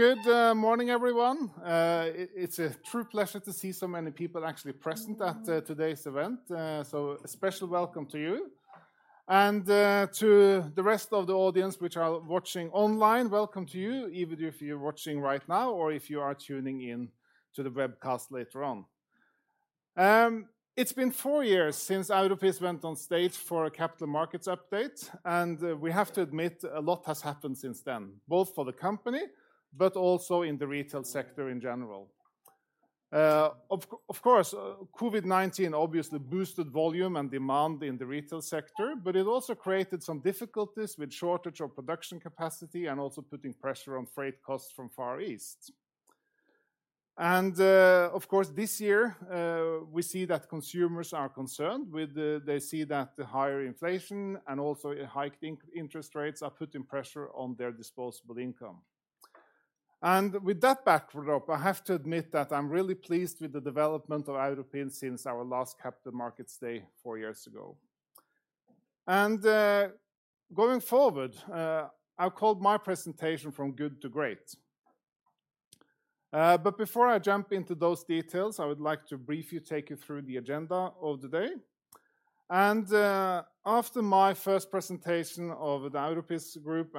Good morning, everyone. It's a true pleasure to see so many people actually present at today's event, so a special welcome to you. To the rest of the audience which are watching online, welcome to you, even if you're watching right now or if you are tuning in to the webcast later on. It's been four years since Europris went on stage for a Capital Markets Update, we have to admit a lot has happened since then, both for the company but also in the retail sector in general. Of course, COVID-19 obviously boosted volume and demand in the retail sector, but it also created some difficulties with shortage of production capacity and also putting pressure on freight costs from Far East. Of course, this year, we see that consumers are concerned with the... They see that the higher inflation and also high interest rates are putting pressure on their disposable income. With that backdrop, I have to admit that I'm really pleased with the development of Europris since our last Capital Markets Day four years ago. Going forward, I've called my presentation From Good to Great. Before I jump into those details, I would like to briefly take you through the agenda of the day. After my first presentation of the Europris Group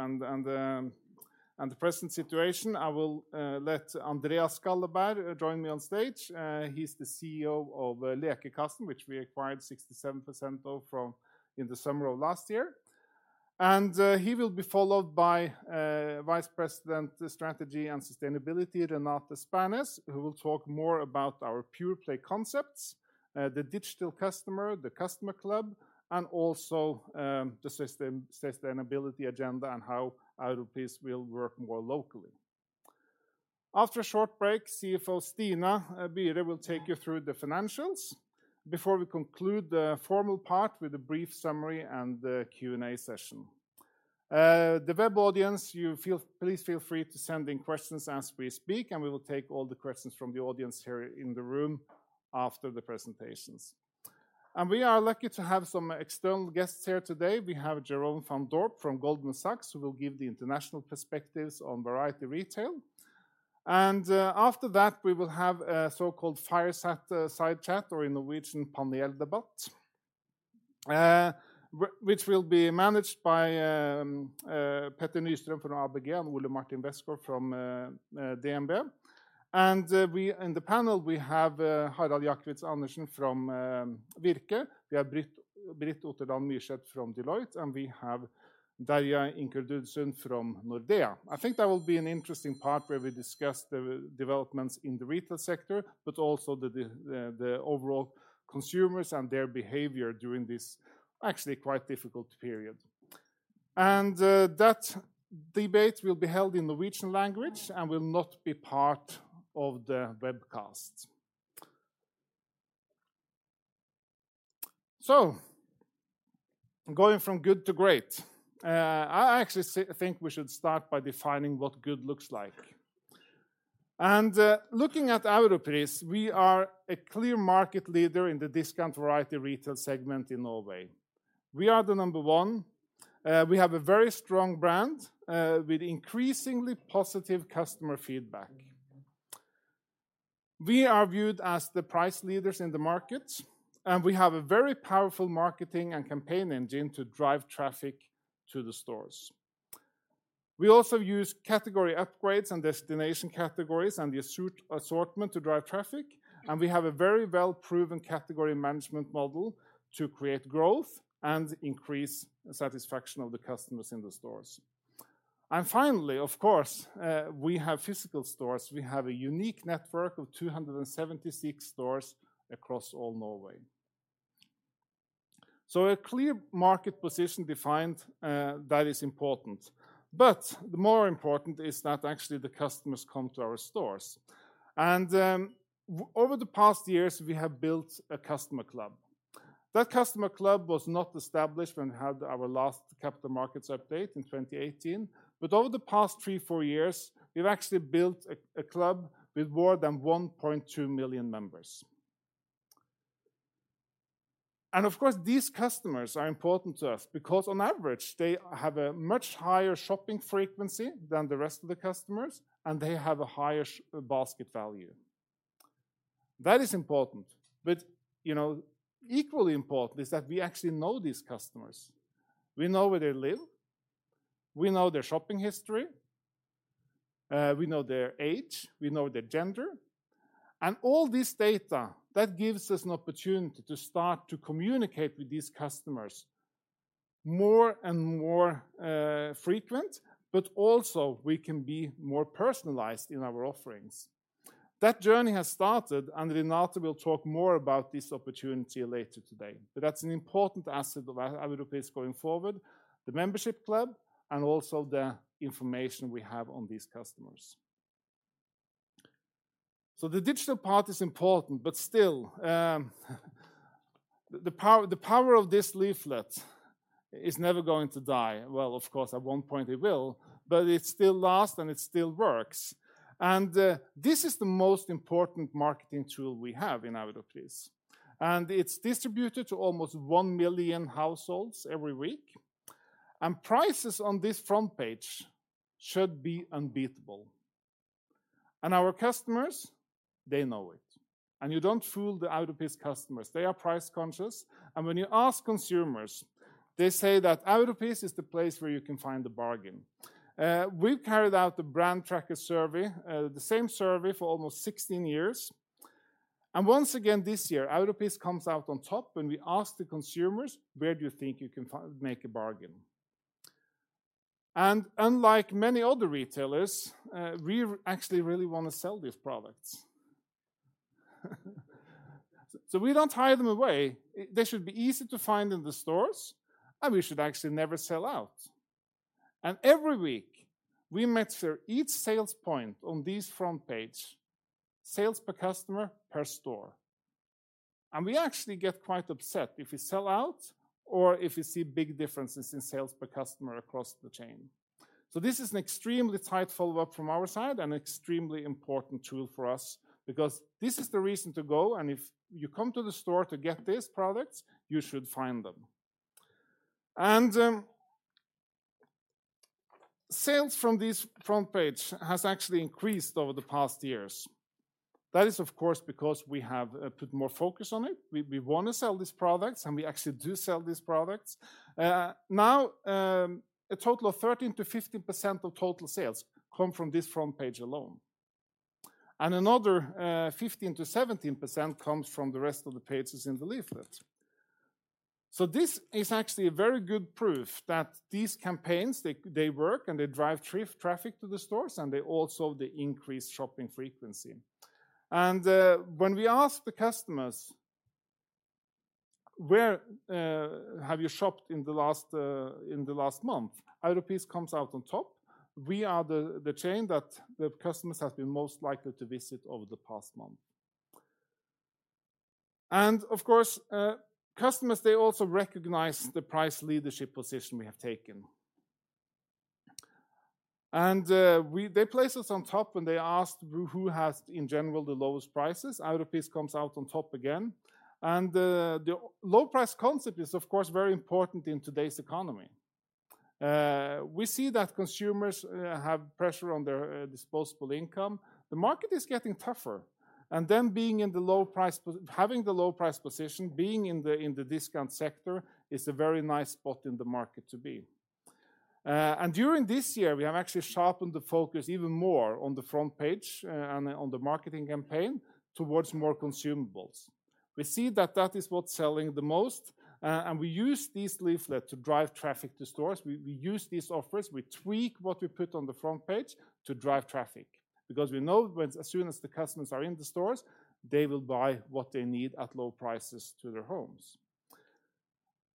and the present situation, I will let Andreas Skalleberg join me on stage. He's the CEO of Lekekassen, which we acquired 67% of from in the summer of last year. He will be followed by Vice President, Strategy and Sustainability, Renate Spernes, who will talk more about our pure-play concepts, the digital customer, the customer club, and also the sustainability agenda and how Europris will work more locally. After a short break, CFO Stina Byre will take you through the financials before we conclude the formal part with a brief summary and the Q&A session. The web audience, please feel free to send in questions as we speak, and we will take all the questions from the audience here in the room after the presentations. We are lucky to have some external guests here today. We have Jeroen van Dorp from Goldman Sachs, who will give the international perspectives on variety retail. After that, we will have a so-called Fireside Chat, or in Norwegian, Paneldebatt, which will be managed by Petter Nystrøm from ABG and Ole Martin Westgaard from DNB. We, in the panel, have Harald Jackwitz Andersen from Virke. We have Britt Otterdal Myrset from Deloitte, and we have Derya Incedursun from Nordea. I think that will be an interesting part where we discuss the developments in the retail sector, but also the overall consumers and their behavior during this actually quite difficult period. That debate will be held in Norwegian language and will not be part of the webcast. Going From Good to Great. I actually think we should start by defining what good looks like. Looking at Europris, we are a clear market leader in the discount variety retail segment in Norway. We are the number one. We have a very strong brand with increasingly positive customer feedback. We are viewed as the price leaders in the market, and we have a very powerful marketing and campaign engine to drive traffic to the stores. We also use category upgrades and destination categories and the assortment to drive traffic, and we have a very well-proven category management model to create growth and increase satisfaction of the customers in the stores. Finally, of course, we have physical stores. We have a unique network of 276 stores across all Norway. A clear market position defined that is important. The more important is that actually the customers come to our stores. Over the past years, we have built a customer club. That customer club was not established when we had our last Capital Markets Update in 2018. Over the past three, four years, we've actually built a club with more than 1.2 million members. Of course, these customers are important to us because on average, they have a much higher shopping frequency than the rest of the customers, and they have a higher basket value. That is important. You know, equally important is that we actually know these customers. We know where they live, we know their shopping history, we know their age, we know their gender. All this data, that gives us an opportunity to start to communicate with these customers more and more frequent, but also we can be more personalized in our offerings. That journey has started. Renate will talk more about this opportunity later today. That's an important asset of Europris going forward, the membership club, and also the information we have on these customers. The digital part is important, but still, the power of this leaflet is never going to die. Well, of course, at one point it will, but it still lasts, and it still works. This is the most important marketing tool we have in Europris, and it's distributed to almost one million households every week. Prices on this front page should be unbeatable. Our customers, they know it. You don't fool the Europris customers. They are price conscious. When you ask consumers, they say that Europris is the place where you can find the bargain. We've carried out the brand tracker survey, the same survey for almost 16 years. Once again, this year, Europris comes out on top when we ask the consumers, where do you think you can make a bargain? Unlike many other retailers, we actually really wanna sell these products. We don't hide them away. They should be easy to find in the stores, and we should actually never sell out. Every week, we measure each sales point on this front page, sales per customer per store. We actually get quite upset if we sell out or if we see big differences in sales per customer across the chain. This is an extremely tight follow-up from our side and extremely important tool for us because this is the reason to go, and if you come to the store to get these products, you should find them. Sales from this front page has actually increased over the past years. That is, of course, because we have put more focus on it. We wanna sell these products, and we actually do sell these products. Now, a total of 13%-15% of total sales come from this front page alone. Another 15%-17% comes from the rest of the pages in the leaflet. This is actually a very good proof that these campaigns, they work, and they drive traffic to the stores, and they also they increase shopping frequency. When we ask the customers, "Where have you shopped in the last in the last month?" Europris comes out on top. We are the chain that the customers have been most likely to visit over the past month. Of course, customers, they also recognize the price leadership position we have taken. They place us on top when they ask who has, in general, the lowest prices. Europris comes out on top again. The low price concept is, of course, very important in today's economy. We see that consumers have pressure on their disposable income. The market is getting tougher, then being in the low price position, being in the discount sector is a very nice spot in the market to be. During this year, we have actually sharpened the focus even more on the front page and on the marketing campaign towards more consumables. We see that that is what's selling the most. We use this leaflet to drive traffic to stores. We use these offers. We tweak what we put on the front page to drive traffic because we know as soon as the customers are in the stores, they will buy what they need at low prices to their homes.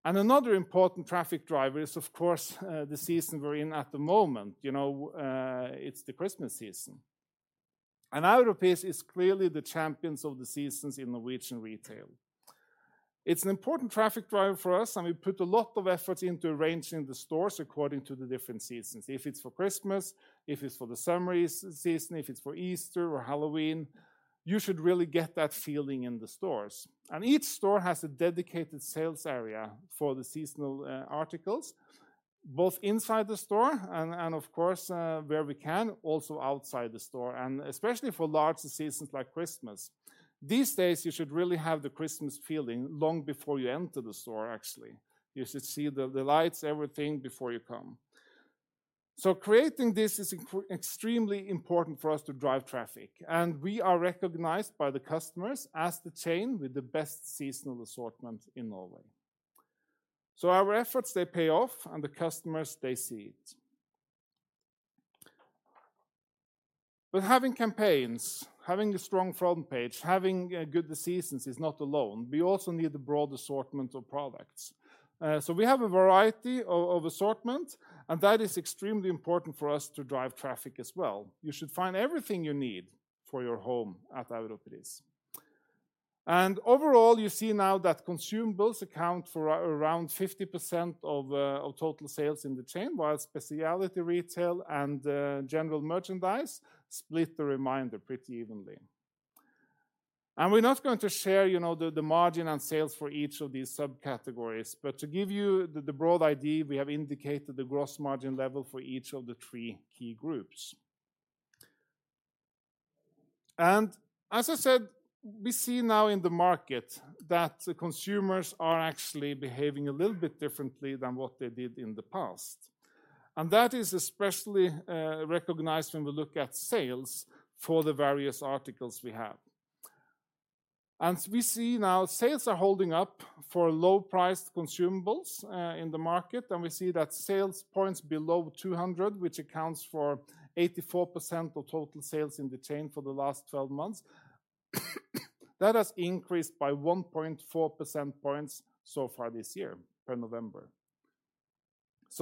Another important traffic driver is, of course, the season we're in at the moment. You know, it's the Christmas season. Europris is clearly the champions of the seasons in Norwegian retail. It's an important traffic driver for us. We put a lot of effort into arranging the stores according to the different seasons. If it's for Christmas, if it's for the summer season, if it's for Easter or Halloween, you should really get that feeling in the stores. Each store has a dedicated sales area for the seasonal articles, both inside the store and of course, where we can, also outside the store, and especially for large seasons like Christmas. These days, you should really have the Christmas feeling long before you enter the store, actually. You should see the lights, everything before you come. Creating this is extremely important for us to drive traffic, and we are recognized by the customers as the chain with the best seasonal assortment in Norway. Our efforts, they pay off, and the customers, they see it. Having campaigns, having a strong front page, having good seasons is not alone. We also need a broad assortment of products. We have a variety of assortment, and that is extremely important for us to drive traffic as well. You should find everything you need for your home at Europris. Overall, you see now that consumables account for around 50% of total sales in the chain, while specialty retail and general merchandise split the remainder pretty evenly. We're not going to share, you know, the margin on sales for each of these subcategories, but to give you the broad idea, we have indicated the gross margin level for each of the three key groups. As I said, we see now in the market that the consumers are actually behaving a little bit differently than what they did in the past. That is especially recognized when we look at sales for the various articles we have. We see now sales are holding up for low-priced consumables in the market, and we see that sales points below 200, which accounts for 84% of total sales in the chain for the last 12 months, that has increased by 1.4 percentage points so far this year per November.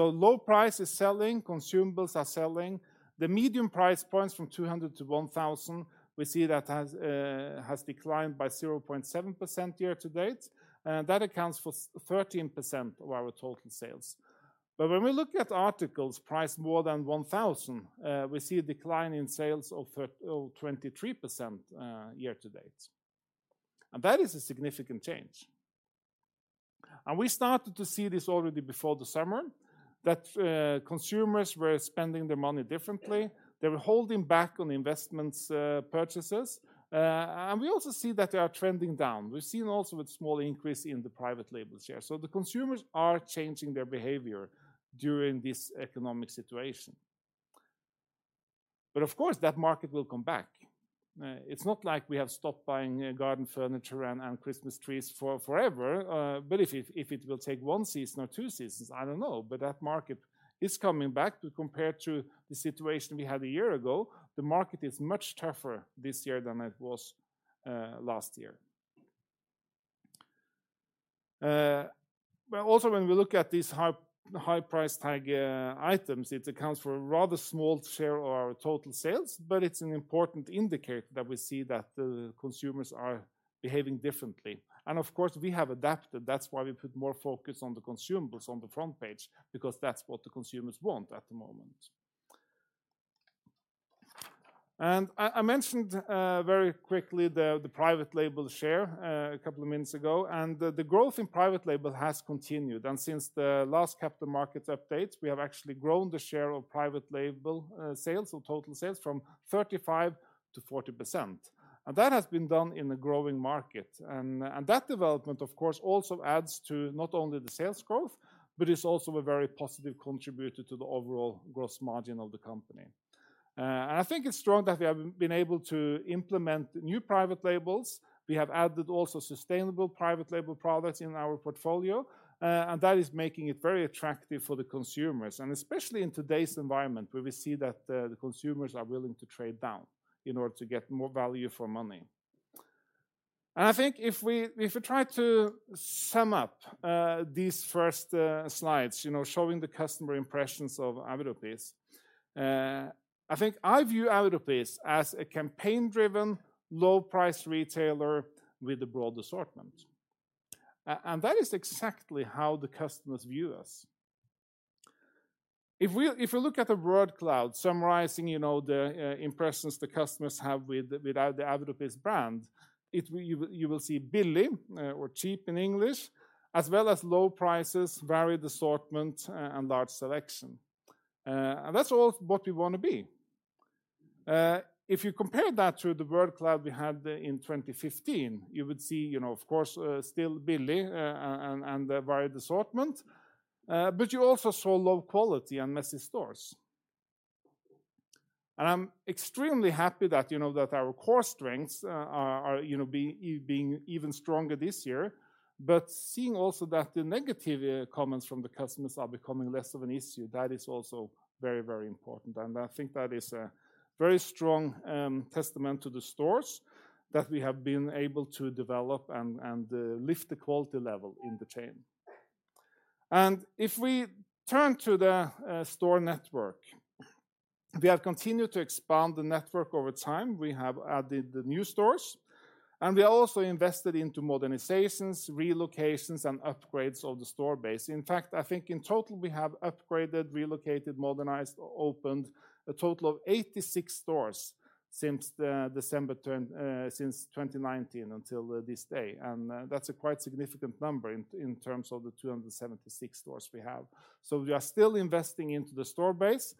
Low price is selling. Consumables are selling. The medium price points from 200-1,000, we see that has declined by 0.7% year to date, and that accounts for 13% of our total sales. When we look at articles priced more than 1,000, we see a decline in sales of 23% year to date. That is a significant change. We started to see this already before the summer, that consumers were spending their money differently. They were holding back on investments, purchases. We also see that they are trending down. We've seen also a small increase in the private label share. The consumers are changing their behavior during this economic situation. Of course, that market will come back. It's not like we have stopped buying garden furniture and Christmas trees for forever. If it will take one season or two seasons, I don't know. That market is coming back. Compared to the situation we had a year ago, the market is much tougher this year than it was last year. But also when we look at these high price tag items, it accounts for a rather small share of our total sales, but it's an important indicator that we see that the consumers are behaving differently. Of course, we have adapted. That's why we put more focus on the consumables on the front page, because that's what the consumers want at the moment. I mentioned very quickly the private label share a couple of minutes ago. The growth in private label has continued. Since the last Capital Markets Update, we have actually grown the share of private label sales or total sales from 35%-40%. That has been done in a growing market. That development, of course, also adds to not only the sales growth, but it's also a very positive contributor to the overall gross margin of the company. I think it's strong that we have been able to implement new private labels. We have added also sustainable private label products in our portfolio, that is making it very attractive for the consumers, and especially in today's environment, where we see that the consumers are willing to trade down in order to get more value for money. I think if we try to sum up these first slides, you know, showing the customer impressions of Europris, I think I view Europris as a campaign-driven, low-price retailer with a broad assortment. That is exactly how the customers view us. If we look at the word cloud summarizing, you know, the impressions the customers have with the Europris brand, you will see billig, or cheap in English, as well as low prices, varied assortment and large selection. That's all what we wanna be. If you compare that to the word cloud we had in 2015, you would see, you know, of course, still billig and the varied assortment, but you also saw low quality and messy stores. I'm extremely happy that, you know, that our core strengths are, you know, being even stronger this year, but seeing also that the negative comments from the customers are becoming less of an issue, that is also very, very important. I think that is a very strong testament to the stores that we have been able to develop and lift the quality level in the chain. If we turn to the store network, we have continued to expand the network over time. We have added the new stores, and we also invested into modernizations, relocations, and upgrades of the store base. In fact, I think in total, we have upgraded, relocated, modernized, or opened a total of 86 stores since the December turn, since 2019 until this day. That's a quite significant number in terms of the 276 stores we have. We are still investing into the store base.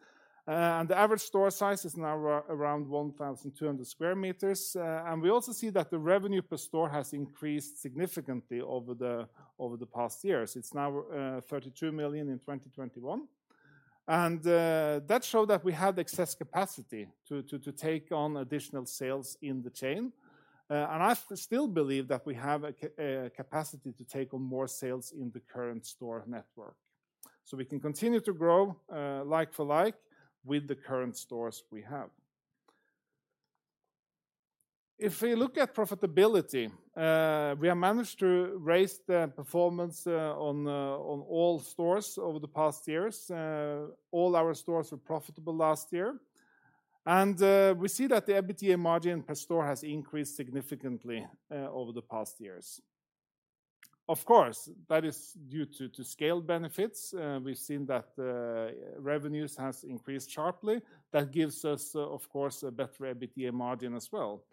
The average store size is now around 1,200 square meters. We also see that the revenue per store has increased significantly over the past years. It's now 32 million in 2021. That show that we have excess capacity to take on additional sales in the chain. I still believe that we have a capacity to take on more sales in the current store network. We can continue to grow like for like with the current stores we have. If we look at profitability, we have managed to raise the performance on all stores over the past years. All our stores were profitable last year. We see that the EBITDA margin per store has increased significantly over the past years. Of course, that is due to scale benefits. We've seen that revenues has increased sharply. That gives us, of course, a better EBITDA margin as well.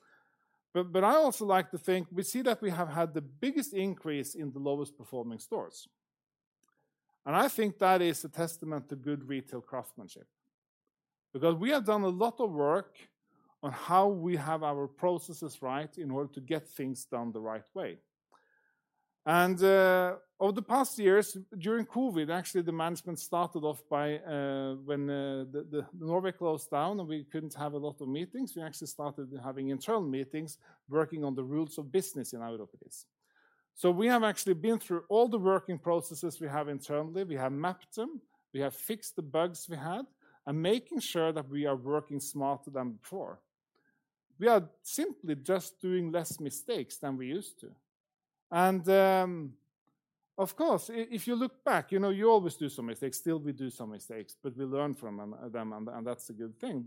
I also like to think we see that we have had the biggest increase in the lowest performing stores. I think that is a testament to good retail craftsmanship. We have done a lot of work on how we have our processes right in order to get things done the right way. Over the past years, during COVID, actually, the management started off by when the Norway closed down, and we couldn't have a lot of meetings, we actually started having internal meetings working on the rules of business in Europris. We have actually been through all the working processes we have internally. We have mapped them, we have fixed the bugs we had, making sure that we are working smarter than before. We are simply just doing less mistakes than we used to. Of course, if you look back, you know, you always do some mistakes. Still we do some mistakes, we learn from them, and that's a good thing.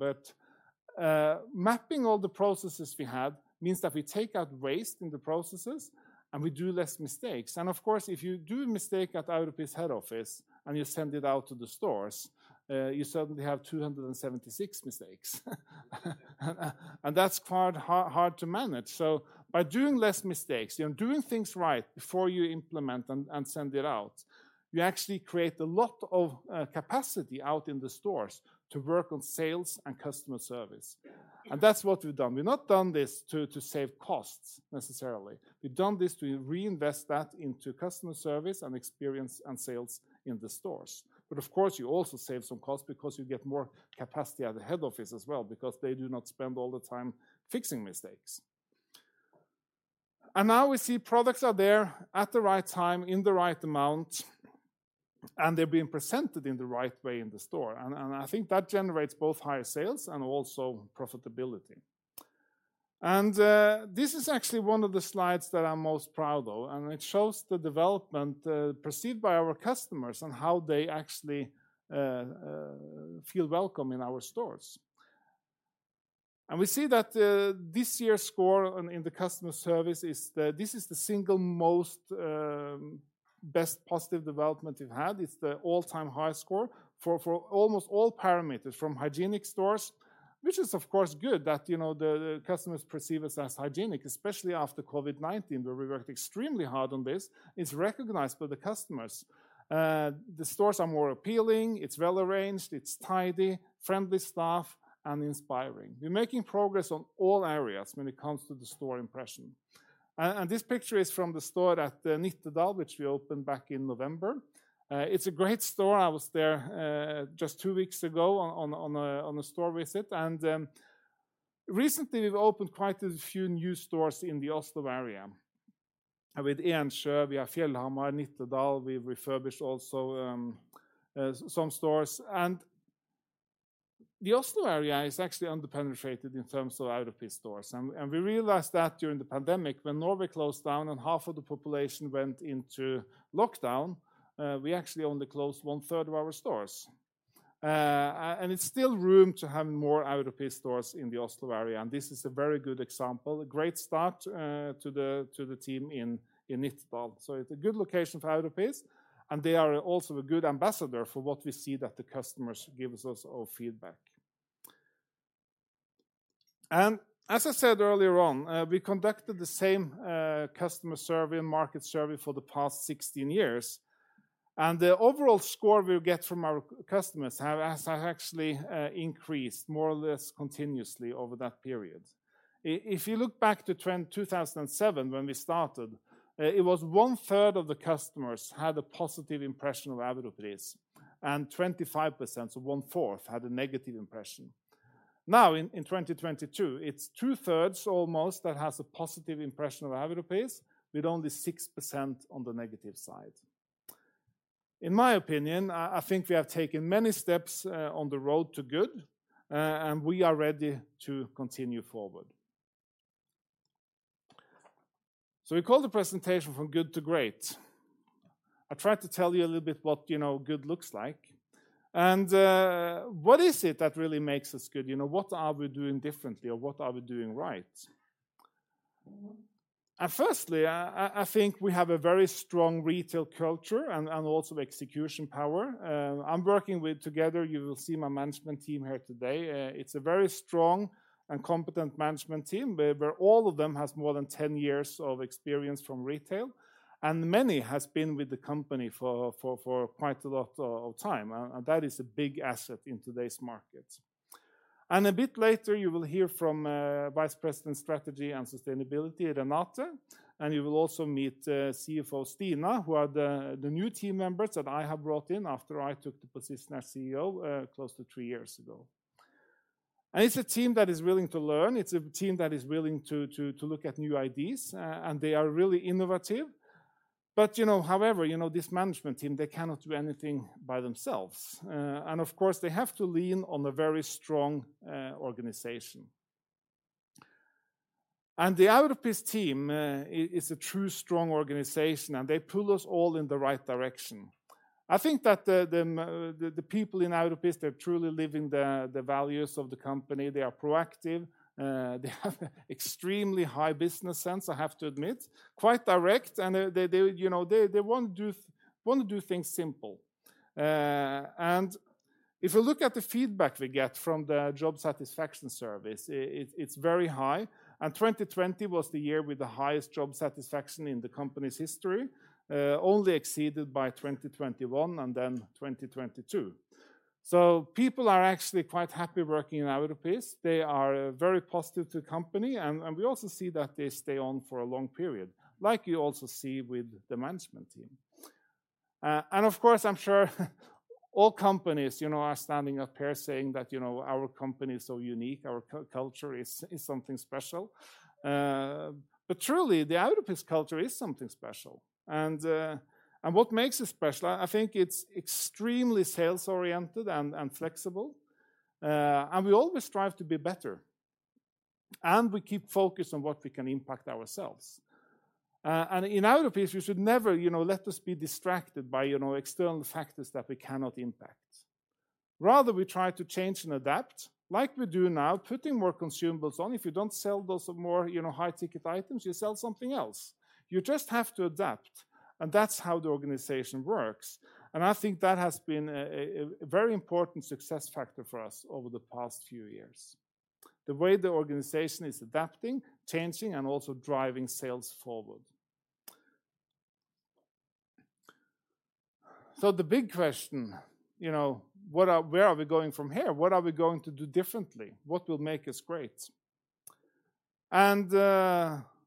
Mapping all the processes we have means that we take out waste in the processes. We do less mistakes. Of course, if you do a mistake at Europris head office and you send it out to the stores, you suddenly have 276 mistakes. That's quite hard to manage. By doing less mistakes, you know, doing things right before you implement and send it out, you actually create a lot of capacity out in the stores to work on sales and customer service. That's what we've done. We've not done this to save costs necessarily. We've done this to reinvest that into customer service and experience and sales in the stores. Of course, you also save some costs because you get more capacity at the head office as well, because they do not spend all the time fixing mistakes. Now we see products are there at the right time, in the right amount, and they're being presented in the right way in the store. I think that generates both higher sales and also profitability. This is actually one of the slides that I'm most proud of, and it shows the development perceived by our customers and how they actually feel welcome in our stores. We see that this year's score in the customer service is the single most best positive development we've had. It's the all-time high score for almost all parameters, from hygienic stores, which is of course good that, you know, the customers perceive us as hygienic, especially after COVID-19, where we worked extremely hard on this. It's recognized by the customers. The stores are more appealing, it's well arranged, it's tidy, friendly staff, and inspiring. We're making progress on all areas when it comes to the store impression. This picture is from the store at Nittedal, which we opened back in November. It's a great store. I was there just two weeks ago on a store visit. Recently we've opened quite a few new stores in the Oslo area. With Ensjø, we have Fjellhamar, Nittedal. We've refurbished also some stores. The Oslo area is actually underpenetrated in terms of Europris stores. We realized that during the pandemic when Norway closed down and half of the population went into lockdown, we actually only closed one-third of our stores. And it's still room to have more Europris stores in the Oslo area, and this is a very good example, a great start to the team in Nittedal. It's a good location for Europris, and they are also a good ambassador for what we see that the customers gives us of feedback. As I said earlier on, we conducted the same customer survey and market survey for the past 16 years, and the overall score we get from our customers has actually increased more or less continuously over that period. If you look back to trend 2007 when we started, it was one third of the customers had a positive impression of Europris, and 25%, so one-fourth, had a negative impression. Now in 2022, it's two thirds almost that has a positive impression of Europris, with only 6% on the negative side. In my opinion, I think we have taken many steps on the road to good, and we are ready to continue forward. We call the presentation From Good to Great. I tried to tell you a little bit what, you know, good looks like. What is it that really makes us good? You know, what are we doing differently, or what are we doing right? Firstly, I think we have a very strong retail culture and also execution power. I'm working with, together, you will see my management team here today. It's a very strong and competent management team, where all of them has more than 10 years of experience from retail, and many has been with the company for quite a lot of time, and that is a big asset in today's market. A bit later, you will hear from Vice President Strategy and Sustainability Renate, and you will also meet CFO Stina, who are the new team members that I have brought in after I took the position as CEO, close to three years ago. It's a team that is willing to learn, it's a team that is willing to look at new ideas, and they are really innovative. You know, however, you know, this management team, they cannot do anything by themselves. Of course, they have to lean on a very strong organization. The Europris team is a true strong organization, and they pull us all in the right direction. I think that the people in Europris, they're truly living the values of the company. They are proactive, they have extremely high business sense, I have to admit. Quite direct, and they, you know, they want to do things simple. If you look at the feedback we get from the job satisfaction surveys, it's very high, and 2020 was the year with the highest job satisfaction in the company's history, only exceeded by 2021 and then 2022. People are actually quite happy working in Europris. They are very positive to company, and we also see that they stay on for a long period, like you also see with the management team. Of course, I'm sure all companies, you know, are standing up here saying that, you know, "Our company is so unique. Our culture is something special." Truly, the Europris culture is something special. What makes us special, I think it's extremely sales-oriented and flexible, and we always strive to be better, and we keep focused on what we can impact ourselves. In Europris, we should never, you know, let us be distracted by, you know, external factors that we cannot impact. Rather, we try to change and adapt like we do now, putting more consumables on. If you don't sell those more, you know, high ticket items, you sell something else. You just have to adapt, and that's how the organization works. I think that has been a very important success factor for us over the past few years. The way the organization is adapting, changing, and also driving sales forward. The big question, you know, where are we going from here? What are we going to do differently? What will make us great?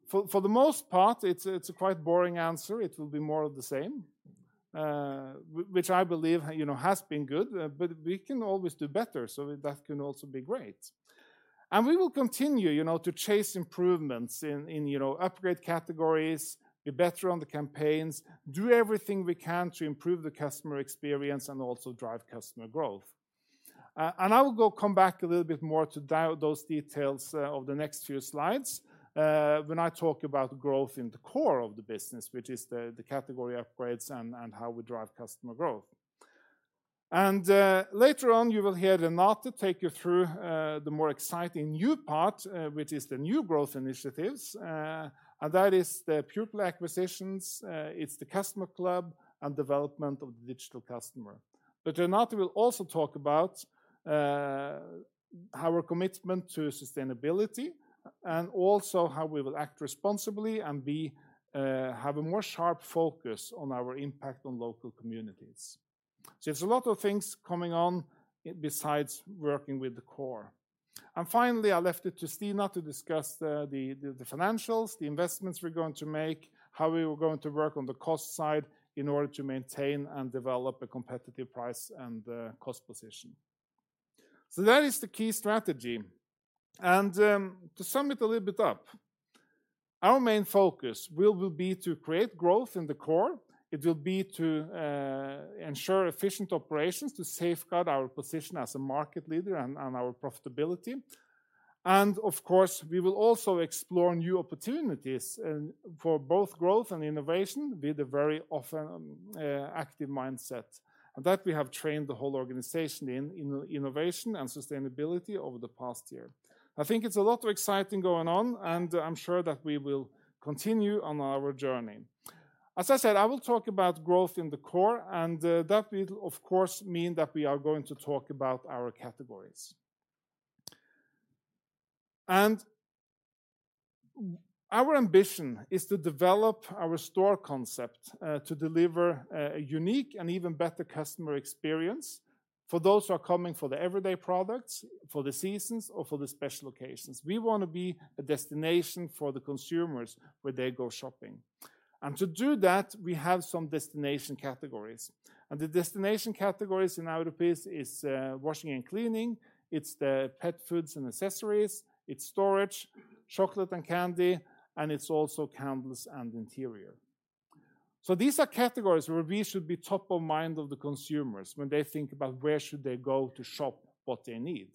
For the most part, it's a quite boring answer. It will be more of the same, which I believe, you know, has been good, but we can always do better, so that can also be great. We will continue, you know, to chase improvements in, you know, upgrade categories, be better on the campaigns, do everything we can to improve the customer experience, and also drive customer growth. I will come back a little bit more to those details over the next few slides when I talk about growth in the core of the business, which is the category upgrades and how we drive customer growth. Later on, you will hear Renate take you through the more exciting new part, which is the new growth initiatives. That is the pupil acquisitions, it's the customer club and development of the digital customer. Renate will also talk about our commitment to sustainability and also how we will act responsibly and be, have a more sharp focus on our impact on local communities. There's a lot of things coming on besides working with the core. Finally, I left it to Stina to discuss the financials, the investments we're going to make, how we were going to work on the cost side in order to maintain and develop a competitive price and cost position. That is the key strategy. To sum it a little bit up, our main focus will be to create growth in the core. It will be to ensure efficient operations to safeguard our position as a market leader and our profitability. Of course, we will also explore new opportunities and for both growth and innovation, be the very often active mindset. That we have trained the whole organization in innovation and sustainability over the past year. I think it's a lot of exciting going on, and I'm sure that we will continue on our journey. As I said, I will talk about growth in the core, that will of course mean that we are going to talk about our categories. Our ambition is to develop our store concept, to deliver a unique and even better customer experience for those who are coming for the everyday products, for the seasons or for the special occasions. We wanna be a destination for the consumers when they go shopping. To do that, we have some destination categories. The destination categories in Europris is washing and cleaning, it's the pet foods and accessories, it's storage, chocolate and candy, and it's also candles and interior. These are categories where we should be top of mind of the consumers when they think about where should they go to shop what they need.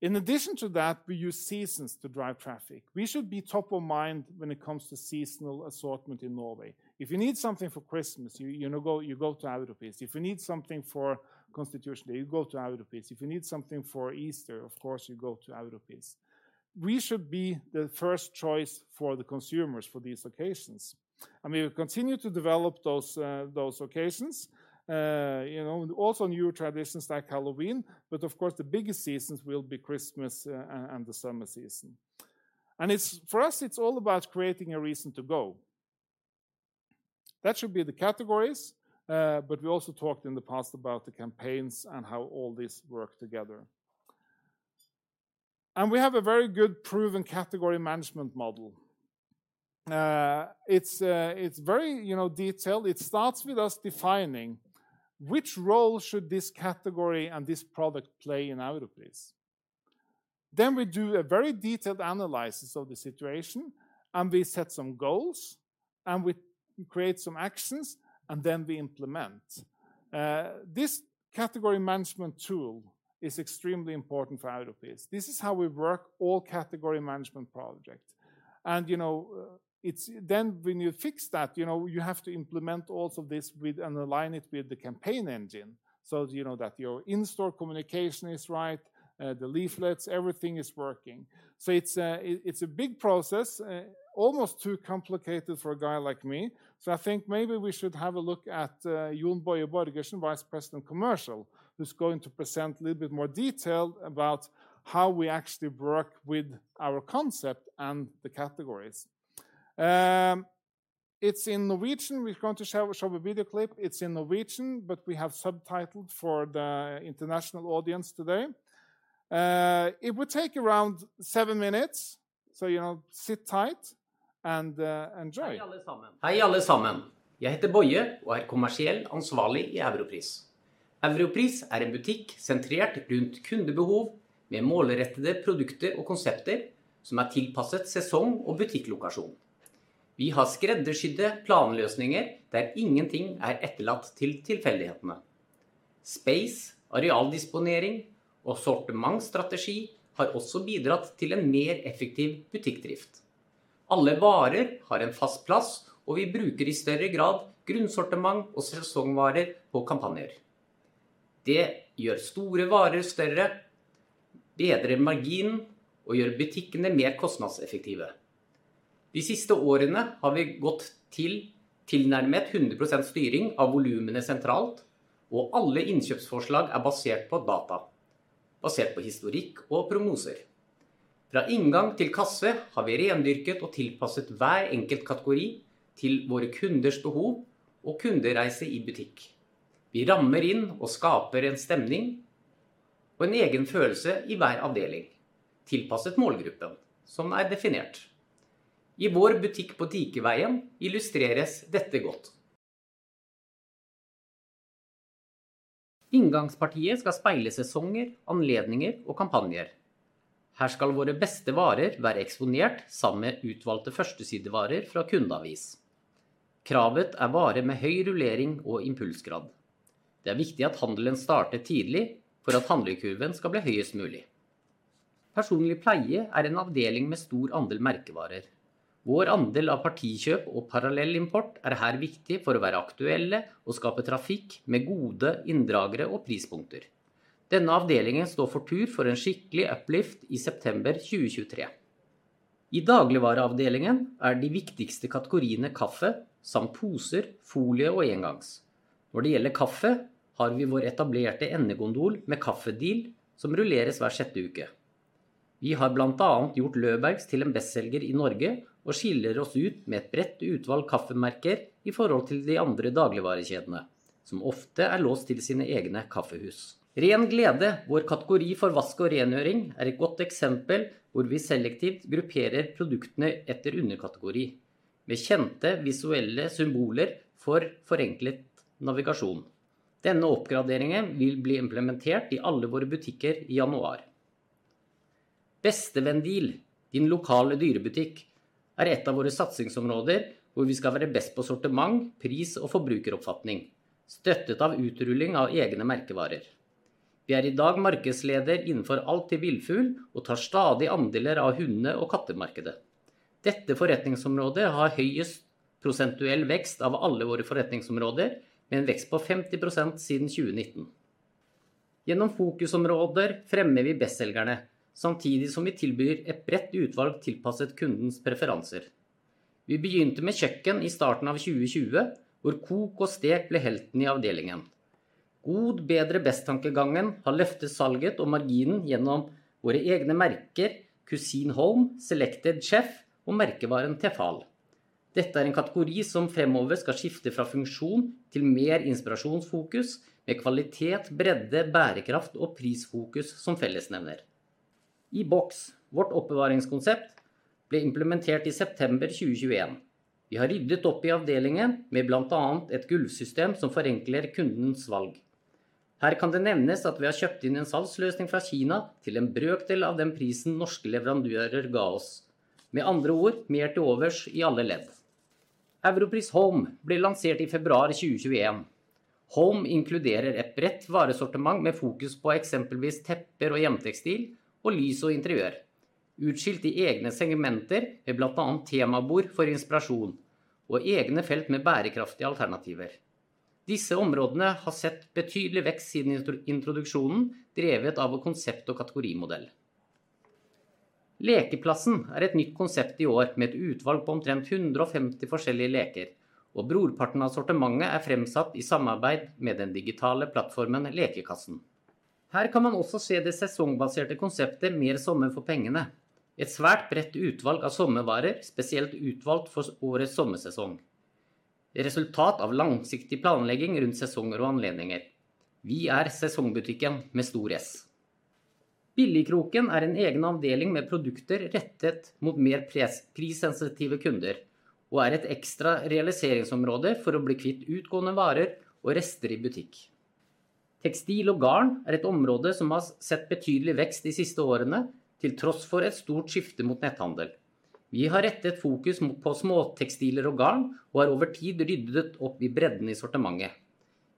In addition to that, we use seasons to drive traffic. We should be top of mind when it comes to seasonal assortment in Norway. If you need something for Christmas, you know, you go to Europris. If you need something for Constitution Day, you go to Europris. If you need something for Easter, of course, you go to Europris. We should be the first choice for the consumers for these occasions. We will continue to develop those occasions, you know, also new traditions like Halloween, but of course, the biggest seasons will be Christmas and the summer season. For us, it's all about creating a reason to go. That should be the categories, but we also talked in the past about the campaigns and how all this work together. We have a very good proven category management model. It's very, you know, detailed. It starts with us defining which role should this category and this product play in Europris. We do a very detailed analysis of the situation, and we set some goals, and we create some actions, and then we implement. This category management tool is extremely important for Europris. This is how we work all category management project. You know, when you fix that, you know, you have to implement also this with and align it with the campaign engine so you know that your in-store communication is right, the leaflets, everything is working. It's a big process, almost too complicated for a guy like me. I think maybe we should have a look at Jon Boye Borgersen, Vice President Commercial, who's going to present a little bit more detail about how we actually work with our concept and the categories. It's in Norwegian. We're going to show a video clip. It's in Norwegian, but we have subtitles for the international audience today. It will take around seven minutes, so, you know, sit tight and enjoy. Hei alle sammen. Jeg heter Boye og er kommersiell ansvarlig i Europris. Europris er en butikk sentrert rundt kundebehov med målrettede produkter og konsepter som er tilpasset sesong og butikklokasjon. Vi har skreddersydde planløsninger der ingenting er etterlatt til tilfeldighetene. Space, arealdisponering og sortimentsstrategi har også bidratt til en mer effektiv butikkdrift. Alle varer har en fast plass, og vi bruker i større grad grunnsortiment og sesongvarer på kampanjer. Det gjør store varer større, bedrer marginen og gjør butikkene mer kostnadseffektive. De siste årene har vi gått til tilnærmet 100% styring av volumene sentralt, og alle innkjøpsforslag er basert på data basert på historikk og prognoser. Fra inngang til kasse har vi rendyrket og tilpasset hver enkelt kategori til våre kunders behov og kundereise i butikk. Vi rammer inn og skaper en stemning og en egen følelse i hver avdeling tilpasset målgruppen som er definert. I vår butikk på Pikeveien illustreres dette godt. Inngangspartiet skal speile sesonger, anledninger og kampanjer. Her skal våre beste varer være eksponert sammen med utvalgte førstesidevarer fra kundeavis. Kravet er varer med høy rullering og impulsgrad. Det er viktig at handelen starter tidlig for at handlekurven skal bli høyest mulig. Personlig pleie er en avdeling med stor andel merkevarer. Vår andel av partikjøp og parallellimport er her viktig for å være aktuelle og skape trafikk med gode inndragere og prispunkter. Denne avdelingen står for tur for en skikkelig uplift i September 2023. I dagligvareavdelingen er de viktigste kategoriene kaffe samt poser, folie og engangs. Når det gjelder kaffe har vi vår etablerte endegondol med kaffedeal som rulleres hver sjette uke. Vi har blant annet gjort Løberg til en bestselger i Norge og skiller oss ut med et bredt utvalg kaffemerker i forhold til de andre dagligvarekjedene som ofte er låst til sine egne kaffehus. Ren Glede. Vår kategori for vask og rengjøring er et godt eksempel hvor vi selektivt grupperer produktene etter underkategori med kjente visuelle symboler for forenklet navigasjon. Denne oppgraderingen vil bli implementert i alle våre butikker i januar. Beste venn deal. Din lokale dyrebutikk er et av våre satsingsområder hvor vi skal være best på sortiment, pris og forbrukeroppfatning, støttet av utrulling av egne merkevarer. Vi er i dag markedsleder innenfor alt til Villfugl og tar stadig andeler av hunde og kattemarkedet. Dette forretningsområdet har høyest prosentuell vekst av alle våre forretningsområder, med en vekst på 50% siden 2019. Gjennom fokusområder fremmer vi bestselgerne, samtidig som vi tilbyr et bredt utvalg tilpasset kundens preferanser. Vi begynte med kjøkken i starten av 2020, hvor kok og stek ble helten i avdelingen. God bedre best tankegangen har løftet salget og marginen gjennom våre egne merker Kusin Holm, Selected Chef og merkevaren Tefal. Dette er en kategori som fremover skal skifte fra funksjon til mer inspirasjonsfokus med kvalitet, bredde, bærekraft og prisfokus som fellesnevner. iBox, vårt oppbevaringskonsept ble implementert i september 2021. Vi har ryddet opp i avdelingen med blant annet et gulvsystem som forenkler kundens valg. Her kan det nevnes at vi har kjøpt inn en salgsløsning fra Kina til en brøkdel av den prisen norske leverandører ga oss. Med andre ord mer til overs i alle ledd. Europris Home ble lansert i februar 2021. Home inkluderer et bredt varesortiment med fokus på eksempelvis tepper og hjemmetekstil og lys og interiør. Utskilt i egne segmenter med blant annet temabord for inspirasjon og egne felt med bærekraftige alternativer. Disse områdene har sett betydelig vekst siden introduksjonen, drevet av vår konsept og kategorimodell. Lekeplassen er et nytt konsept i år med et utvalg på omtrent 150 forskjellige leker, og brorparten av sortimentet er fremsatt i samarbeid med den digitale plattformen Lekekassen. Her kan man også se det sesongbaserte konseptet Mer sommer for pengene. Et svært bredt utvalg av sommervarer, spesielt utvalgt for årets sommersesong. Resultat av langsiktig planlegging rundt sesonger og anledninger. Vi er sesongbutikken med stor S. Billigkroken er en egen avdeling med produkter rettet mot mer prissensitive kunder og er et ekstra realiseringsområde for å bli kvitt utgående varer og rester i butikk. Tekstil og garn er et område som har sett betydelig vekst de siste årene, til tross for et stort skifte mot netthandel. Vi har rettet fokus mot på småtekstiler og garn, og har over tid ryddet opp i bredden i sortimentet.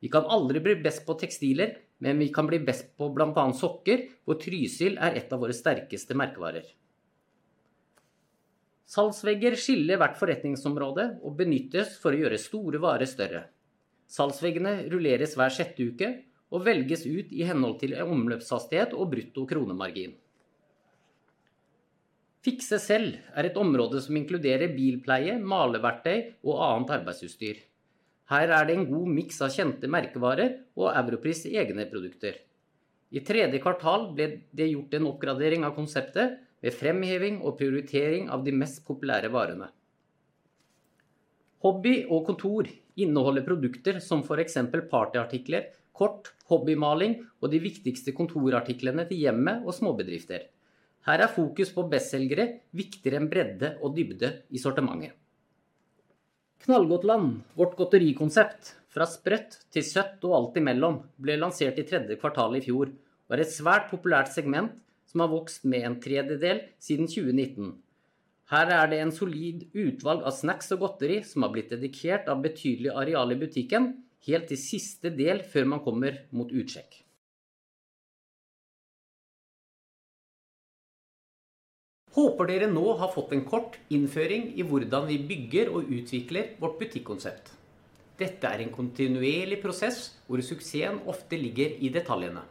Vi kan aldri bli best på tekstiler, men vi kan bli best på blant annet sokker hvor Trysil er et av våre sterkeste merkevarer. Salgsvegger skiller hvert forretningsområde og benyttes for å gjøre store varer større. Salgsveggene rulleres hver sjette uke og velges ut i henhold til omløpshastighet og brutto kronemargin. Fikse Selv er et område som inkluderer bilpleie, maleverktøy og annet arbeidsutstyr. Her er det en god miks av kjente merkevarer og Europris egne produkter. I tredje kvartal ble det gjort en oppgradering av konseptet med fremheving og prioritering av de mest populære varene. Hobby og kontor inneholder produkter som for eksempel partyartikler, kort, hobbymaling og de viktigste kontorartiklene til hjemmet og småbedrifter. Her er fokus på bestselgere viktigere enn bredde og dybde i sortimentet. Knallgodtland. Vårt godterikonsept fra sprøtt til søtt og alt imellom ble lansert i tredje kvartal i fjor og er et svært populært segment som har vokst med en tredjedel siden 2019. Her er det en solid utvalg av snacks og godteri som har blitt dedikert av betydelig areal i butikken, helt til siste del før man kommer mot utsjekk. Håper dere nå har fått en kort innføring i hvordan vi bygger og utvikler vårt butikkonsert. Dette er en kontinuerlig prosess hvor suksessen ofte ligger i detaljene.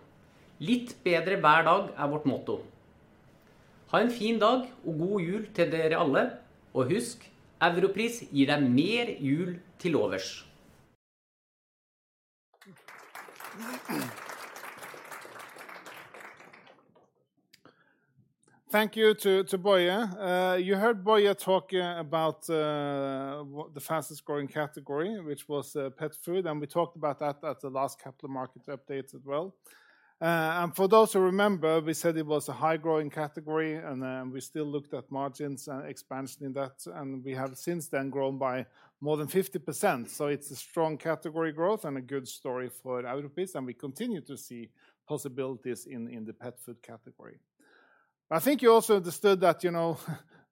Litt bedre hver dag er vårt motto. Ha en fin dag og god jul til dere alle, og husk, Europris gir deg mer jul til overs. Thank you to Boye. You heard Boye talk about the fastest growing category, which was pet food, and we talked about that at the last Capital Markets Update as well. For those who remember, we said it was a high-growing category, and we still looked at margins and expansion in that, and we have since then grown by more than 50%. It's a strong category growth and a good story for Europris, and we continue to see possibilities in the pet food category. I think you also understood that, you know,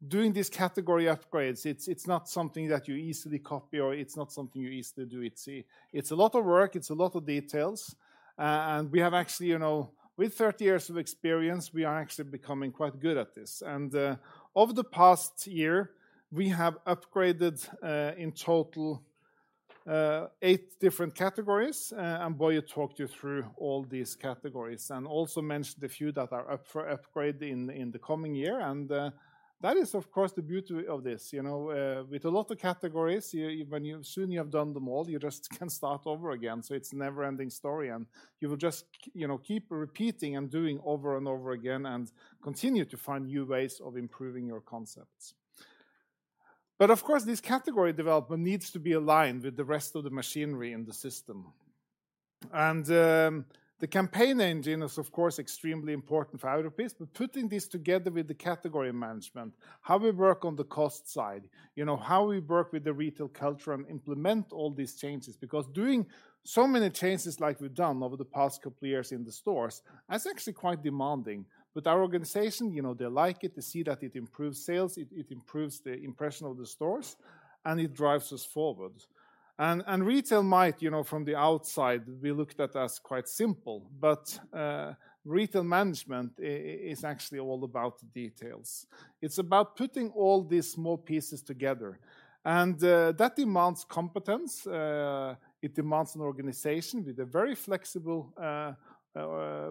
doing these category upgrades, it's not something that you easily copy, or it's not something you easily do it. See, it's a lot of work, it's a lot of details, and we have actually, you know, with 30 years of experience, we are actually becoming quite good at this. Over the past year, we have upgraded, in total, eight different categories, and Boye talked you through all these categories and also mentioned a few that are up for upgrade in the coming year, and that is of course the beauty of this. You know, with a lot of categories, as soon you have done them all, you just can start over again. It's never-ending story, and you will just keep repeating and doing over and over again and continue to find new ways of improving your concepts. Of course, this category development needs to be aligned with the rest of the machinery in the system. The campaign engine is, of course, extremely important for Europris, but putting this together with the category management, how we work on the cost side, you know, how we work with the retail culture and implement all these changes, because doing so many changes like we've done over the past couple of years in the stores, that's actually quite demanding. Our organization, you know, they like it, they see that it improves sales, it improves the impression of the stores, and it drives us forward. Retail might, you know, from the outside, be looked at as quite simple, but retail management is actually all about the details. It's about putting all these small pieces together, and that demands competence, it demands an organization with a very flexible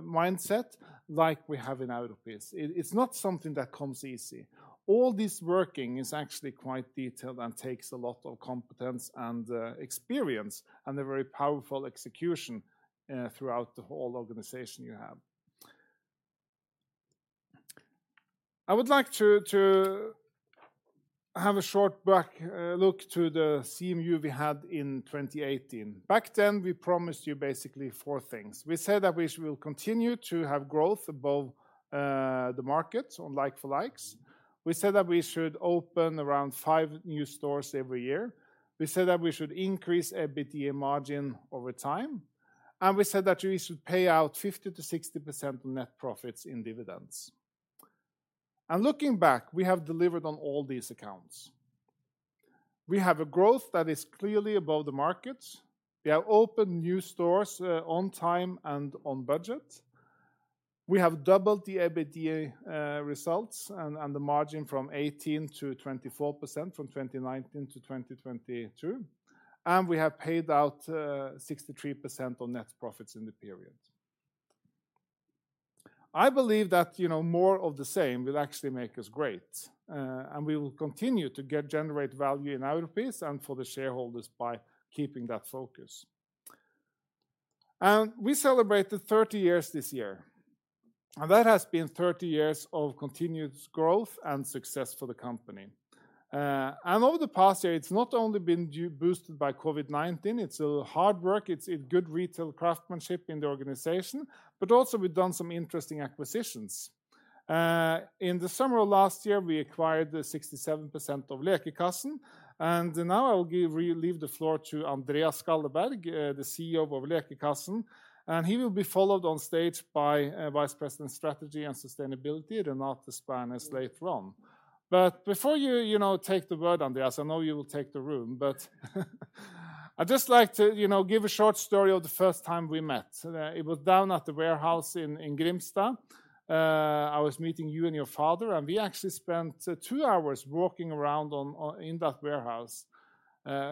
mindset like we have in Europris. It's not something that comes easy. All this working is actually quite detailed and takes a lot of competence and experience and a very powerful execution throughout the whole organization you have. I would like to have a short back look to the CMU we had in 2018. Back then, we promised you basically four things. We said that we will continue to have growth above the markets on like for likes. We said that we should open around five new stores every year. We said that we should increase EBITDA margin over time, and we said that we should pay out 50%-60% of net profits in dividends. Looking back, we have delivered on all these accounts. We have a growth that is clearly above the market. We have opened new stores on time and on budget. We have doubled the EBITDA results and the margin from 18%-24% from 2019 to 2022. We have paid out 63% on net profits in the period. I believe that, you know, more of the same will actually make us great. We will continue to generate value in Europris and for the shareholders by keeping that focus. We celebrated 30 years this year, and that has been 30 years of continuous growth and success for the company. Over the past year, it's not only been boosted by COVID-19, it's good retail craftsmanship in the organization, but also we've done some interesting acquisitions. In the summer of last year, we acquired the 67% of Lekekassen, and now I will leave the floor to Andreas Skalleberg, the CEO of Lekekassen, and he will be followed on stage by Vice President Strategy and Sustainability, Renate Brattested Spernes. Before you know, take the word, Andreas, I know you will take the room, but I'd just like to, you know, give a short story of the first time we met. It was down at the warehouse in Grimstad. I was meeting you and your father, and we actually spent two hours walking around in that warehouse.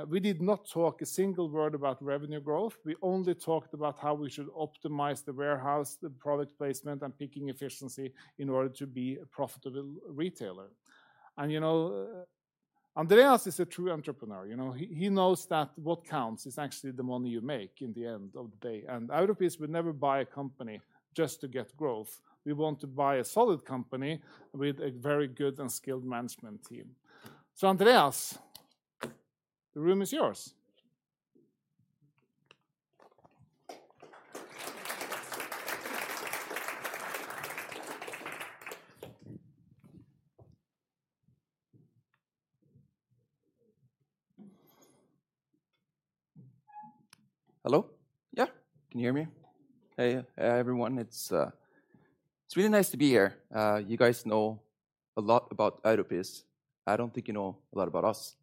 We did not talk a single word about revenue growth. We only talked about how we should optimize the warehouse, the product placement, and picking efficiency in order to be a profitable retailer. You know, Andreas is a true entrepreneur, you know? He knows that what counts is actually the money you make in the end of the day. Europris would never buy a company just to get growth. We want to buy a solid company with a very good and skilled management team. Andreas, the room is yours. Hello? Yeah. Can you hear me? Hey, everyone. It's really nice to be here. You guys know a lot about Europris. I don't think you know a lot about us.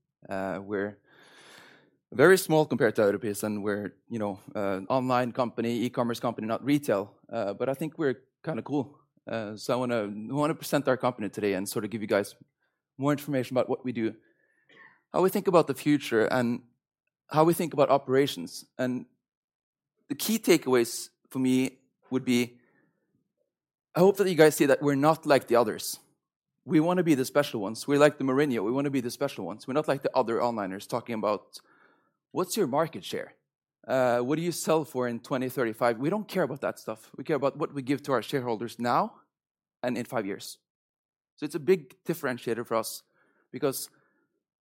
Very small compared to Europris and we're, you know, an online company, e-commerce company, not retail. I think we're kinda cool. We wanna present our company today and sort of give you guys more information about what we do, how we think about the future, and how we think about operations. The key takeaways for me would be, I hope that you guys see that we're not like the others. We wanna be the special ones. We're like the Mourinho. We wanna be the special ones. We're not like the other onliners talking about, "What's your market share?" What do you sell for in 2035? We don't care about that stuff. We care about what we give to our shareholders now and in five years. It's a big differentiator for us because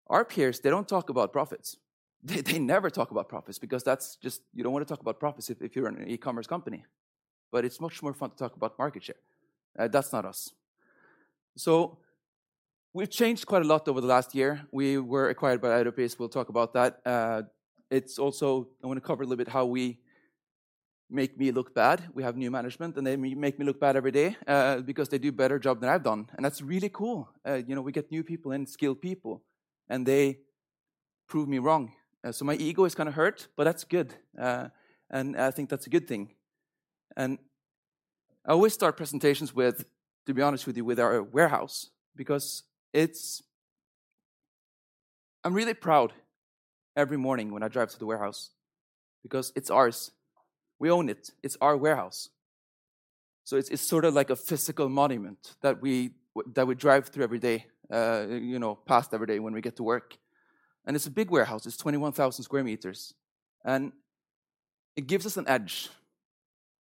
our peers, they don't talk about profits. They never talk about profits because you don't wanna talk about profits if you're an e-commerce company. It's much more fun to talk about market share. That's not us. We've changed quite a lot over the last year. We were acquired by Europris. We'll talk about that. I wanna cover a little bit how we make me look bad. We have new management, and they make me look bad every day because they do a better job than I've done, and that's really cool. You know, we get new people in, skilled people, and they prove me wrong. My ego is kinda hurt, but that's good. I think that's a good thing. I always start presentations with, to be honest with you, with our warehouse, because it's... I'm really proud every morning when I drive to the warehouse because it's ours. We own it. It's our warehouse. It's sort of like a physical monument that we drive through every day, you know, past every day when we get to work, it's a big warehouse. It's 21,000 square meters, it gives us an edge.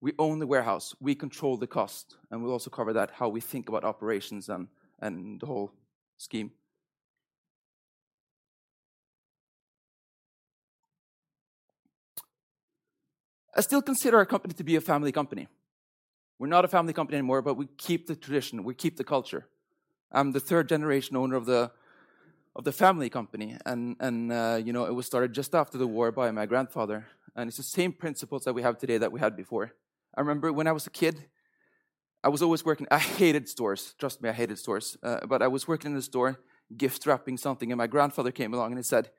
We own the warehouse. We control the cost, we'll also cover that, how we think about operations and the whole scheme. I still consider our company to be a family company. We're not a family company anymore, we keep the tradition. We keep the culture. I'm the third-generation owner of the family company, you know, it was started just after the war by my grandfather. It's the same principles that we have today that we had before. I remember when I was a kid, I was always working. I hated stores. Trust me, I hated stores. I was working in the store gift wrapping something. My grandfather came along, and he said,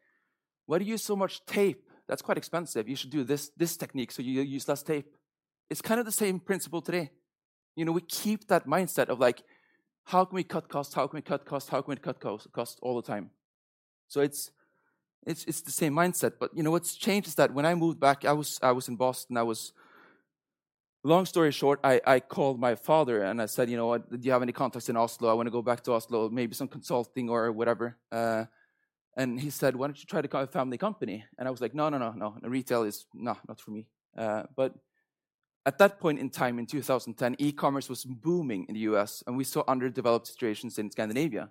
"Why do you use so much tape? That's quite expensive. You should do this technique so you use less tape." It's kind of the same principle today. You know, we keep that mindset of, like, how can we cut costs? How can we cut costs? How can we cut costs all the time? It's the same mindset. You know, what's changed is that when I moved back, I was in Boston. Long story short, I called my father and I said, "You know what? Do you have any contacts in Oslo? I wanna go back to Oslo, maybe some consulting or whatever." He said, "Why don't you try the family company?" And I was like, "No, no, no. Retail is, nah, not for me." At that point in time in 2010, e-commerce was booming in the U.S., and we saw underdeveloped situations in Scandinavia.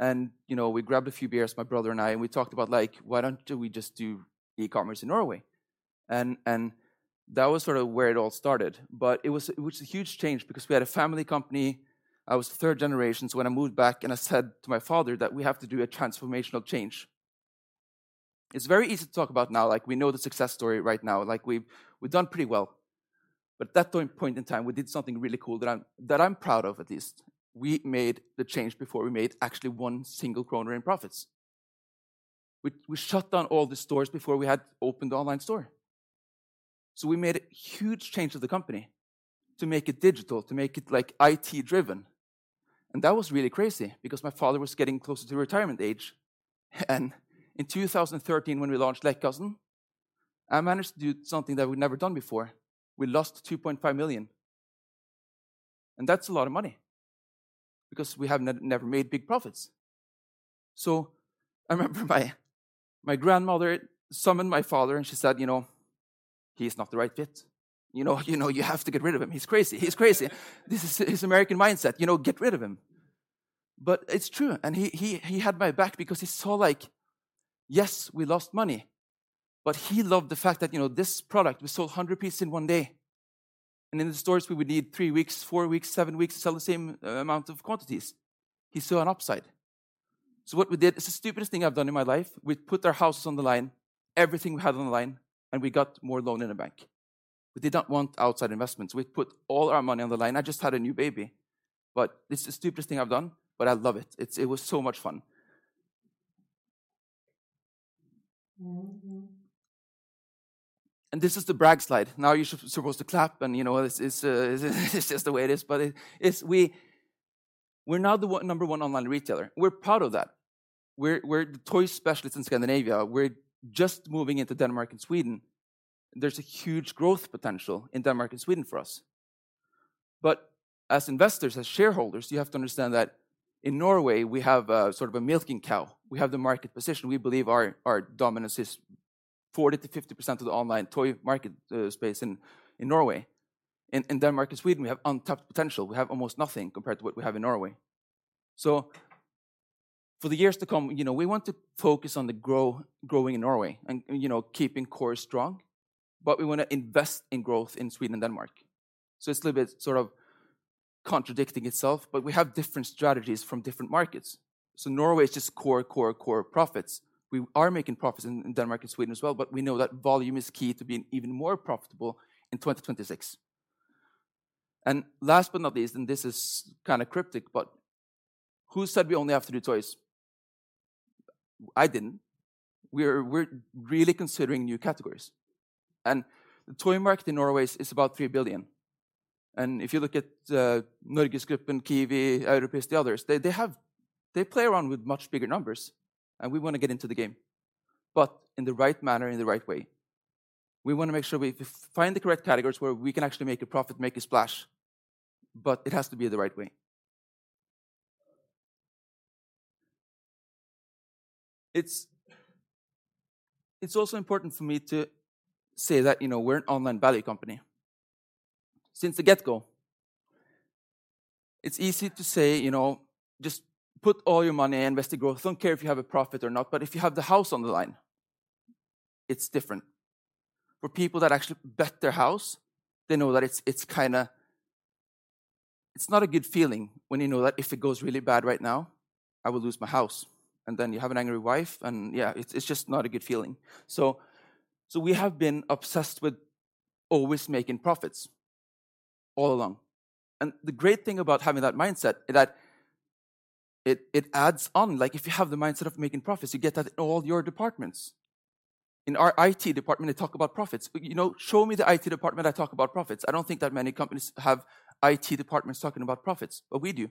You know, we grabbed a few beers, my brother and I, and we talked about, like, why don't do we just do e-commerce in Norway? That was sort of where it all started. It was a huge change because we had a family company. I was the third generation, when I moved back and I said to my father that we have to do a transformational change. It's very easy to talk about now, like we know the success story right now, like we've done pretty well. At that point in time, we did something really cool that I'm proud of at least. We made the change before we made actually 1 kroner in profits. We shut down all the stores before we had opened the online store. We made a huge change to the company to make it digital, to make it, like, IT-driven, and that was really crazy because my father was getting closer to retirement age. In 2013, when we launched Lekekassen, I managed to do something that we'd never done before. We lost 2.5 million, and that's a lot of money because we had never made big profits. I remember my grandmother summoned my father, and she said, "You know, he's not the right fit. You know, you know, you have to get rid of him. He's crazy. He's crazy. This is his American mindset, you know, get rid of him." It's true, and he had my back because he saw like, yes, we lost money, but he loved the fact that, you know, this product, we sold 100 pieces in one day, and in the stores, we would need three weeks, four weeks, seven weeks to sell the same amount of quantities. He saw an upside. What we did, it's the stupidest thing I've done in my life. We put our house on the line, everything we had on the line, and we got more loan in the bank. We did not want outside investments. We put all our money on the line. I just had a new baby, but it's the stupidest thing I've done, but I love it. It was so much fun. This is the brag slide. Now you're supposed to clap and, you know, this is just the way it is. We're now the number one online retailer. We're proud of that. We're the toy specialists in Scandinavia. We're just moving into Denmark and Sweden. There's a huge growth potential in Denmark and Sweden for us. As investors, as shareholders, you have to understand that in Norway, we have a sort of a milking cow. We have the market position. We believe our dominance is 40%-50% of the online toy market space in Norway. In Denmark and Sweden, we have untapped potential. We have almost nothing compared to what we have in Norway. For the years to come, you know, we want to focus on the growing in Norway and, you know, keeping core strong, but we wanna invest in growth in Sweden and Denmark. It's a little bit sort of contradicting itself, but we have different strategies from different markets. Norway is just core, core profits. We are making profits in Denmark and Sweden as well. We know that volume is key to being even more profitable in 2026. Last but not least, this is kind of cryptic, who said we only have to do toys? I didn't. We're really considering new categories. The toy market in Norway is about 3 billion. If you look at NorgesGruppen, Kiwi, Europris, the others, they play around with much bigger numbers. We want to get into the game in the right manner, in the right way. We want to make sure we find the correct categories where we can actually make a profit, make a splash. It has to be the right way. It's also important for me to say that, you know, we're an online value company. Since the get-go, it's easy to say, you know, "Just put all your money and invest in growth. Don't care if you have a profit or not," but if you have the house on the line, it's different. For people that actually bet their house, they know that it's kinda. It's not a good feeling when you know that if it goes really bad right now, I will lose my house, and then you have an angry wife, and yeah, it's just not a good feeling. We have been obsessed with always making profits all along. The great thing about having that mindset is that it adds on. Like, if you have the mindset of making profits, you get that in all your departments. In our IT department, they talk about profits. You know, show me the IT department that talk about profits. I don't think that many companies have IT departments talking about profits, but we do.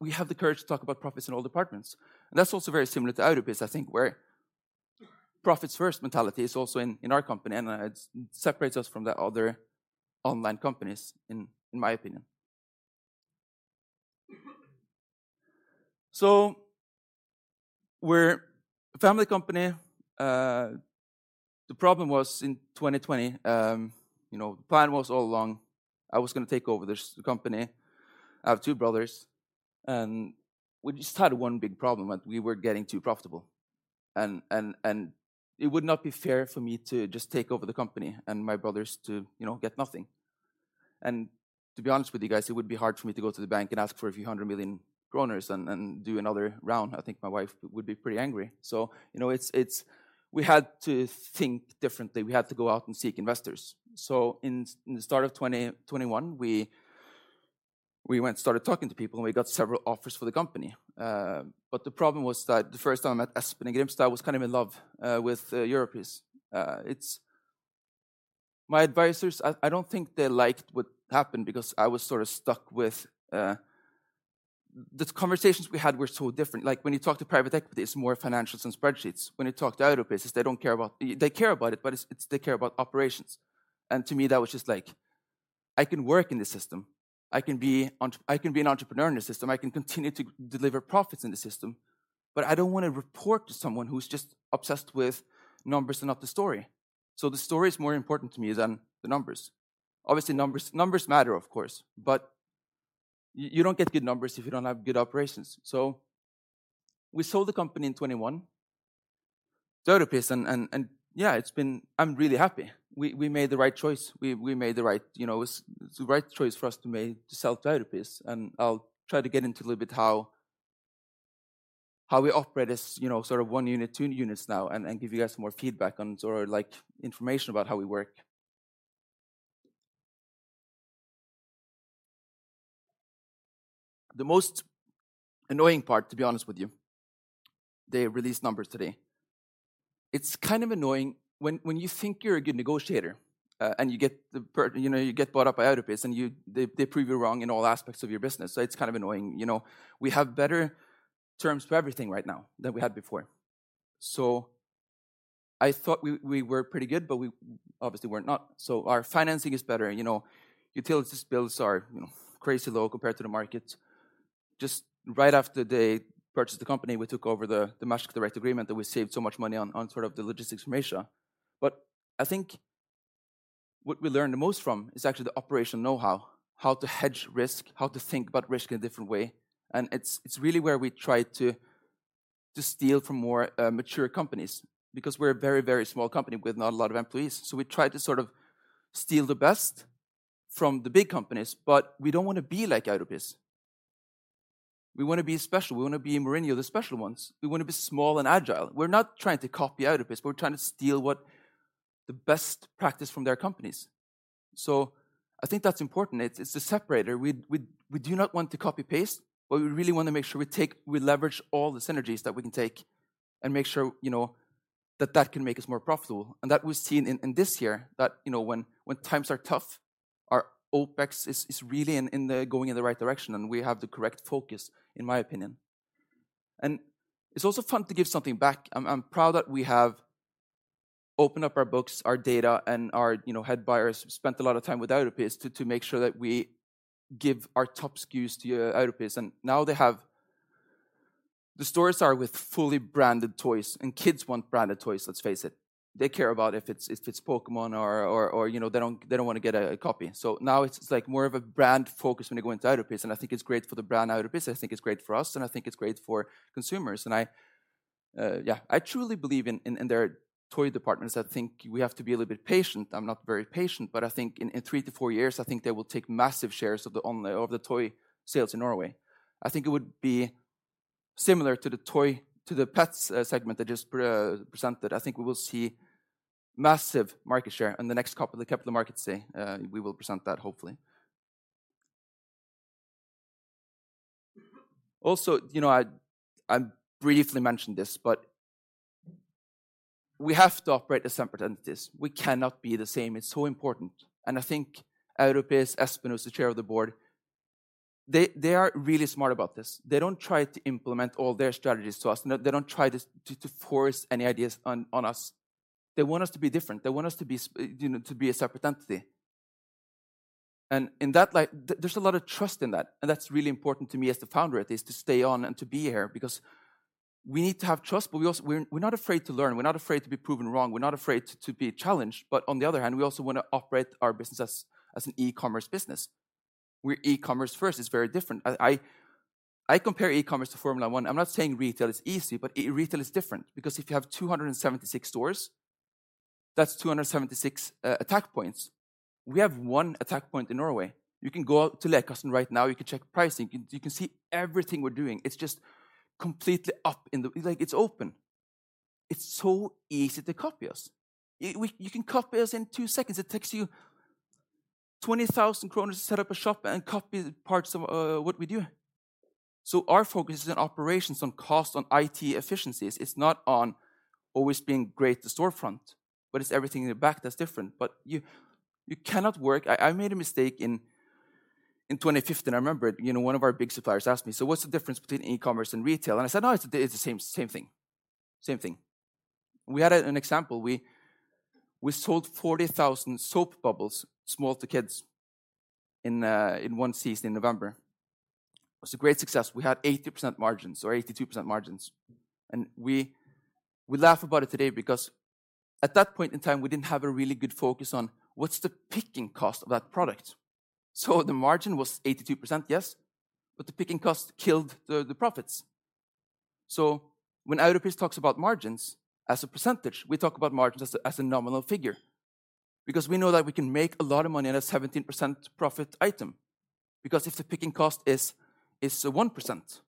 We have the courage to talk about profits in all departments, and that's also very similar to Europris, I think, where profits first mentality is also in our company, and it separates us from the other online companies, in my opinion. We're a family company. The problem was in 2020, you know, the plan was all along I was gonna take over the company. I have two brothers, and we just had one big problem, and we were getting too profitable. It would not be fair for me to just take over the company and my brothers to, you know, get nothing. To be honest with you guys, it would be hard for me to go to the bank and ask for a few hundred million NOK and do another round. I think my wife would be pretty angry. You know, it's. We had to think differently. We had to go out and seek investors. In the start of 2021, we went and started talking to people, and we got several offers for the company. The problem was that the first time I met Espen Grimstad, I was kind of in love with Europris. My advisors, I don't think they liked what happened because I was sort of stuck with. The conversations we had were so different. Like, when you talk to private equity, it's more financials and spreadsheets. When you talk to Europris, they don't care about... They care about it, but they care about operations. To me, that was just like, I can work in this system. I can be an entrepreneur in this system. I can continue to deliver profits in this system, but I don't wanna report to someone who's just obsessed with numbers and not the story. The story is more important to me than the numbers. Obviously, numbers matter, of course, but you don't get good numbers if you don't have good operations. We sold the company in 2021 to Europris and yeah, it's been... I'm really happy. We, we made the right choice. We made the right, you know, it was the right choice for us to make to sell to Europris, and I'll try to get into a little bit how we operate as, you know, sort of one unit, two units now and give you guys some more feedback on sort of like information about how we work. The most annoying part, to be honest with you, they released numbers today. It's kind of annoying when you think you're a good negotiator, and you get, you know, you get bought out by Europris, and you, they prove you wrong in all aspects of your business, so it's kind of annoying. You know, we have better terms for everything right now than we had before. I thought we were pretty good, but we obviously were not. Our financing is better. You know, utilities bills are, you know, crazy low compared to the market. Just right after they purchased the company, we took over the direct agreement that we saved so much money on sort of the logistics from Asia. I think what we learned the most from is actually the operational know-how, how to hedge risk, how to think about risk in a different way, and it's really where we try to steal from more mature companies because we're a very small company with not a lot of employees. We try to sort of steal the best from the big companies, but we don't wanna be like Europris. We wanna be special. We wanna be Mourinho, the special ones. We wanna be small and agile. We're not trying to copy Europris. We're trying to steal what the best practice from their companies. I think that's important. It's, it's the separator. We, we do not want to copy-paste, but we really want to make sure we take, we leverage all the synergies that we can take and make sure, you know, that that can make us more profitable. That was seen in this year that, you know, when times are tough, our OpEx is really in the, going in the right direction, and we have the correct focus, in my opinion. It's also fun to give something back. I'm proud that we have opened up our books, our data, and our, you know, head buyers spent a lot of time with Europris to make sure that we give our top SKUs to Uncertain. Now they have. The stores are with fully branded toys, and kids want branded toys, let's face it. They care about if it's, if it's Pokémon or, or, you know, they don't, they don't wanna get a copy. Now it's like more of a brand focus when they go into Europris, and I think it's great for the brand Europris. I think it's great for us, and I think it's great for consumers. I, yeah, I truly believe in, in their toy departments. I think we have to be a little bit patient. I'm not very patient, but I think in three to four years, I think they will take massive shares of the toy sales in Norway. I think it would be similar to the toy, to the pets segment that just presented, I think we will see massive market share in the next couple of Capital Markets Day, we will present that, hopefully. You know, I briefly mentioned this, but we have to operate as separate entities. We cannot be the same. It's so important, and I think Europris, Espen, who's the Chair of the Board, they are really smart about this. They don't try to implement all their strategies to us. They don't try to force any ideas on us. They want us to be different. They want us to be you know, to be a separate entity. In that light, there's a lot of trust in that, and that's really important to me as the founder is to stay on and to be here because we need to have trust, but we also, we're not afraid to learn. We're not afraid to be proven wrong. We're not afraid to be challenged. On the other hand, we also wanna operate our business as an e-commerce business, where e-commerce first is very different. I compare e-commerce to Formula 1. I'm not saying retail is easy, but e-retail is different because if you have 276 stores, that's 276 attack points. We have one attack point in Norway. You can go out to Lekekassen right now. You can check pricing. You can see everything we're doing. It's just completely like, it's open. It's so easy to copy us. You can copy us in two seconds. It takes you 20,000 kroner to set up a shop and copy parts of what we do. Our focus is on operations, on cost, on IT efficiencies. It's not on always being great to storefront, but it's everything in the back that's different. You cannot work. I made a mistake in 2015. I remember it. You know, one of our big suppliers asked me, "What's the difference between e-commerce and retail?" I said, "No, it's the same thing. Same thing." We had an example. We sold 40,000 soap bubbles, small, to kids in one season in November. It was a great success. We had 80% margins, or 82% margins. We laugh about it today because at that point in time, we didn't have a really good focus on what's the picking cost of that product. The margin was 82%, yes, but the picking cost killed the profits. When Europris talks about margins as a percentage, we talk about margins as a nominal figure, because we know that we can make a lot of money on a 17% profit item. If the picking cost is 1%,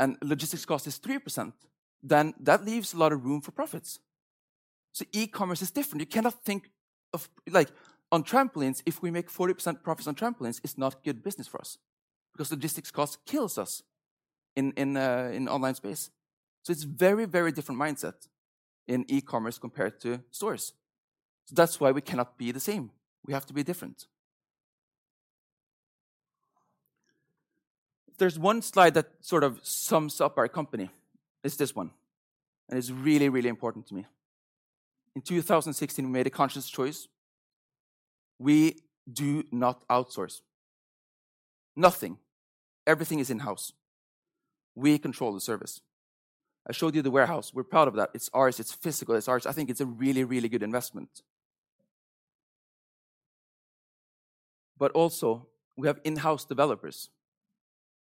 and logistics cost is 3%, then that leaves a lot of room for profits. E-commerce is different. You cannot think of. Like, on trampolines, if we make 40% profits on trampolines, it's not good business for us, because logistics cost kills us in online space. It's very, very different mindset in e-commerce compared to stores. That's why we cannot be the same. We have to be different. There's one slide that sort of sums up our company. It's this one, and it's really, really important to me. In 2016, we made a conscious choice. We do not outsource. Nothing. Everything is in-house. We control the service. I showed you the warehouse. We're proud of that. It's ours. It's physical. It's ours. I think it's a really, really good investment. Also, we have in-house developers.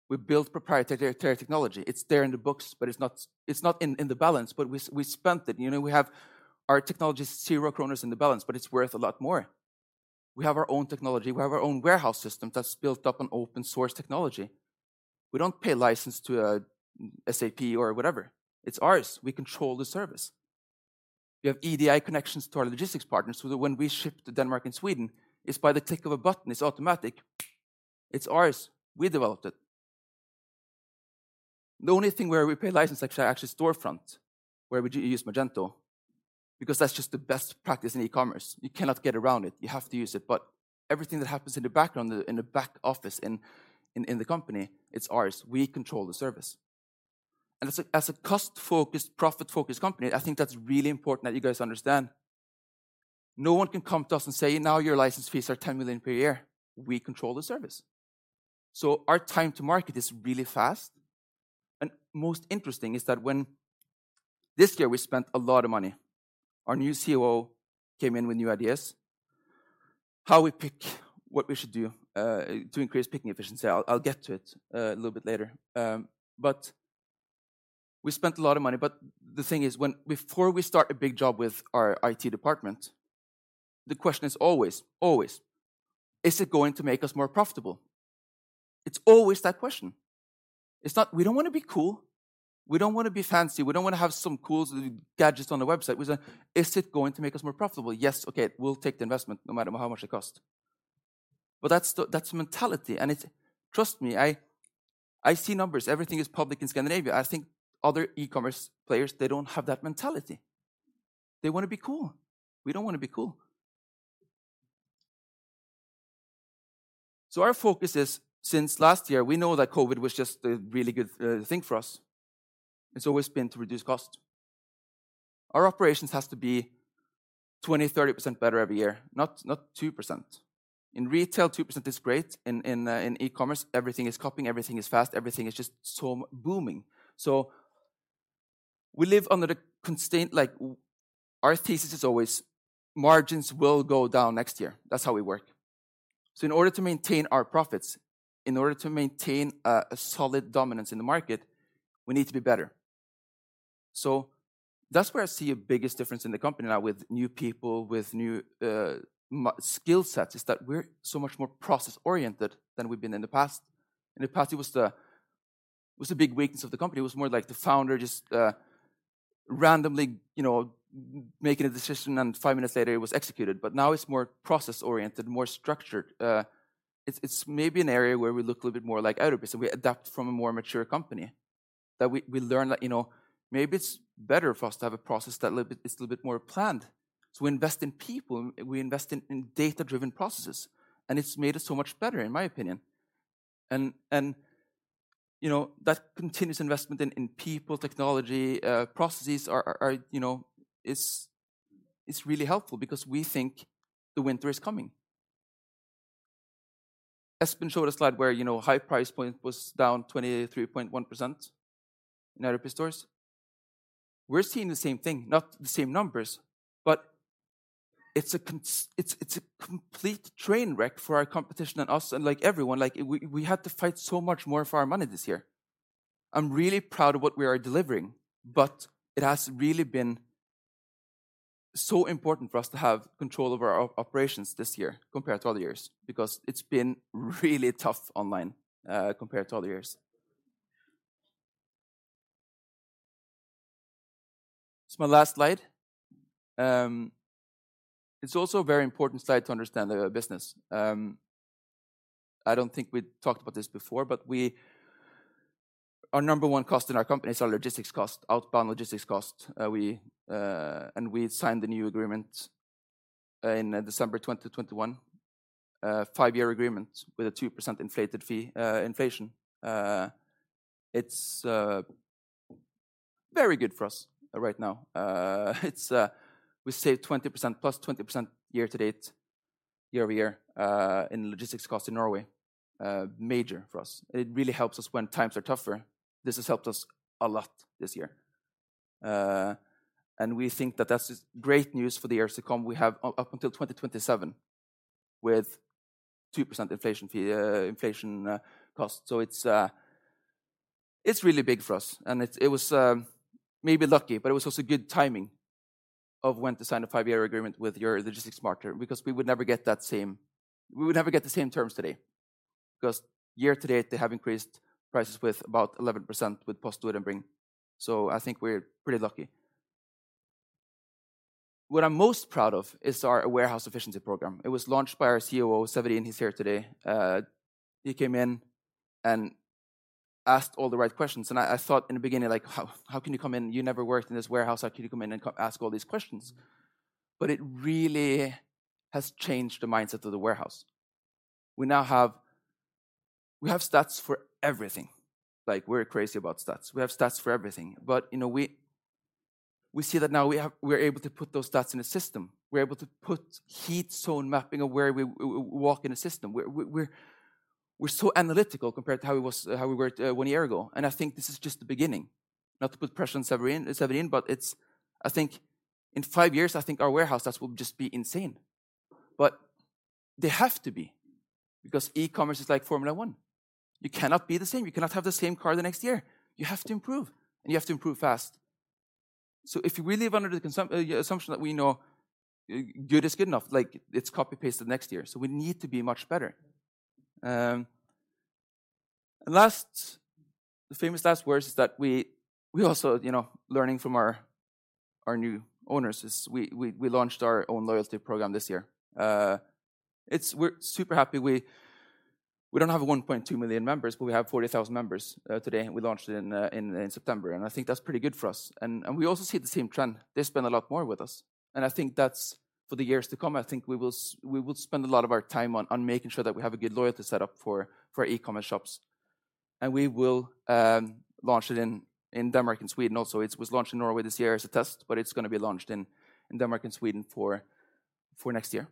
We build proprietary technology. It's there in the books, but it's not, it's not in the balance, but we spent it. You know, we have our technology's 0 kroner in the balance, but it's worth a lot more. We have our own technology. We have our own warehouse system that's built up on open-source technology. We don't pay license to SAP or whatever. It's ours. We control the service. We have EDI connections to our logistics partners, so that when we ship to Denmark and Sweden, it's by the click of a button. It's automatic. It's ours. We developed it. The only thing where we pay license is actually storefront, where we use Magento, because that's just the best practice in e-commerce. You cannot get around it. You have to use it. Everything that happens in the background, in the back office, in the company, it's ours. We control the service. As a cost-focused, profit-focused company, I think that's really important that you guys understand. No one can come to us and say, "Now your license fees are 10 million per year." We control the service. Our time to market is really fast. Most interesting is that when... This year, we spent a lot of money. Our new COO came in with new ideas. How we pick what we should do to increase picking efficiency, I'll get to it a little bit later. We spent a lot of money, the thing is, before we start a big job with our IT department, the question is always, is it going to make us more profitable? It's always that question. It's not, we don't wanna be cool. We don't wanna be fancy. We don't wanna have some cool gadgets on the website. We say, "Is it going to make us more profitable?" Yes, okay, we'll take the investment no matter how much it costs. That's the mentality, and trust me, I see numbers. Everything is public in Scandinavia. I think other e-commerce players, they don't have that mentality. They wanna be cool. We don't wanna be cool. Our focus is, since last year, we know that COVID was just a really good thing for us. It's always been to reduce cost. Our operations has to be 20%, 30% better every year, not 2%. In retail, 2% is great. In e-commerce, everything is copying, everything is fast, everything is just so blooming. We live under the constraint, like, our thesis is always, margins will go down next year. That's how we work. In order to maintain our profits, in order to maintain a solid dominance in the market, we need to be better. That's where I see a biggest difference in the company now with new people, with new skill sets, is that we're so much more process-oriented than we've been in the past. In the past, it was a big weakness of the company. It was more like the founder just randomly, you know, making a decision, and five minutes later it was executed. Now it's more process-oriented, more structured. It's maybe an area where we look a little bit more like Europris, and we adapt from a more mature company, that we learn that, you know, maybe it's better for us to have a process that is a little bit more planned. We invest in people, we invest in data-driven processes, and it's made us so much better, in my opinion. You know, that continuous investment in people, technology, processes are, you know, really helpful because we think the winter is coming. Espen showed a slide where, you know, high price point was down 23.1% in Europris stores. We're seeing the same thing, not the same numbers. It's a complete train wreck for our competition and us and, like, everyone. Like, we had to fight so much more for our money this year. I'm really proud of what we are delivering, but it has really been so important for us to have control over our operations this year compared to other years because it's been really tough online compared to other years. This is my last slide. It's also a very important slide to understand the business. I don't think we talked about this before. Our number one cost in our company is our logistics cost, outbound logistics cost. We signed the new agreement in December 2021, a five-year agreement with a 2% inflated fee, inflation. It's very good for us right now. We saved 20%, +20% year-to-date, year-over-year in logistics cost in Norway. Major for us. It really helps us when times are tougher. This has helped us a lot this year. We think that that's great news for the years to come. We have up until 2027 with 2% inflation fee, inflation cost. It's really big for us, and it was maybe lucky, but it was also good timing of when to sign a five-year agreement with your logistics partner, because we would never get the same terms today. Year-to-date, they have increased prices with about 11% with PostNord and Bring. I think we're pretty lucky. What I'm most proud of is our warehouse efficiency program. It was launched by our COO, Severin, he's here today. He came in and asked all the right questions, and I thought in the beginning like, "How can you come in? You never worked in this warehouse. How can you come in and come ask all these questions?" It really has changed the mindset of the warehouse. We now have stats for everything. Like, we're crazy about stats. We have stats for everything. You know, we see that now we're able to put those stats in a system. We're able to put heat zone mapping of where we walk in a system. We're so analytical compared to how we were one year ago, and I think this is just the beginning. Not to put pressure on Severin, but it's, I think, in five years, I think our warehouse stats will just be insane. They have to be, because e-commerce is like Formula 1. You cannot be the same. You cannot have the same car the next year. You have to improve, and you have to improve fast. If we live under the assumption that we know good is good enough, like it's copy-pasted next year, so we need to be much better. Last, the famous last words is that we also, you know, learning from our new owners is we launched our own loyalty program this year. It's. We're super happy. We don't have 1.2 million members, but we have 40,000 members today. We launched it in September, I think that's pretty good for us. We also see the same trend. They spend a lot more with us, and I think that's, for the years to come, I think we will spend a lot of our time on making sure that we have a good loyalty set up for e-commerce shops. We will launch it in Denmark and Sweden also. It was launched in Norway this year as a test, but it's gonna be launched in Denmark and Sweden for next year.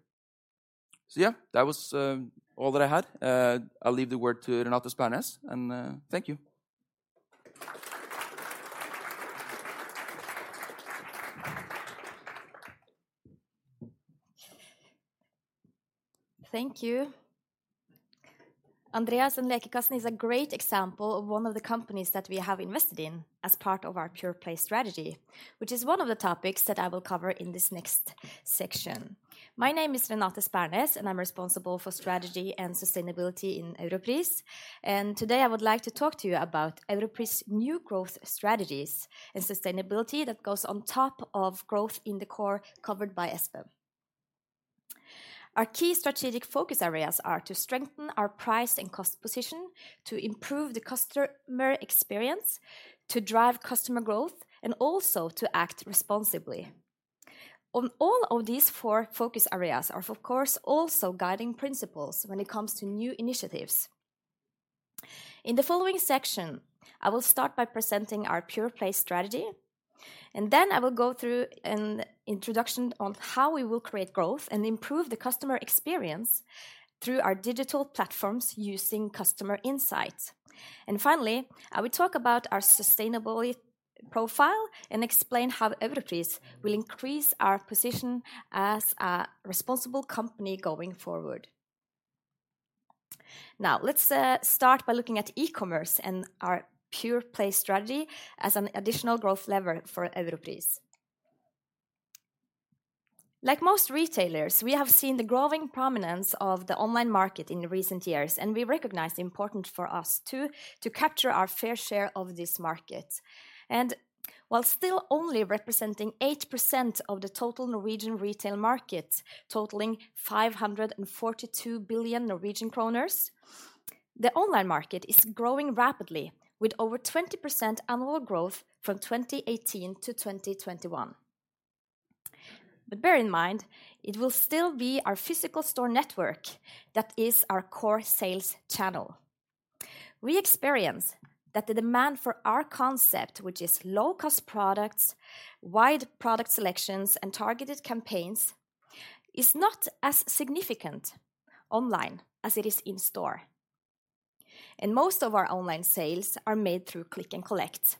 Yeah, that was all that I had. I'll leave the word to Renate Spernes, and thank you. Thank you Andreas. Lekekassen is a great example of one of the companies that we have invested in as part of our pure-play strategy, which is one of the topics that I will cover in this next section. My name is Renate Spernes, and I'm responsible for strategy and sustainability in Europris. Today, I would like to talk to you about Europris' new growth strategies and sustainability that goes on top of growth in the core covered by Espen. Our key strategic focus areas are to strengthen our price and cost position, to improve the customer experience, to drive customer growth, and also to act responsibly. All of these four focus areas are of course also guiding principles when it comes to new initiatives. In the following section, I will start by presenting our pure-play strategy, and then I will go through an introduction on how we will create growth and improve the customer experience through our digital platforms using customer insights. Finally, I will talk about our sustainability profile and explain how Europris will increase our position as a responsible company going forward. Now, let's start by looking at e-commerce and our pure-play strategy as an additional growth lever for Europris. Like most retailers, we have seen the growing prominence of the online market in the recent years, and we recognize the importance for us to capture our fair share of this market. While still only representing 8% of the total Norwegian retail market, totaling 542 billion Norwegian kroner, the online market is growing rapidly, with over 20% annual growth from 2018 to 2021. Bear in mind, it will still be our physical store network that is our core sales channel. We experience that the demand for our concept, which is low-cost products, wide product selections, and targeted campaigns, is not as significant online as it is in store. Most of our online sales are made through click and collect.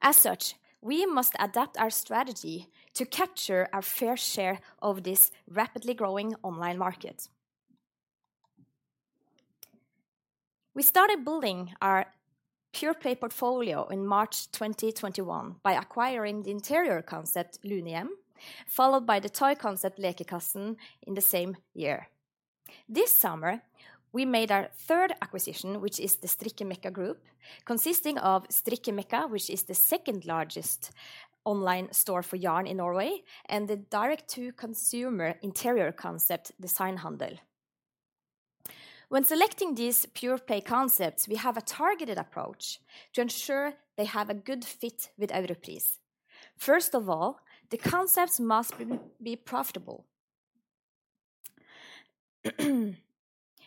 As such, we must adapt our strategy to capture our fair share of this rapidly growing online market. We started building our pure-play portfolio in March 2021 by acquiring the interior concept Lunehjem, followed by the toy concept Lekekassen in the same year. This summer, we made our third acquisition, which is the Strikkemekka group, consisting of Strikkemekka, which is the second-largest online store for yarn in Norway, and the direct-to-consumer interior concept Designhandel. When selecting these pure-play concepts, we have a targeted approach to ensure they have a good fit with Europris. First of all, the concepts must be profitable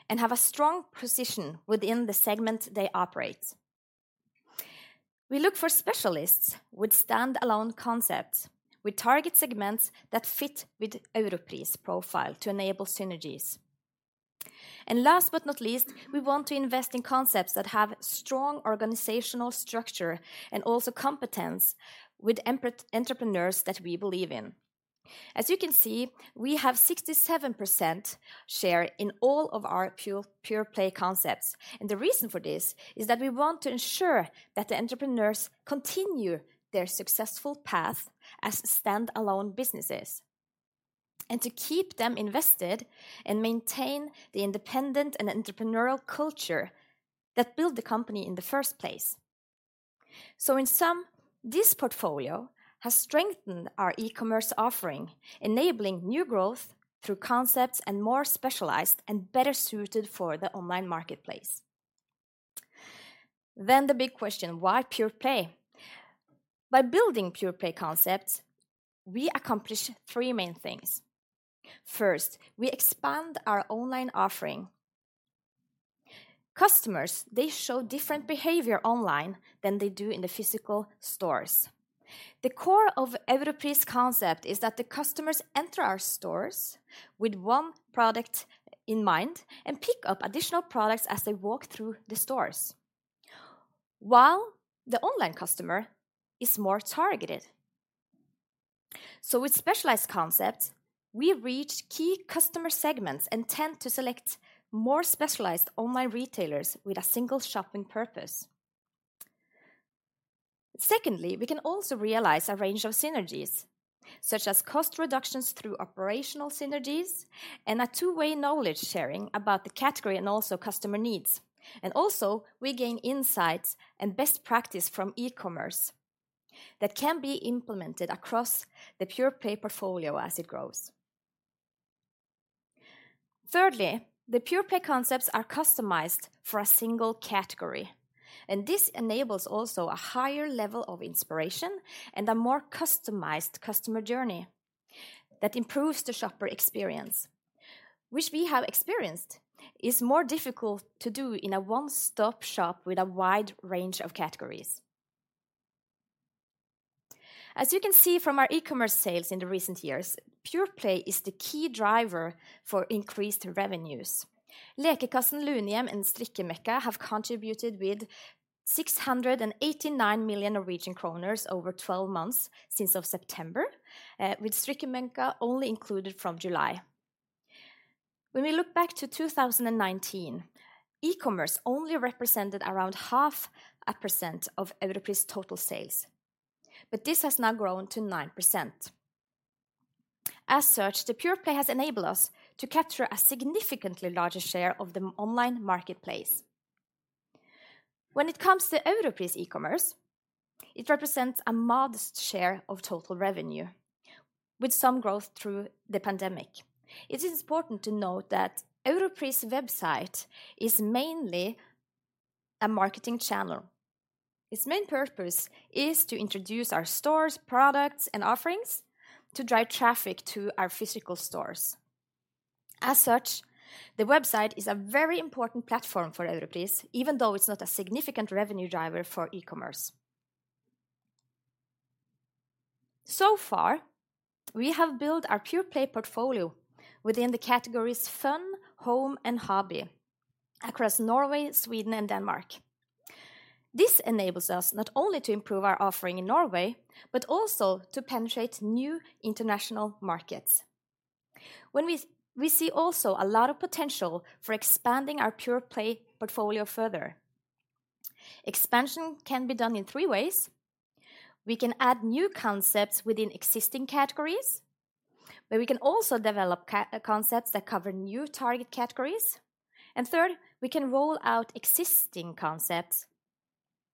and have a strong position within the segment they operate. We look for specialists with standalone concepts. We target segments that fit with Europris profile to enable synergies. Last but not least, we want to invest in concepts that have strong organizational structure and also competence with entrepreneurs that we believe in. As you can see, we have 67% share in all of our pure-play concepts. The reason for this is that we want to ensure that the entrepreneurs continue their successful path as standalone businesses and to keep them invested and maintain the independent and entrepreneurial culture that built the company in the first place. In sum, this portfolio has strengthened our e-commerce offering, enabling new growth through concepts and more specialized and better suited for the online marketplace. The big question: Why pure-play? By building pure-play concepts, we accomplish three main things. First, we expand our online offering. Customers, they show different behavior online than they do in the physical stores. The core of Europris concept is that the customers enter our stores with one product in mind and pick up additional products as they walk through the stores, while the online customer is more targeted. With specialized concepts, we reach key customer segments and tend to select more specialized online retailers with a single shopping purpose. Secondly, we can also realize a range of synergies, such as cost reductions through operational synergies and a two-way knowledge sharing about the category and also customer needs. Also, we gain insights and best practice from e-commerce that can be implemented across the pure-play portfolio as it grows. Thirdly, the pure-play concepts are customized for a single category, and this enables also a higher level of inspiration and a more customized customer journey that improves the shopper experience, which we have experienced is more difficult to do in a one-stop shop with a wide range of categories. As you can see from our e-commerce sales in the recent years, pure-play is the key driver for increased revenues. Lekekassen, Lunehjem, and Strikkemekka have contributed with 689 million Norwegian kroner over 12 months since of September, with Strikkemekka only included from July. We look back to 2019, e-commerce only represented around 0.5% of Europris' total sales, but this has now grown to 9%. The pure-play has enabled us to capture a significantly larger share of the online marketplace. It comes to Europris e-commerce, it represents a modest share of total revenue, with some growth through the pandemic. It is important to note that Europris website is mainly a marketing channel. Its main purpose is to introduce our stores, products, and offerings to drive traffic to our physical stores. The website is a very important platform for Europris, even though it's not a significant revenue driver for e-commerce. So far, we have built our pure-play portfolio within the categories fun, home, and hobby across Norway, Sweden, and Denmark. This enables us not only to improve our offering in Norway, but also to penetrate new international markets. We see also a lot of potential for expanding our pure-play portfolio further. Expansion can be done in three ways. We can add new concepts within existing categories, but we can also develop co-concepts that cover new target categories, and third, we can roll out existing concepts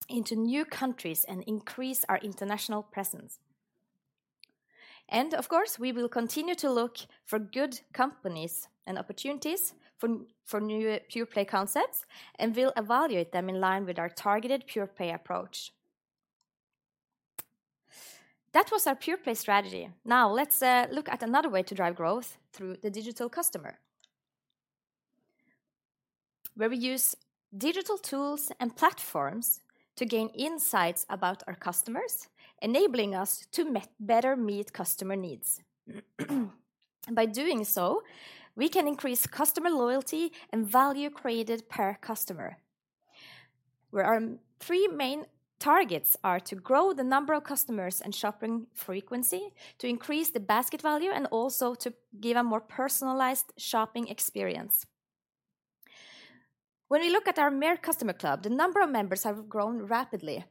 into new countries and increase our international presence. Of course, we will continue to look for good companies and opportunities for new pure-play concepts, and we'll evaluate them in line with our targeted pure-play approach. That was our pure-play strategy. Now let's look at another way to drive growth through the digital customer, where we use digital tools and platforms to gain insights about our customers, enabling us to better meet customer needs. By doing so, we can increase customer loyalty and value created per customer. Our three main targets are to grow the number of customers and shopping frequency, to increase the basket value, and also to give a more personalized shopping experience. When we look at our Mer customer club, the number of members have grown rapidly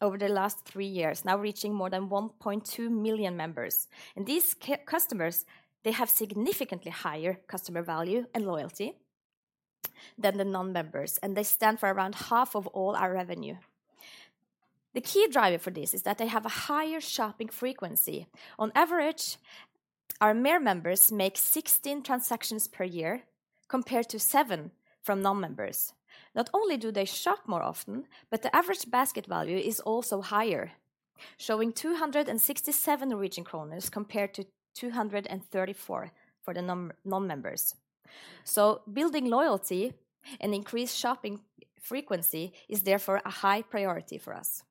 over the last three years, now reaching more than 1.2 million members. These customers, they have significantly higher customer value and loyalty than the non-members, and they stand for around half of all our revenue. The key driver for this is that they have a higher shopping frequency. On average, our Mer members make 16 transactions per year compared to 7 from non-members. Not only do they shop more often, but the average basket value is also higher, showing 267 Norwegian kroner compared to 234 for the non-members. Building loyalty and increased shopping frequency is therefore a high priority for us.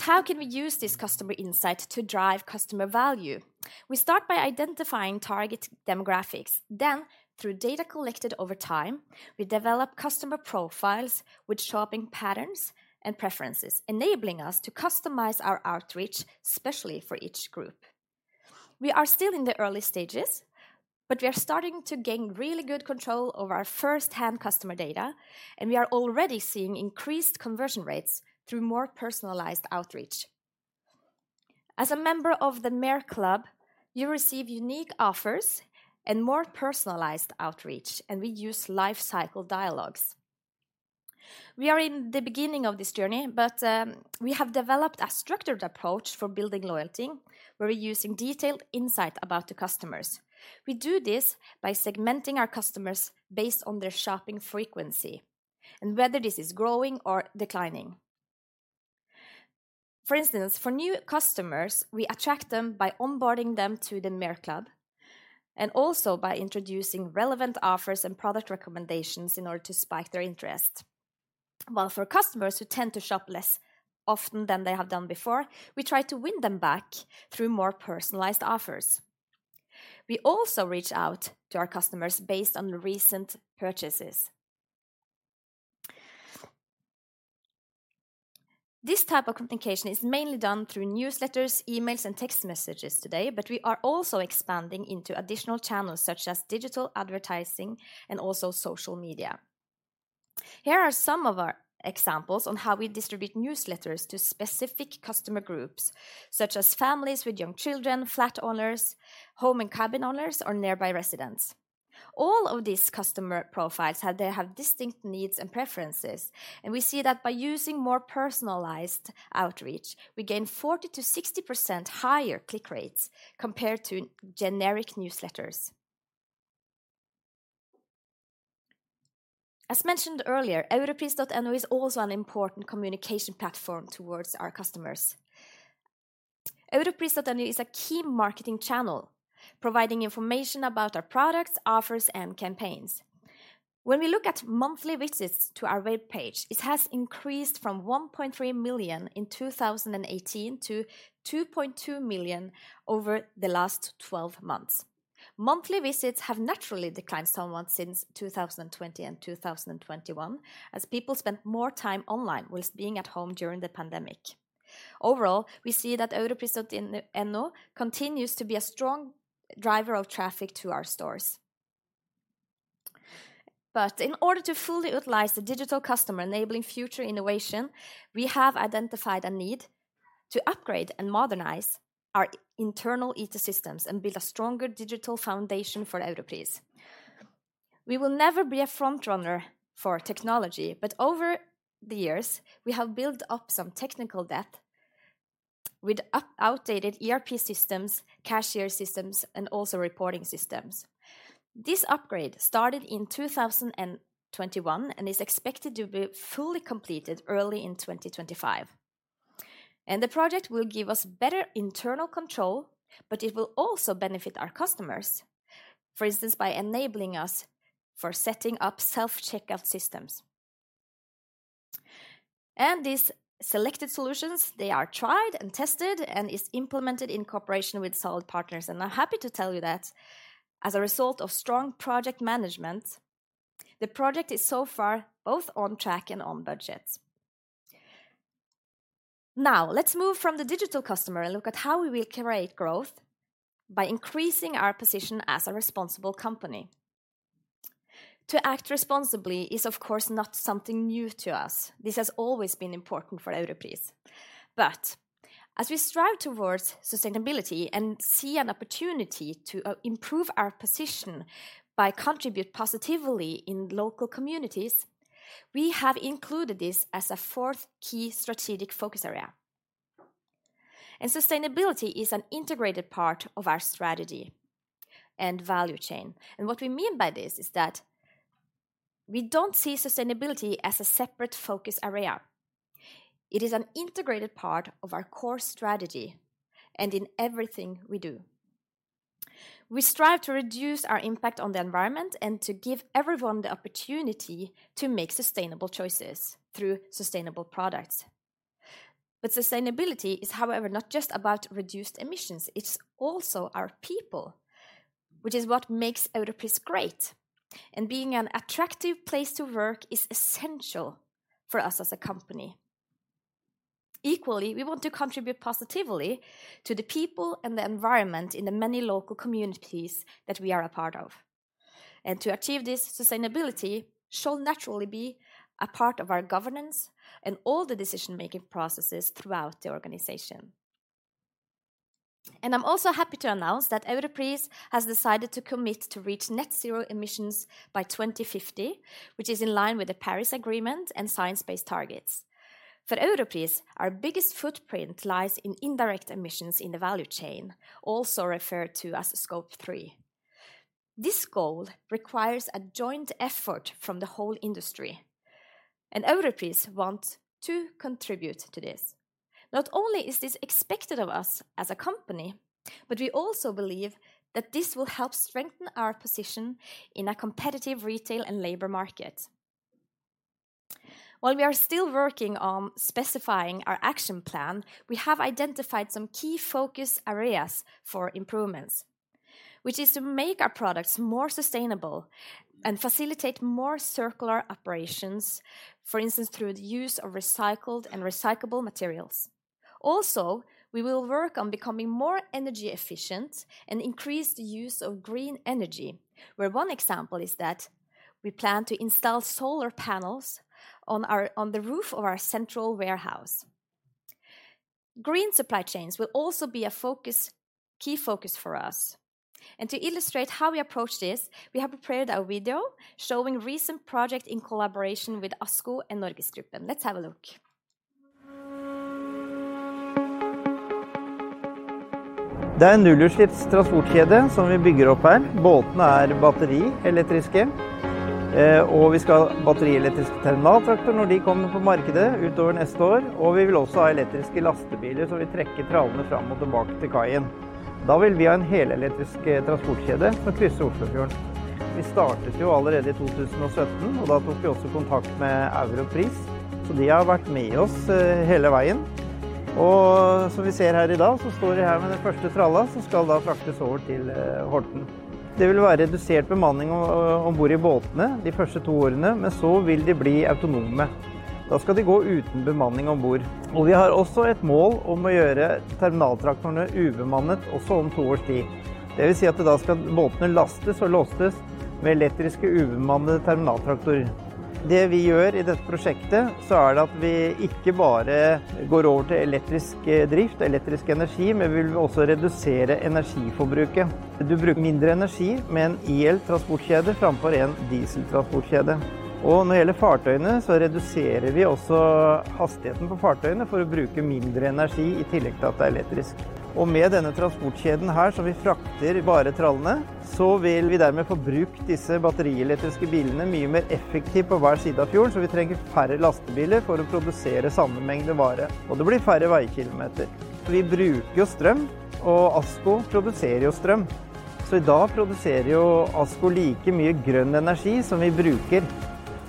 How can we use this customer insight to drive customer value? We start by identifying target demographics, then through data collected over time, we develop customer profiles with shopping patterns and preferences, enabling us to customize our outreach, especially for each group. We are still in the early stages, but we are starting to gain really good control over our first-hand customer data, and we are already seeing increased conversion rates through more personalized outreach. As a member of the Mer club, you receive unique offers and more personalized outreach. We use life cycle dialogues. We are in the beginning of this journey, but we have developed a structured approach for building loyalty, where we're using detailed insight about the customers. We do this by segmenting our customers based on their shopping frequency and whether this is growing or declining. For instance, for new customers, we attract them by onboarding them to the Mer club and also by introducing relevant offers and product recommendations in order to spike their interest. For customers who tend to shop less often than they have done before, we try to win them back through more personalized offers. We also reach out to our customers based on recent purchases. This type of communication is mainly done through newsletters, emails, and text messages today. We are also expanding into additional channels such as digital advertising and also social media. Here are some of our examples on how we distribute newsletters to specific customer groups, such as families with young children, flat owners, home and cabin owners, or nearby residents. All of these customer profiles have, they have distinct needs and preferences, and we see that by using more personalized outreach, we gain 40%-60% higher click rates compared to generic newsletters. As mentioned earlier, europris.no is also an important communication platform towards our customers. europris.no is a key marketing channel providing information about our products, offers, and campaigns. When we look at monthly visits to our web page, it has increased from 1.3 million in 2018 to 2.2 million over the last 12 months. Monthly visits have naturally declined somewhat since 2020 and 2021 as people spent more time online whilst being at home during the pandemic. Overall, we see that europris.no continues to be a strong driver of traffic to our stores. In order to fully utilize the digital customer enabling future innovation, we have identified a need to upgrade and modernize our internal ecosystems and build a stronger digital foundation for Europris. We will never be a front runner for technology, but over the years, we have built up some technical debt with outdated ERP systems, cashier systems, and also reporting systems. This upgrade started in 2021 and is expected to be fully completed early in 2025. The project will give us better internal control, but it will also benefit our customers, for instance, by enabling us for setting up self-checkout systems. These selected solutions, they are tried and tested and is implemented in cooperation with solid partners. I'm happy to tell you that as a result of strong project management, the project is so far both on track and on budget. Now, let's move from the digital customer and look at how we will create growth by increasing our position as a responsible company. To act responsibly is of course not something new to us. This has always been important for Europris. As we strive towards sustainability and see an opportunity to improve our position by contribute positively in local communities, we have included this as a fourth key strategic focus area. Sustainability is an integrated part of our strategy and value chain. What we mean by this is that we don't see sustainability as a separate focus area. It is an integrated part of our core strategy and in everything we do. We strive to reduce our impact on the environment and to give everyone the opportunity to make sustainable choices through sustainable products. Sustainability is, however, not just about reduced emissions, it's also our people, which is what makes Europris great. Being an attractive place to work is essential for us as a company. Equally, we want to contribute positively to the people and the environment in the many local communities that we are a part of. To achieve this sustainability shall naturally be a part of our governance and all the decision-making processes throughout the organization. I'm also happy to announce that Europris has decided to commit to reach net zero emissions by 2050, which is in line with the Paris Agreement and science-based targets. For Europris, our biggest footprint lies in indirect emissions in the value chain, also referred to as Scope 3. This goal requires a joint effort from the whole industry, and Europris want to contribute to this. Not only is this expected of us as a company, but we also believe that this will help strengthen our position in a competitive retail and labor market. While we are still working on specifying our action plan, we have identified some key focus areas for improvements, which is to make our products more sustainable and facilitate more circular operations, for instance, through the use of recycled and recyclable materials. We will work on becoming more energy efficient and increase the use of green energy, where one example is that we plan to install solar panels on the roof of our central warehouse. Green supply chains will also be a key focus for us. To illustrate how we approach this, we have prepared a video showing recent project in collaboration with ASKO and NorgesGruppen. Let's have a look. Det er en nullutslippstransportkjede som vi bygger opp her. Båtene er batterielektriske, og vi skal ha batterielektriske terminaltraktorer når de kommer på markedet utover neste år. Vi vil også ha elektriske lastebiler som vil trekke trallene fram og tilbake til kaien. Vi vil ha en helelektrisk transportkjede som krysser Oslofjorden. Vi startet jo allerede i 2017, og da tok vi også kontakt med Europris. De har vært med oss hele veien. Som vi ser her i dag, så står de her med den første trallen som skal da fraktes over til Horten. Det vil være redusert bemanning om bord i båtene de første 2 årene, men så vil de bli autonome. De skal de gå uten bemanning om bord. Vi har også et mål om å gjøre terminaltraktorene ubemannet også om 2 års tid. Det vil si at da skal båtene lastes og lostes med elektriske ubemannede terminaltraktorer. Det vi gjør i dette prosjektet, så er det at vi ikke bare går over til elektrisk drift, elektrisk energi, men vi vil også redusere energiforbruket. Du bruker mindre energi med en EL-transportkjede framfor en dieseltransportkjede. Når det gjelder fartøyene, så reduserer vi også hastigheten på fartøyene for å bruke mindre energi, i tillegg til at det er elektrisk. Med denne transportkjeden her som vi frakter varetrallene, så vil vi dermed få brukt disse batterielektriske bilene mye mer effektivt på hver side av fjorden, så vi trenger færre lastebiler for å produsere samme mengde varer, og det blir færre veikilometer. Vi bruker jo strøm, og ASKO produserer jo strøm, så i dag produserer jo ASKO like mye grønn energi som vi bruker.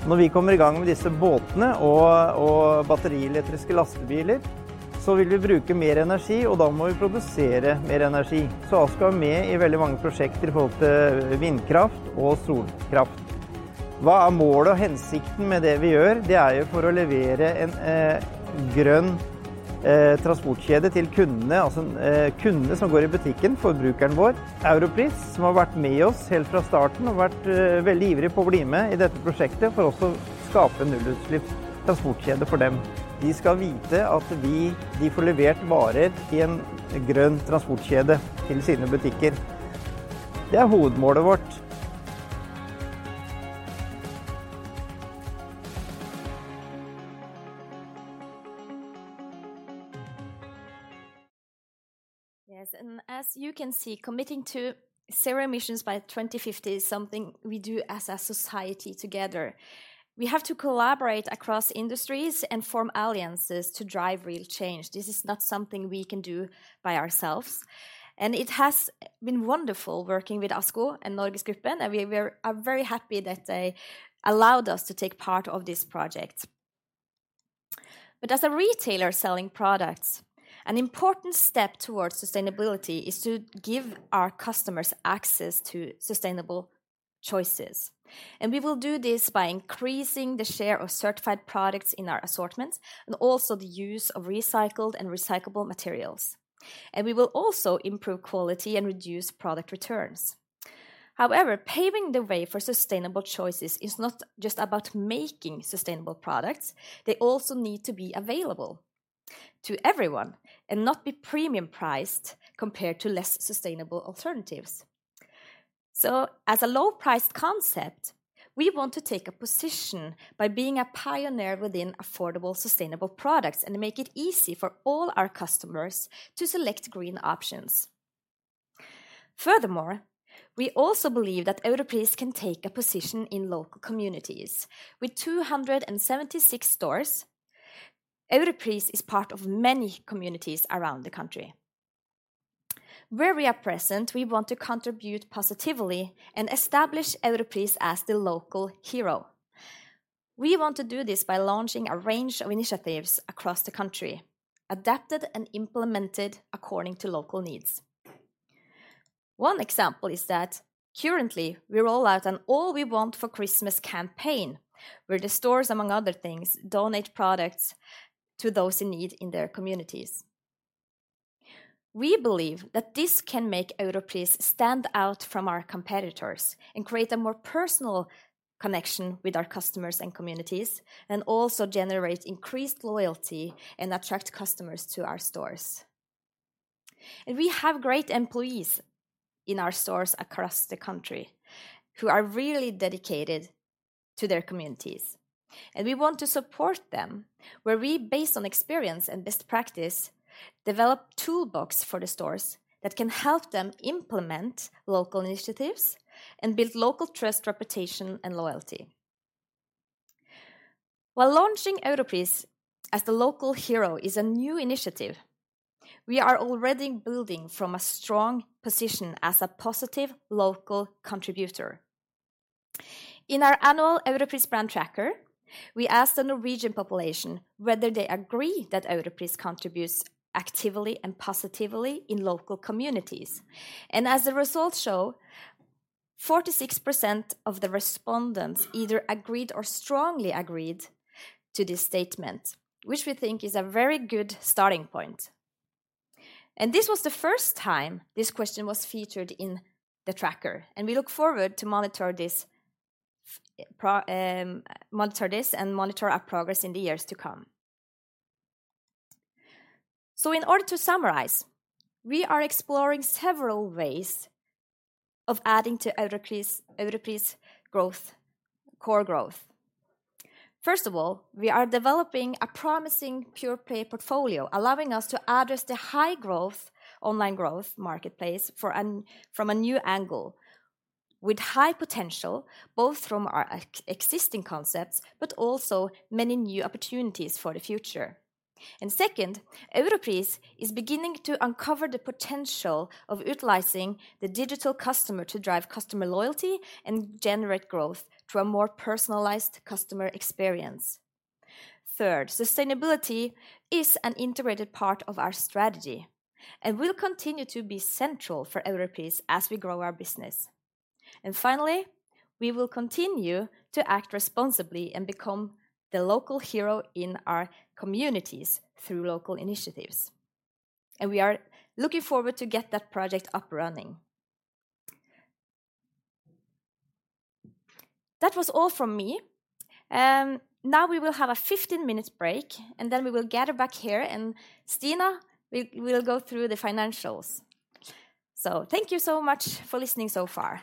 Når vi kommer i gang med disse båtene og batterielektriske lastebiler, så vil vi bruke mer energi, og da må vi produsere mer energi. ASKO er med i veldig mange prosjekter i forhold til vindkraft og solkraft. Hva er målet og hensikten med det vi gjør? Det er jo for å levere en grønn transportkjede til kundene, altså, kundene som går i butikken, forbrukeren vår. Europris, som har vært med oss helt fra starten og vært veldig ivrige på å bli med i dette prosjektet for også å skape en nullutslippstransportkjede for dem. De skal vite at de får levert varer i en grønn transportkjede til sine butikker. Det er hovedmålet vårt. As you can see, committing to zero emissions by 2050 is something we do as a society together. We have to collaborate across industries and form alliances to drive real change. This is not something we can do by ourselves, and it has been wonderful working with ASKO and NorgesGruppen, and we are very happy that they allowed us to take part of this project. As a retailer selling products, an important step towards sustainability is to give our customers access to sustainable choices. We will do this by increasing the share of certified products in our assortment and also the use of recycled and recyclable materials. We will also improve quality and reduce product returns. Paving the way for sustainable choices is not just about making sustainable products, they also need to be available to everyone and not be premium priced compared to less sustainable alternatives. As a low price concept, we want to take a position by being a pioneer within affordable, sustainable products and make it easy for all our customers to select green options. We also believe that Europris can take a position in local communities. With 276 stores, Europris is part of many communities around the country. Where we are present, we want to contribute positively and establish Europris as the local hero. We want to do this by launching a range of initiatives across the country, adapted and implemented according to local needs. One example is that currently we roll out an All We Want for Christmas campaign, where the stores, among other things, donate products to those in need in their communities. We believe that this can make Europris stand out from our competitors and create a more personal connection with our customers and communities, and also generate increased loyalty and attract customers to our stores. We have great employees in our stores across the country who are really dedicated to their communities, and we want to support them, where we based on experience and best practice, develop toolbox for the stores that can help them implement local initiatives and build local trust, reputation and loyalty. While launching Europris as the local hero is a new initiative, we are already building from a strong position as a positive local contributor. In our annual Europris brand tracker, we asked the Norwegian population whether they agree that Europris contributes actively and positively in local communities. As the results show, 46% of the respondents either agreed or strongly agreed to this statement, which we think is a very good starting point. This was the first time this question was featured in the tracker, and we look forward to monitor this and monitor our progress in the years to come. In order to summarize, we are exploring several ways of adding to Europris core growth. First of all, we are developing a promising pure-play portfolio, allowing us to address the high growth, online growth marketplace from a new angle with high potential, both from our existing concepts but also many new opportunities for the future. Second, Europris is beginning to uncover the potential of utilizing the digital customer to drive customer loyalty and generate growth through a more personalized customer experience. Third, sustainability is an integrated part of our strategy and will continue to be central for Europris as we grow our business. Finally, we will continue to act responsibly and become the local hero in our communities through local initiatives. We are looking forward to get that project up running. That was all from me. Now we will have a 15 minutes break, and then we will gather back here. Stina will go through the financials. Thank you so much for listening so far.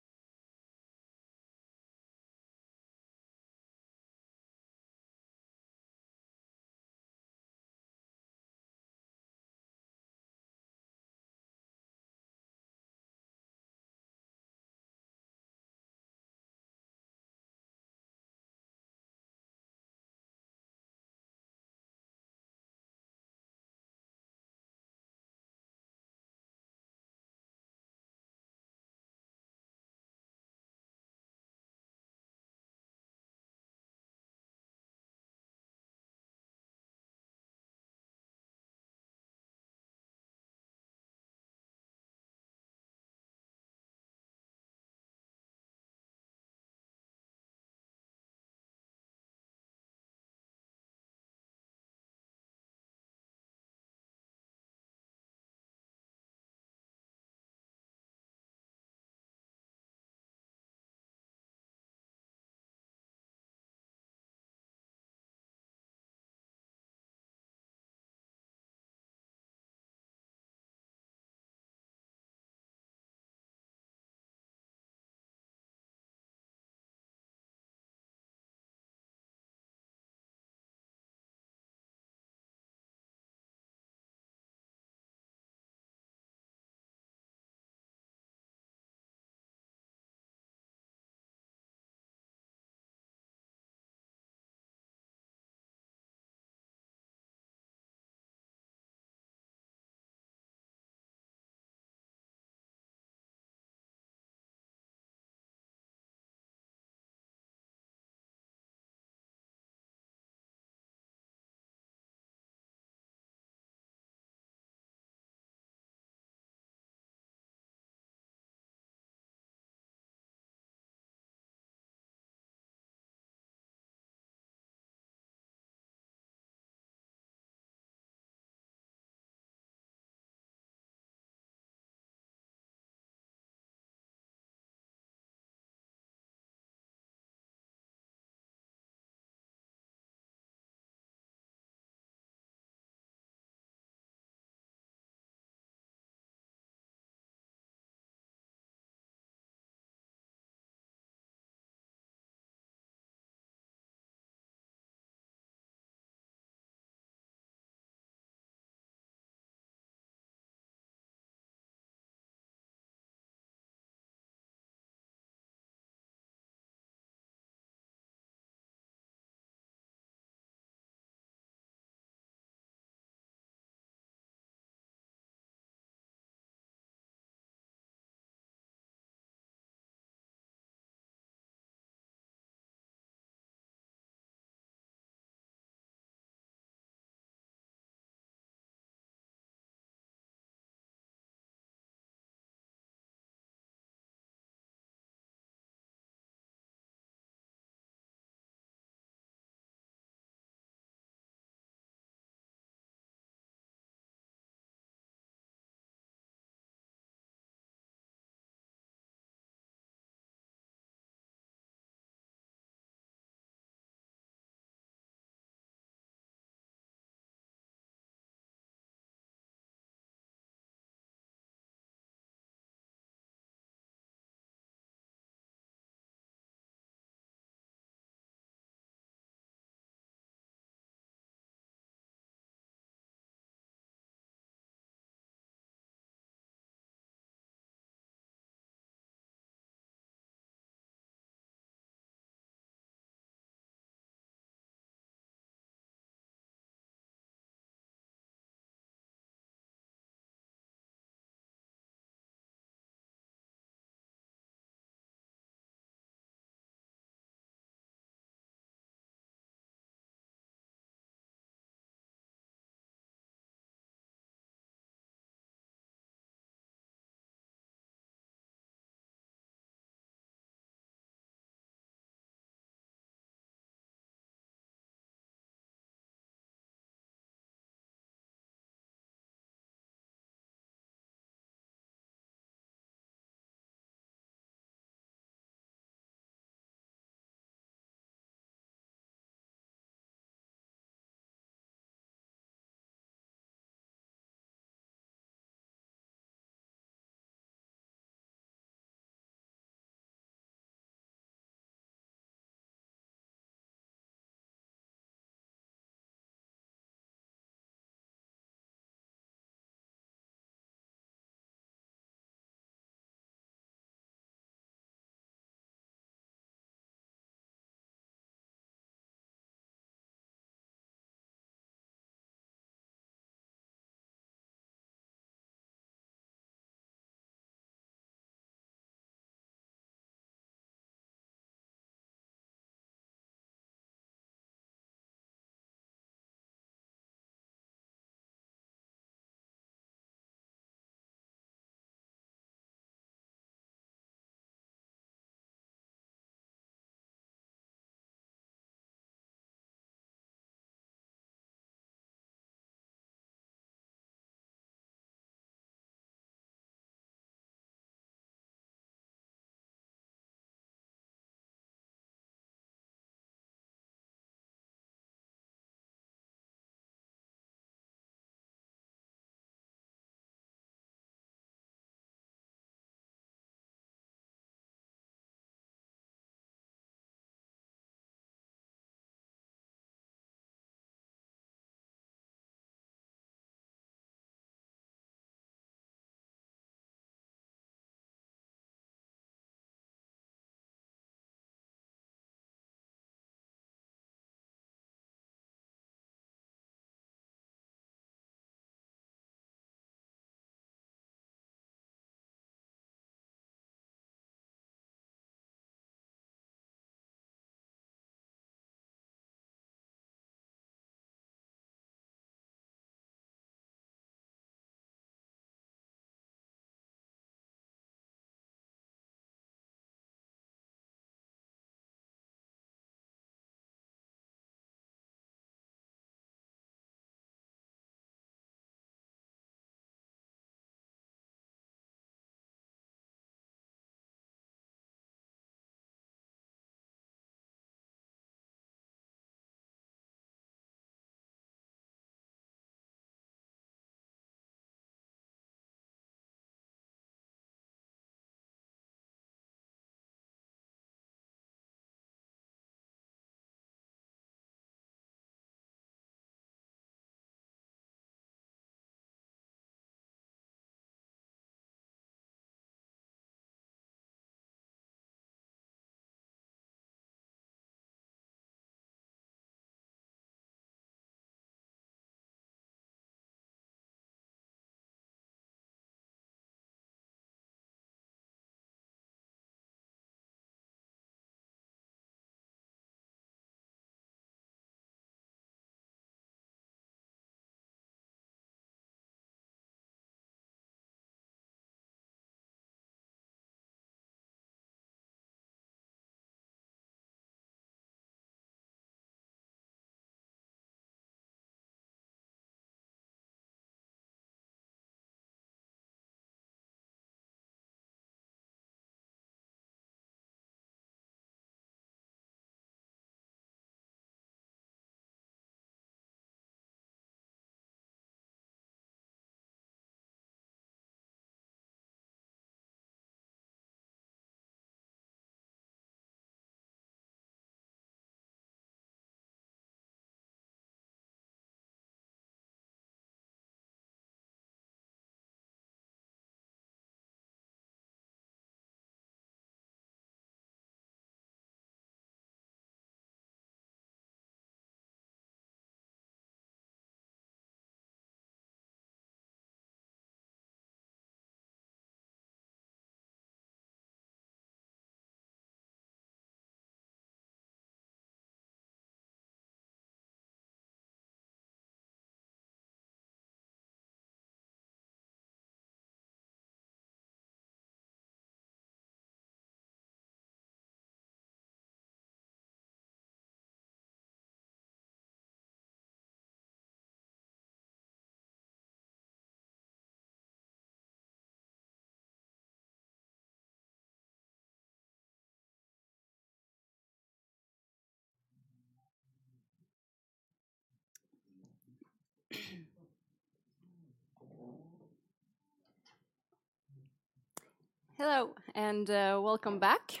Hello, and welcome back.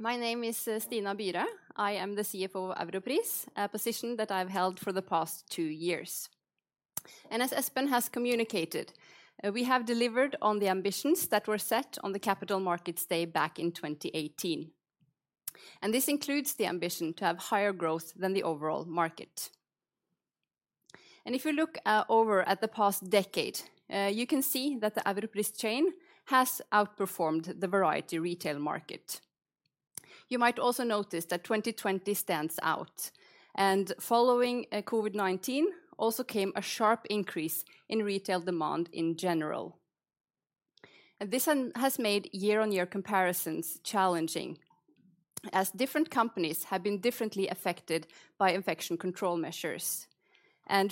My name is Stina Byre. I am the CFO of Europris, a position that I've held for the past 2 years. As Espen has communicated, we have delivered on the ambitions that were set on the Capital Markets Day back in 2018. This includes the ambition to have higher growth than the overall market. If you look over at the past decade, you can see that the Europris chain has outperformed the variety retail market. You might also notice that 2020 stands out, and following COVID-19 also came a sharp increase in retail demand in general. This has made year-on-year comparisons challenging as different companies have been differently affected by infection control measures.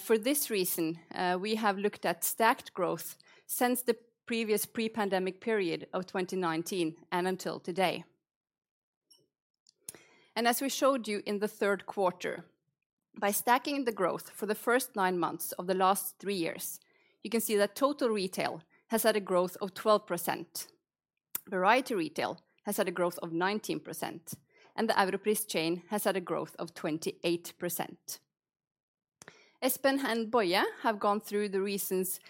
For this reason, we have looked at stacked growth since the previous pre-pandemic period of 2019 and until today. As we showed you in the third quarter, by stacking the growth for the first 9 months of the last 3 years, you can see that total retail has had a growth of 12%. Variety retail has had a growth of 19%, and the Europris chain has had a growth of 28%. Espen and Boye have gone through the reasons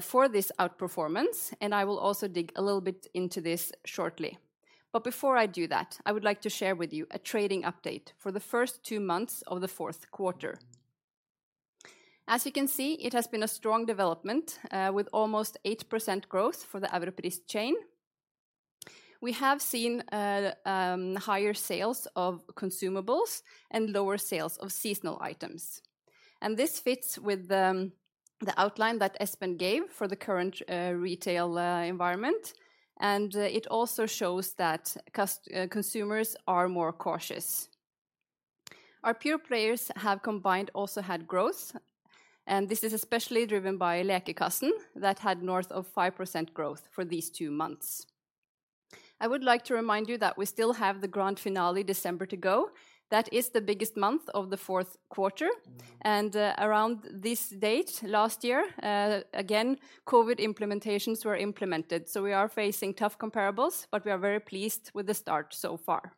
for this outperformance, and I will also dig a little bit into this shortly. Before I do that, I would like to share with you a trading update for the first 2 months of the fourth quarter. As you can see, it has been a strong development, with almost 8% growth for the Europris chain. We have seen higher sales of consumables and lower sales of seasonal items. This fits with the outline that Espen gave for the current retail environment, and it also shows that consumers are more cautious. Our pure-players have combined also had growth, and this is especially driven by Lekekassen that had north of 5% growth for these two months. I would like to remind you that we still have the grand finale December to go. That is the biggest month of the fourth quarter. Around this date last year, again, COVID implementations were implemented, so we are facing tough comparables, but we are very pleased with the start so far.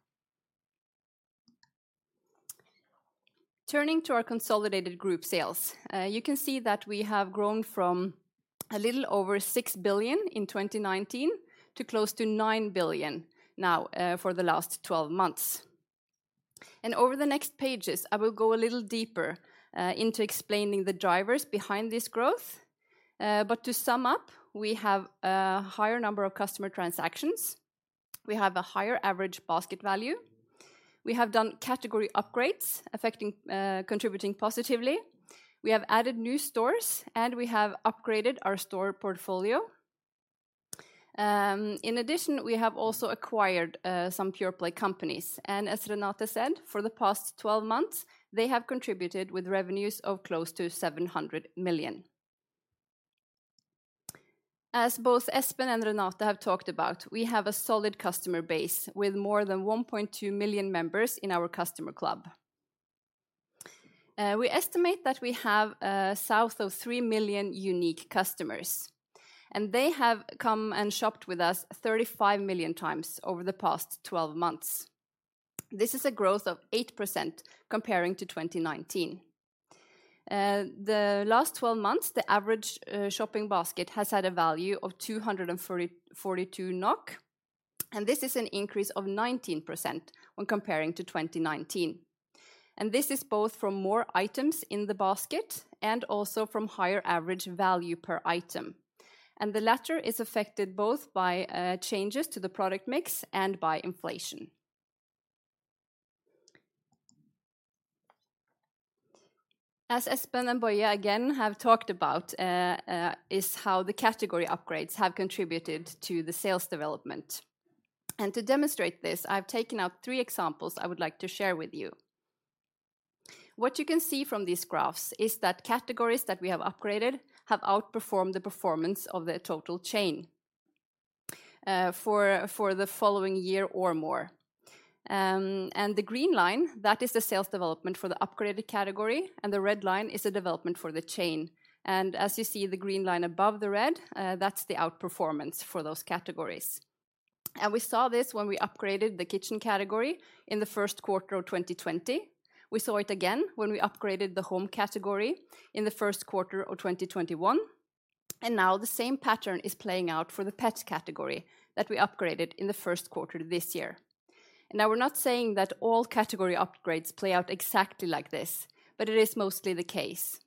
Turning to our consolidated group sales, you can see that we have grown from a little over 6 billion in 2019 to close to 9 billion now, for the last 12 months. Over the next pages, I will go a little deeper into explaining the drivers behind this growth. To sum up, we have a higher number of customer transactions. We have a higher average basket value. We have done category upgrades affecting, contributing positively. We have added new stores, and we have upgraded our store portfolio. In addition, we have also acquired some pure-play companies. As Renate said, for the past 12 months, they have contributed with revenues of close to 700 million. As both Espen and Renate have talked about, we have a solid customer base with more than 1.2 million members in our customer club. We estimate that we have south of three million unique customers, and they have come and shopped with us 35 million times over the past 12 months. This is a growth of 8% comparing to 2019. The last 12 months, the average shopping basket has had a value of 242 NOK, and this is an increase of 19% when comparing to 2019. This is both from more items in the basket and also from higher average value per item. The latter is affected both by changes to the product mix and by inflation. As Espen and Boye again have talked about, is how the category upgrades have contributed to the sales development. To demonstrate this, I've taken out three examples I would like to share with you. What you can see from these graphs is that categories that we have upgraded have outperformed the performance of the total chain for the following year or more. The green line, that is the sales development for the upgraded category, and the red line is the development for the chain. As you see the green line above the red, that's the outperformance for those categories. We saw this when we upgraded the kitchen category in the first quarter of 2020. We saw it again when we upgraded the home category in the first quarter of 2021. Now the same pattern is playing out for the pet category that we upgraded in the first quarter this year. Now, we're not saying that all category upgrades play out exactly like this, but it is mostly the case.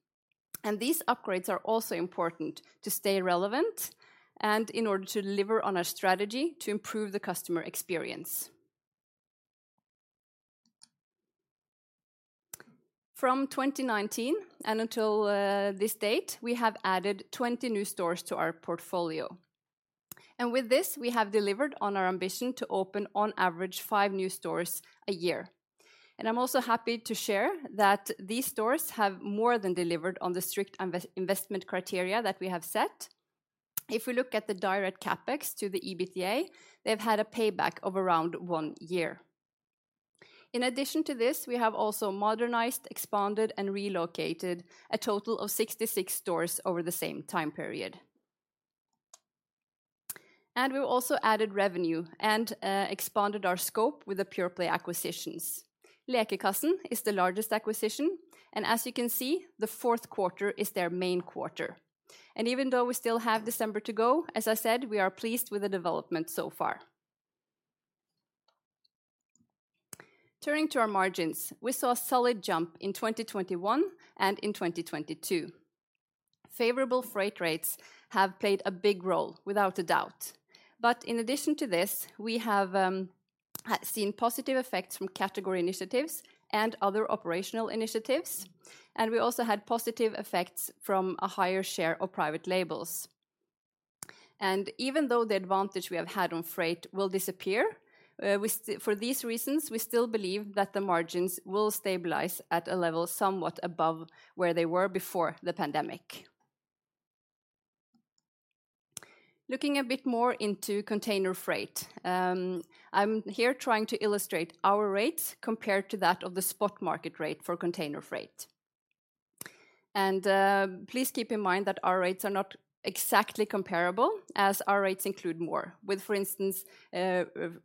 These upgrades are also important to stay relevant and in order to deliver on our strategy to improve the customer experience. From 2019 and until this date, we have added 20 new stores to our portfolio. With this, we have delivered on our ambition to open on average five new stores a year. I'm also happy to share that these stores have more than delivered on the strict investment criteria that we have set. If we look at the direct CapEx to the EBITDA, they've had a payback of around one year. In addition to this, we have also modernized, expanded, and relocated a total of 66 stores over the same time period. We've also added revenue and expanded our scope with the pure-play acquisitions. Lekekassen is the largest acquisition, and as you can see, the fourth quarter is their main quarter. Even though we still have December to go, as I said, we are pleased with the development so far. Turning to our margins, we saw a solid jump in 2021 and in 2022. Favorable freight rates have played a big role without a doubt. In addition to this, we have seen positive effects from category initiatives and other operational initiatives, and we also had positive effects from a higher share of private labels. Even though the advantage we have had on freight will disappear, for these reasons, we still believe that the margins will stabilize at a level somewhat above where they were before the pandemic. Looking a bit more into container freight, I'm here trying to illustrate our rates compared to that of the spot market rate for container freight. Please keep in mind that our rates are not exactly comparable, as our rates include more, with for instance,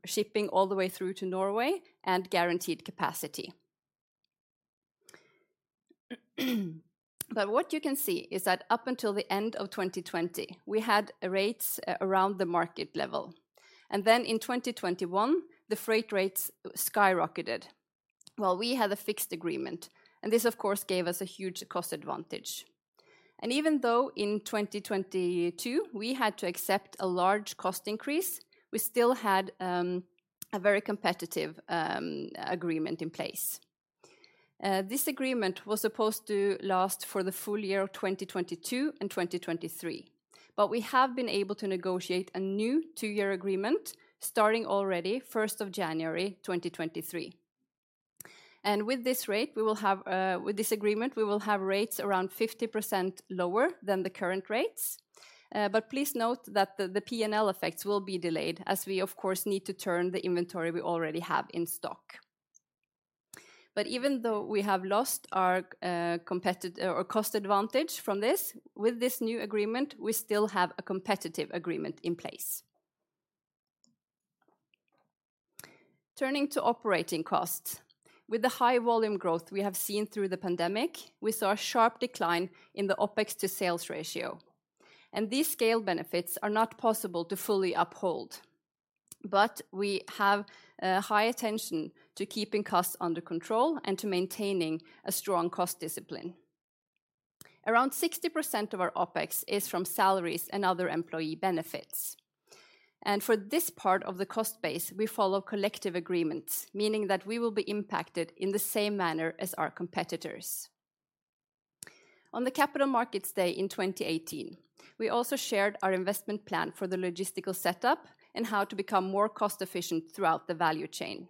shipping all the way through to Norway and guaranteed capacity. What you can see is that up until the end of 2020, we had rates around the market level. In 2021, the freight rates skyrocketed, while we had a fixed agreement. This of course gave us a huge cost advantage. Even though in 2022 we had to accept a large cost increase, we still had a very competitive agreement in place. This agreement was supposed to last for the full year of 2022 and 2023, but we have been able to negotiate a new two-year agreement starting already 1st of January, 2023. With this agreement, we will have rates around 50% lower than the current rates. Please note that the P&L effects will be delayed as we of course need to turn the inventory we already have in stock. Even though we have lost our cost advantage from this, with this new agreement, we still have a competitive agreement in place. Turning to operating costs. With the high volume growth we have seen through the pandemic, we saw a sharp decline in the OpEx to sales ratio. These scale benefits are not possible to fully uphold. We have a high attention to keeping costs under control and to maintaining a strong cost discipline. Around 60% of our OpEx is from salaries and other employee benefits. For this part of the cost base, we follow collective agreements, meaning that we will be impacted in the same manner as our competitors. On the Capital Markets Day in 2018, we also shared our investment plan for the logistical setup and how to become more cost efficient throughout the value chain.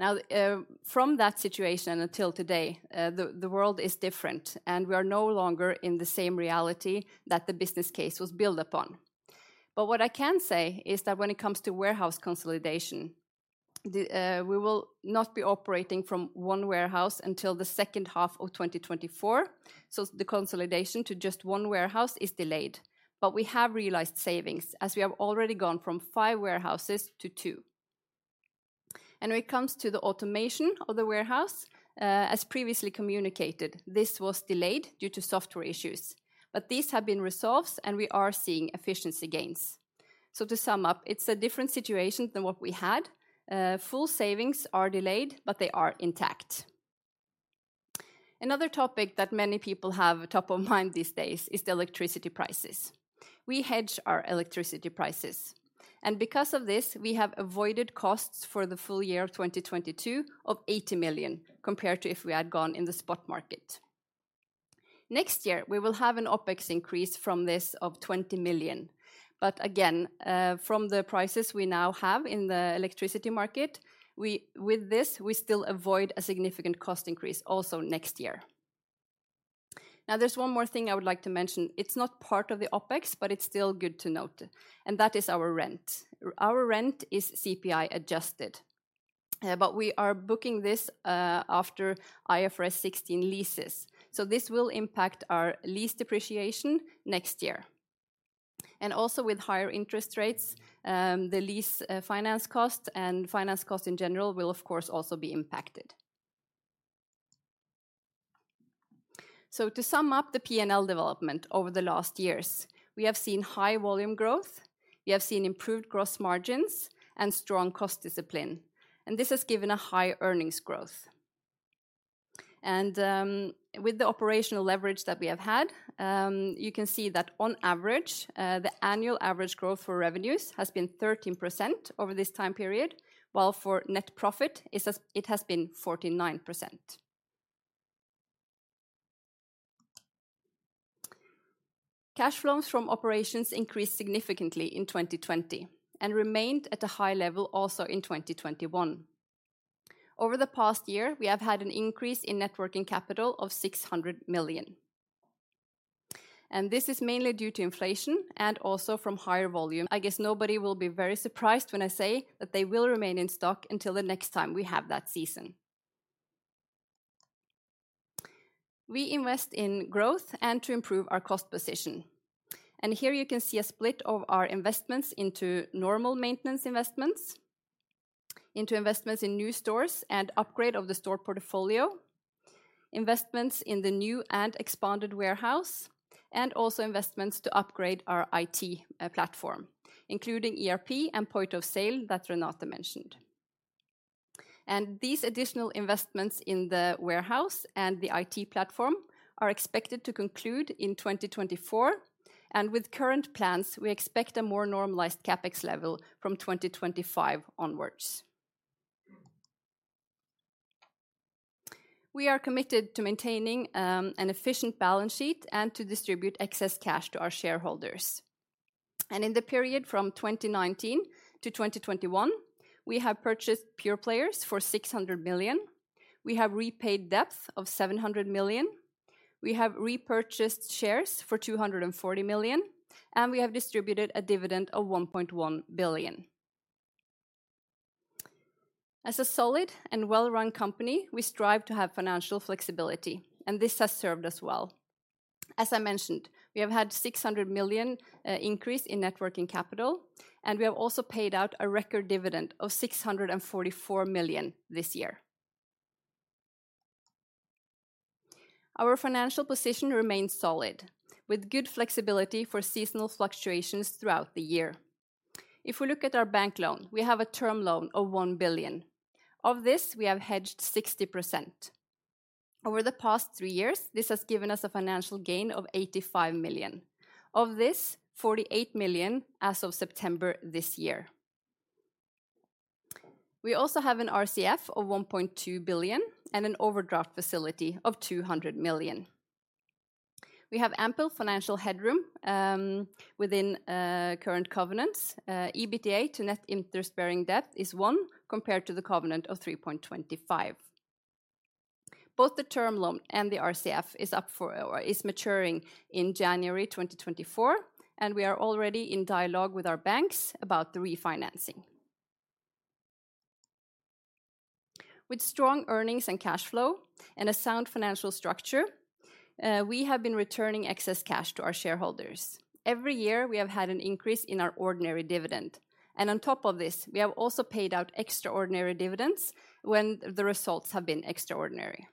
Now, from that situation until today, the world is different, and we are no longer in the same reality that the business case was built upon. What I can say is that when it comes to warehouse consolidation, the, we will not be operating from one warehouse until the second half of 2024, so the consolidation to just one warehouse is delayed. We have realized savings, as we have already gone from five warehouses to two. When it comes to the automation of the warehouse, as previously communicated, this was delayed due to software issues. These have been resolved, and we are seeing efficiency gains. To sum up, it's a different situation than what we had. Full savings are delayed, but they are intact. Another topic that many people have top of mind these days is the electricity prices. We hedge our electricity prices. Because of this, we have avoided costs for the full year of 2022 of 80 million, compared to if we had gone in the spot market. Next year, we will have an OpEx increase from this of 20 million. Again, from the prices we now have in the electricity market, with this, we still avoid a significant cost increase also next year. There's one more thing I would like to mention. It's not part of the OpEx, but it's still good to note, and that is our rent. Our rent is CPI adjusted, but we are booking this after IFRS 16 leases. This will impact our lease depreciation next year. Also with higher interest rates, the lease finance cost and finance cost in general will of course also be impacted. To sum up the P&L development over the last years, we have seen high volume growth, we have seen improved gross margins and strong cost discipline, and this has given a high earnings growth. With the operational leverage that we have had, you can see that on average, the annual average growth for revenues has been 13% over this time period, while for net profit it has been 49%. Cash flows from operations increased significantly in 2020 and remained at a high level also in 2021. Over the past year, we have had an increase in net working capital of 600 million. This is mainly due to inflation and also from higher volume. I guess nobody will be very surprised when I say that they will remain in stock until the next time we have that season. We invest in growth and to improve our cost position. Here you can see a split of our investments into normal maintenance investments, into investments in new stores and upgrade of the store portfolio, investments in the new and expanded warehouse, and also investments to upgrade our IT platform, including ERP and point of sale that Renate mentioned. These additional investments in the warehouse and the IT platform are expected to conclude in 2024, and with current plans, we expect a more normalized CapEx level from 2025 onwards. We are committed to maintaining an efficient balance sheet and to distribute excess cash to our shareholders. In the period from 2019 to 2021, we have purchased pure-players for 600 million. We have repaid debt of 700 million. We have repurchased shares for 240 million, and we have distributed a dividend of 1.1 billion. As a solid and well-run company, we strive to have financial flexibility, and this has served us well. As I mentioned, we have had 600 million increase in net working capital, and we have also paid out a record dividend of 644 million this year. Our financial position remains solid, with good flexibility for seasonal fluctuations throughout the year. If we look at our bank loan, we have a term loan of 1 billion. Of this, we have hedged 60%. Over the past three years, this has given us a financial gain of 85 million. Of this, 48 million as of September this year. We also have an RCF of 1.2 billion and an overdraft facility of 200 million. We have ample financial headroom within current covenants. EBITDA to net interest-bearing debt is 1 compared to the covenant of 3.25. Both the term loan and the RCF is maturing in January 2024. We are already in dialogue with our banks about the refinancing. With strong earnings and cash flow and a sound financial structure, we have been returning excess cash to our shareholders. Every year, we have had an increase in our ordinary dividend. On top of this, we have also paid out extraordinary dividends when the results have been extraordinary.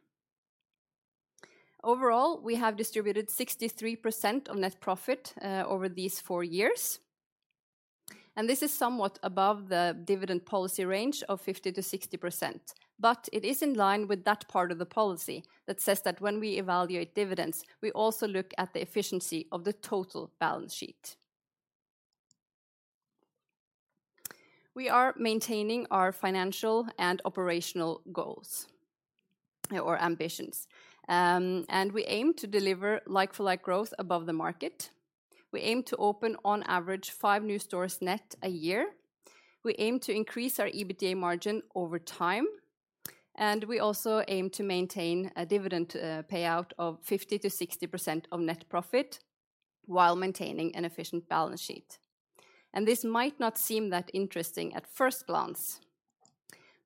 Overall, we have distributed 63% of net profit over these four years. This is somewhat above the dividend policy range of 50%-60%. It is in line with that part of the policy that says that when we evaluate dividends, we also look at the efficiency of the total balance sheet. We are maintaining our financial and operational goals or ambitions. We aim to deliver like-for-like growth above the market. We aim to open on average five new stores net a year. We aim to increase our EBITDA margin over time, we also aim to maintain a dividend payout of 50%-60% of net profit while maintaining an efficient balance sheet. This might not seem that interesting at first glance,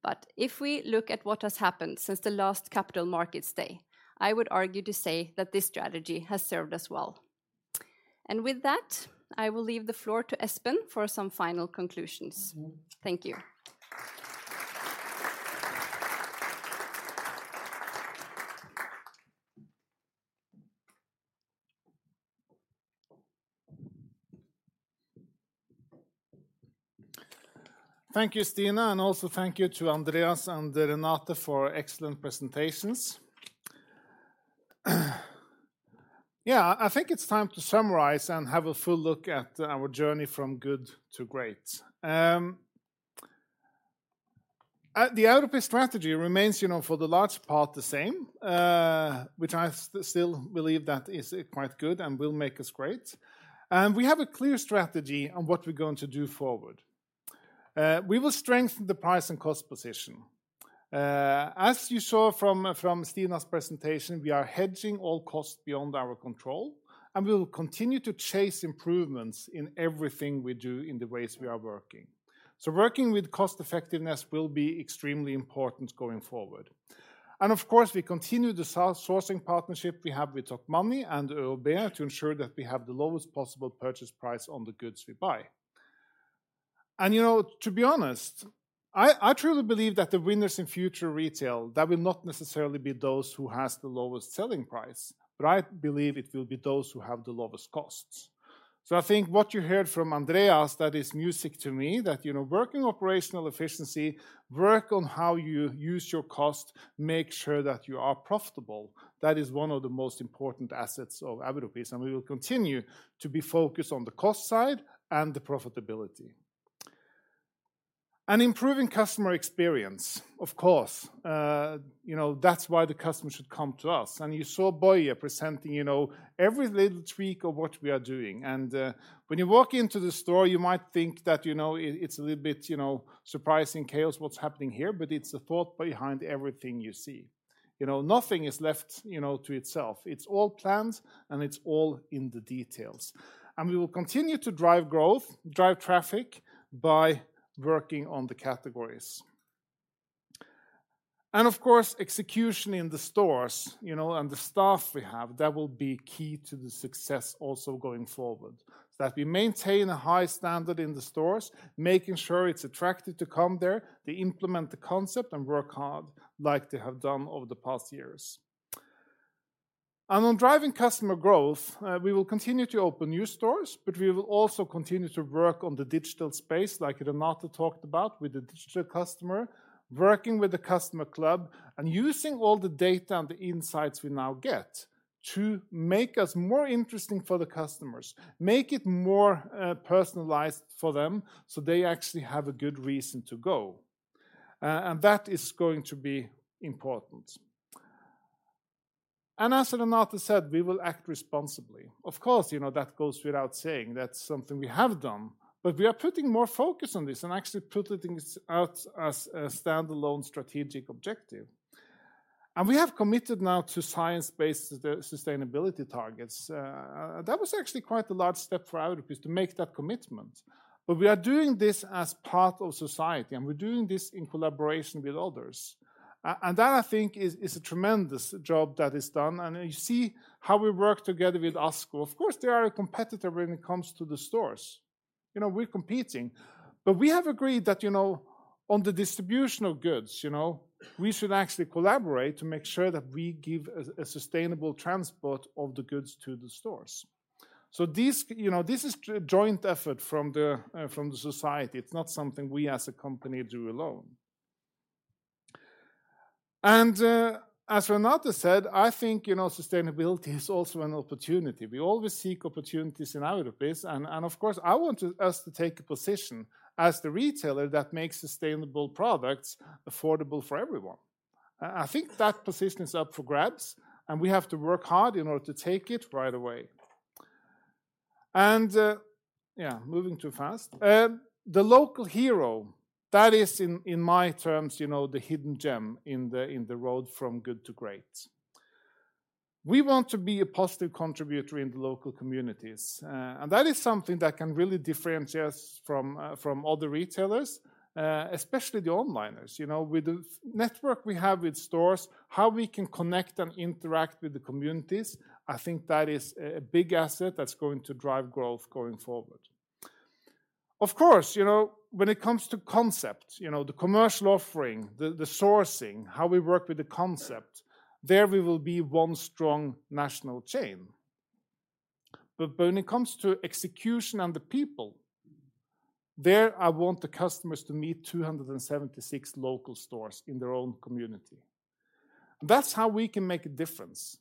but if we look at what has happened since the last Capital Markets Day, I would argue to say that this strategy has served us well. With that, I will leave the floor to Espen for some final conclusions. Thank you. Thank you, Stina, and also thank you to Andreas and Renate for excellent presentations. Yeah, I think it's time to summarize and have a full look at our journey From Good to Great. The Europris strategy remains, you know, for the large part the same, which I still believe that is quite good and will make us great. We have a clear strategy on what we're going to do forward. We will strengthen the price and cost position. As you saw from Stina's presentation, we are hedging all costs beyond our control, and we will continue to chase improvements in everything we do in the ways we are working. Working with cost effectiveness will be extremely important going forward. Of course, we continue the sourcing partnership we have with Tokmanni and ÖoB to ensure that we have the lowest possible purchase price on the goods we buy. You know, to be honest, I truly believe that the winners in future retail, that will not necessarily be those who has the lowest selling price, but I believe it will be those who have the lowest costs. I think what you heard from Andreas, that is music to me, that, you know, working operational efficiency, work on how you use your cost, make sure that you are profitable. That is one of the most important assets of Europris, and we will continue to be focused on the cost side and the profitability and improving customer experience, of course, you know, that's why the customer should come to us. You saw Boye presenting, you know, every little tweak of what we are doing. When you walk into the store, you might think that, you know, it's a little bit, you know, surprising chaos what's happening here, but it's a thought behind everything you see. You know, nothing is left, you know, to itself. It's all planned, and it's all in the details. We will continue to drive growth, drive traffic by working on the categories. Of course, execution in the stores, you know, and the staff we have, that will be key to the success also going forward. That we maintain a high standard in the stores, making sure it's attractive to come there, they implement the concept and work hard like they have done over the past years. On driving customer growth, we will continue to open new stores, we will also continue to work on the digital space like Renate talked about with the digital customer, working with the customer club and using all the data and the insights we now get to make us more interesting for the customers, make it more personalized for them, so they actually have a good reason to go. That is going to be important. As Renate said, we will act responsibly. Of course, you know, that goes without saying that's something we have done. We are putting more focus on this and actually putting things out as a standalone strategic objective. We have committed now to science-based sustainability targets. That was actually quite a large step for AutoStore to make that commitment. We are doing this as part of society, and we're doing this in collaboration with others. That I think is a tremendous job that is done. You see how we work together with ASKO. Of course, they are a competitor when it comes to the stores. You know, we're competing. We have agreed that, you know, on the distribution of goods, you know, we should actually collaborate to make sure that we give a sustainable transport of the goods to the stores. This, you know, this is joint effort from the society. It's not something we as a company do alone. As Renate said, I think, you know, sustainability is also an opportunity. We always seek opportunities in AutoStore, and of course, I want us to take a position as the retailer that makes sustainable products affordable for everyone. I think that position is up for grabs, and we have to work hard in order to take it right away. Yeah, moving too fast. The local hero, that is in my terms, you know, the hidden gem in the, in the road From Good to Great. We want to be a positive contributor in the local communities. That is something that can really differentiate us from other retailers, especially the onliners. You know, with the network we have with stores, how we can connect and interact with the communities, I think that is a big asset that's going to drive growth going forward. Of course, you know, when it comes to concept, you know, the commercial offering, the sourcing, how we work with the concept, there we will be one strong national chain. When it comes to execution and the people, there I want the customers to meet 276 local stores in their own community. That's how we can make a difference.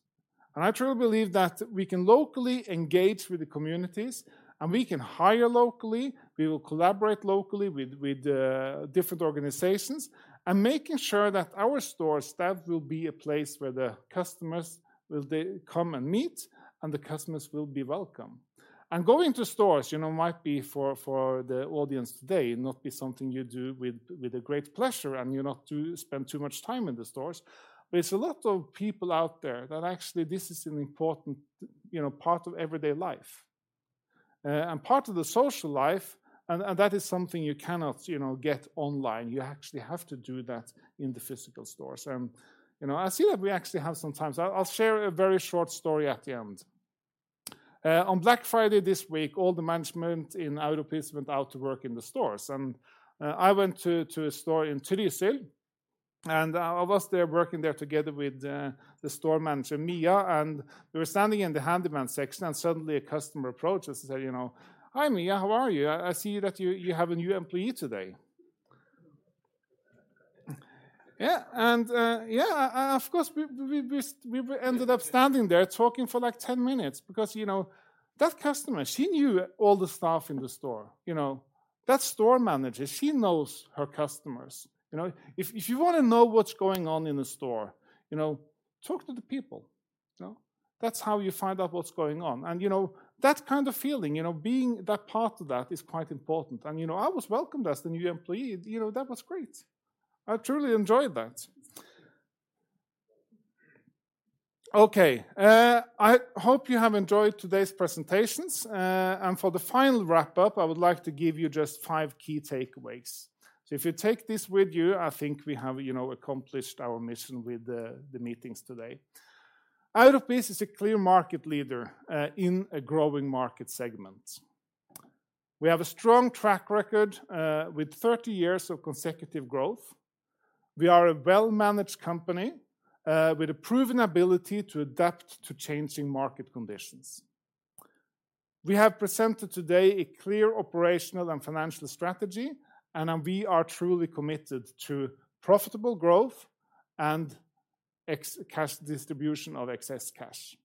I truly believe that we can locally engage with the communities, and we can hire locally, we will collaborate locally with different organizations, and making sure that our store staff will be a place where the customers will they come and meet, and the customers will be welcome. Going to stores, you know, might be for the audience today, not be something you do with a great pleasure, and you not to spend too much time in the stores. It's a lot of people out there that actually this is an important, you know, part of everyday life, and part of the social life, and that is something you cannot, you know, get online. You actually have to do that in the physical stores. You know, I see that we actually have some time. I'll share a very short story at the end. On Black Friday this week, all the management in AutoStore went out to work in the stores. I went to a store in Trysil, and I was there working there together with the store manager, Mia, and we were standing in the handyman section, and suddenly a customer approaches and say, you know, "Hi, Mia, how are you? I see that you have a new employee today." Yeah, of course, we ended up standing there talking for like 10 minutes because, you know, that customer, she knew all the staff in the store. You know, that store manager, she knows her customers, you know. If you wanna know what's going on in a store, you know, talk to the people. You know? That's how you find out what's going on. You know, that kind of feeling, you know, being that part of that is quite important. You know, I was welcomed as the new employee. You know, that was great. I truly enjoyed that. Okay. I hope you have enjoyed today's presentations. For the final wrap-up, I would like to give you just five key takeaways. If you take this with you, I think we have, you know, accomplished our mission with the meetings today. AutoStore is a clear market leader in a growing market segment. We have a strong track record with 30 years of consecutive growth. We are a well-managed company with a proven ability to adapt to changing market conditions. We have presented today a clear operational and financial strategy, we are truly committed to profitable growth and cash distribution of excess cash.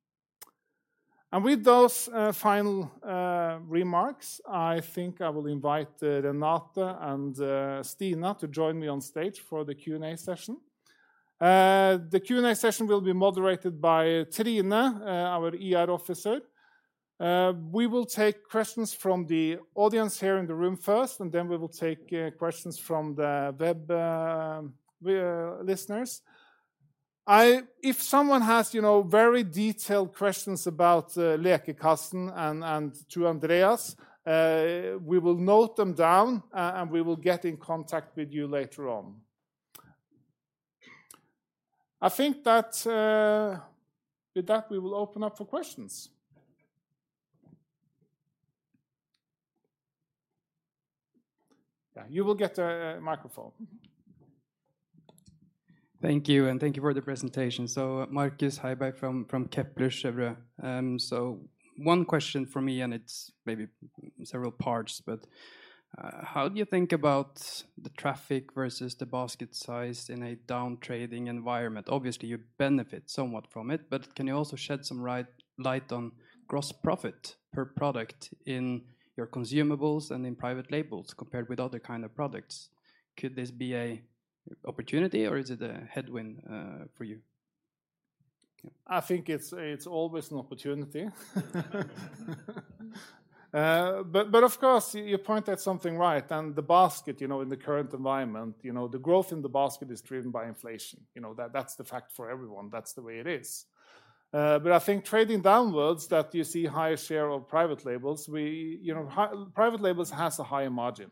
With those final remarks, I think I will invite Renate and Stina to join me on stage for the Q&A session. The Q&A session will be moderated by Trine, our ER officer. We will take questions from the audience here in the room first, and then we will take questions from the web listeners. If someone has, you know, very detailed questions about Lekekassen and to Andreas, we will note them down and we will get in contact with you later on. I think that with that, we will open up for questions. Yeah, you will get a microphone. Thank you. Thank you for the presentation. Markus Heiberg from Kepler Cheuvreux. One question from me, and it's maybe several parts, but how do you think about the traffic versus the basket size in a down trading environment? Obviously, you benefit somewhat from it, but can you also shed some light on gross profit per product in your consumables and in private labels compared with other kind of products? Could this be a opportunity, or is it a headwind for you? I think it's always an opportunity. Of course, you point at something right, and the basket, you know, in the current environment, you know, the growth in the basket is driven by inflation. You know, that's the fact for everyone. That's the way it is. I think trading downwards that you see higher share of private labels, Private labels has a higher margin,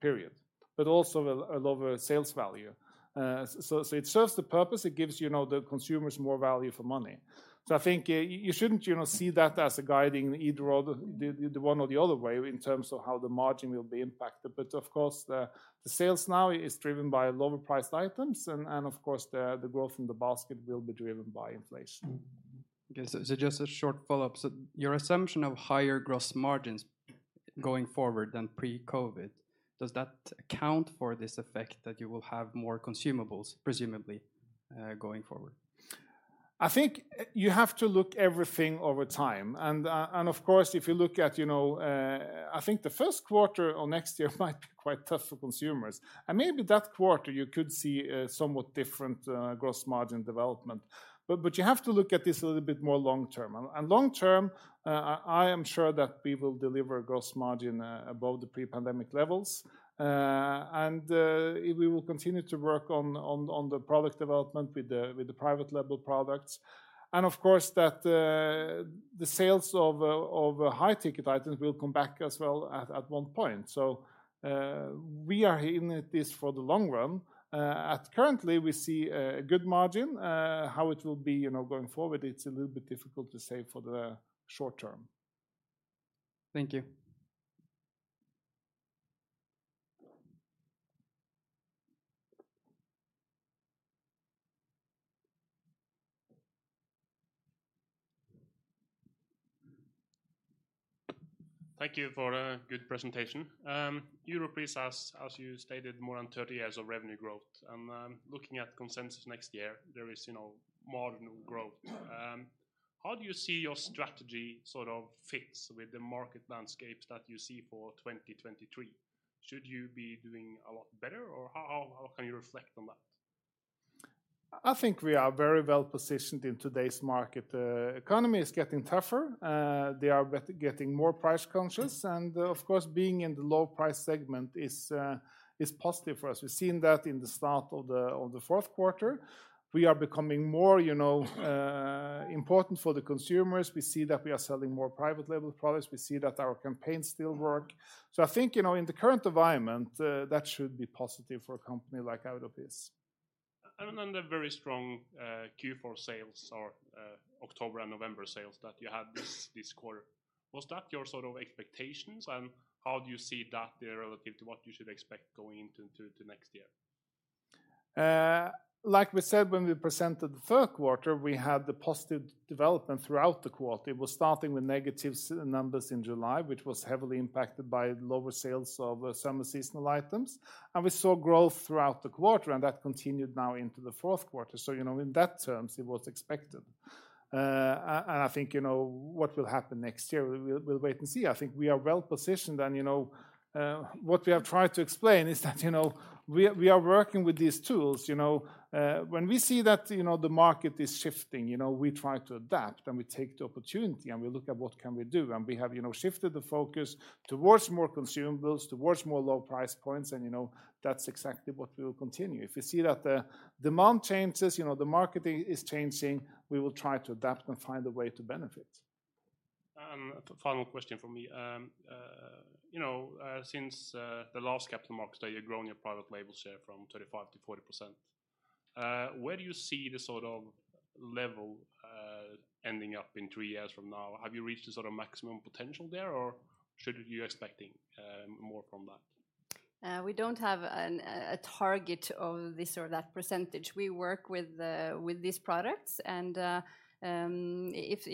period, but also a lower sales value. It serves the purpose. It gives, you know, the consumers more value for money. I think, you shouldn't, you know, see that as a guiding either or the one or the other way in terms of how the margin will be impacted. Of course, the sales now is driven by lower priced items and of course, the growth in the basket will be driven by inflation. Okay. Just a short follow-up. Your assumption of higher gross margins going forward than pre-COVID, does that account for this effect that you will have more consumables, presumably, going forward? I think you have to look everything over time. Of course, if you look at, you know, I think the first quarter of next year might be quite tough for consumers, and maybe that quarter you could see a somewhat different, gross margin development. You have to look at this a little bit more long term. Long term, I am sure that we will deliver gross margin above the pre-pandemic levels. We will continue to work on the product development with the private label products. Of course, that, the sales of high ticket items will come back as well at one point. We are in this for the long run. At currently we see a good margin. How it will be, you know, going forward, it's a little bit difficult to say for the short term. Thank you. Thank you for a good presentation. Europris has, as you stated, more than 30 years of revenue growth. Looking at consensus next year, there is, you know, marginal growth. How do you see your strategy sort of fits with the market landscape that you see for 2023? Should you be doing a lot better, or how can you reflect on that? I think we are very well positioned in today's market. Economy is getting tougher. They are getting more price conscious, and of course, being in the low price segment is positive for us. We've seen that in the start of the, of the fourth quarter. We are becoming more, you know, important for the consumers. We see that we are selling more private label products. We see that our campaigns still work. I think, you know, in the current environment, that should be positive for a company like Europris. The very strong Q4 sales or October and November sales that you had this quarter. Was that your sort of expectations, and how do you see that there relative to what you should expect going into next year? Like we said when we presented the third quarter, we had the positive development throughout the quarter. It was starting with negative numbers in July, which was heavily impacted by lower sales of summer seasonal items. We saw growth throughout the quarter, and that continued now into the 4th quarter. You know, in that terms, it was expected. I think, you know, what will happen next year, we'll wait and see. I think we are well positioned, and, you know, what we have tried to explain is that, you know, we are working with these tools, you know. When we see that, you know, the market is shifting, you know, we try to adapt, and we take the opportunity, and we look at what can we do. We have, you know, shifted the focus towards more consumables, towards more low price points, and, you know, that's exactly what we will continue. If we see that the demand changes, you know, the market is changing, we will try to adapt and find a way to benefit. Final question from me. You know, since the last Capital Markets Day, you're growing your private label share from 35%-40%. Where do you see the sort of level ending up in three years from now? Have you reached the sort of maximum potential there, or should you expecting more from that? We don't have a target of this or that percentage. We work with these products and if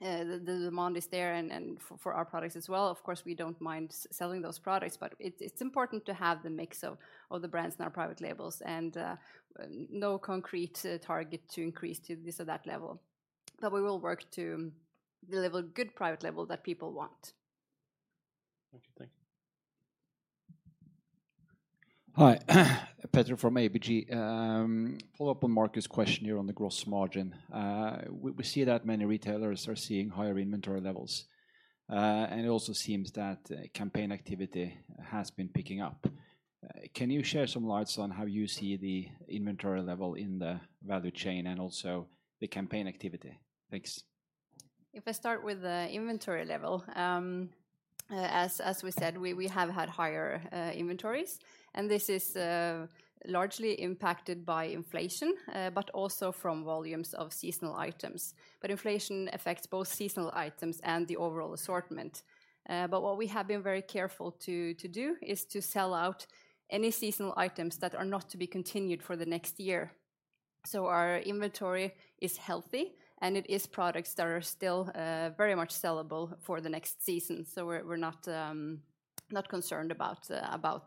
the demand is there and for our products as well. Of course, we don't mind selling those products, but it's important to have the mix of the brands and our private labels and no concrete target to increase to this or that level. We will work to deliver good private label that people want. Okay, thank you. Hi. Petter from ABG. Follow up on Markus' question here on the gross margin. We see that many retailers are seeing higher inventory levels, and it also seems that campaign activity has been picking up. Can you share some lights on how you see the inventory level in the value chain and also the campaign activity? Thanks. If I start with the inventory level, as we said, we have had higher inventories, and this is largely impacted by inflation, but also from volumes of seasonal items. Inflation affects both seasonal items and the overall assortment. What we have been very careful to do is to sell out any seasonal items that are not to be continued for the next year. Our inventory is healthy, and it is products that are still very much sellable for the next season. We're not concerned about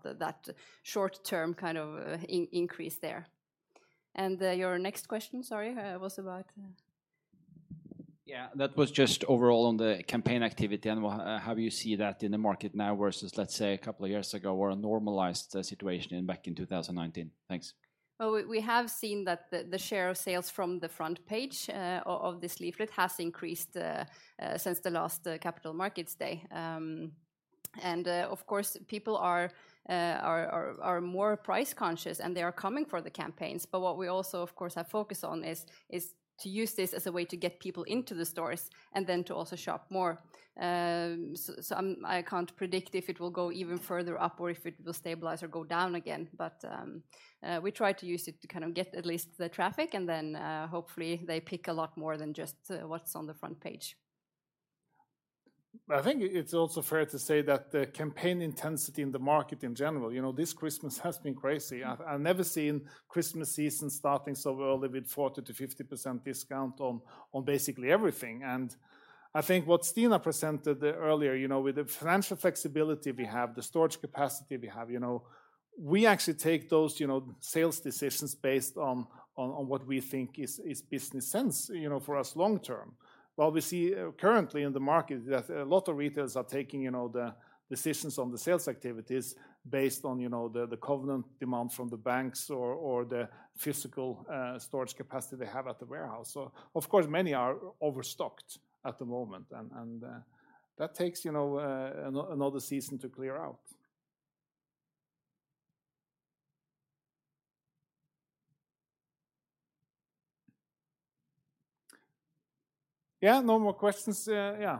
that short term kind of in-increase there. Your next question, sorry, was about? Yeah. That was just overall on the campaign activity and how you see that in the market now versus, let's say, a couple of years ago or a normalized situation back in 2019. Thanks. Well, we have seen that the share of sales from the front page of this leaflet has increased since the last Capital Markets Day. Of course, people are more price conscious, and they are coming for the campaigns. What we also, of course, have focused on is to use this as a way to get people into the stores and then to also shop more. I can't predict if it will go even further up or if it will stabilize or go down again. We try to use it to kind of get at least the traffic, and then hopefully they pick a lot more than just what's on the front page. I think it's also fair to say that the campaign intensity in the market in general, you know, this Christmas has been crazy. I've never seen Christmas season starting so early with 40%-50% discount on basically everything. I think what Stina presented earlier, you know, with the financial flexibility we have, the storage capacity we have, you know, we actually take those, you know, sales decisions based on what we think is business sense, you know, for us long term. What we see currently in the market that a lot of retailers are taking, you know, the decisions on the sales activities based on, you know, the covenant demand from the banks or the physical storage capacity they have at the warehouse. Of course, many are overstocked at the moment and that takes, you know, another season to clear out. Yeah, no more questions? Yeah.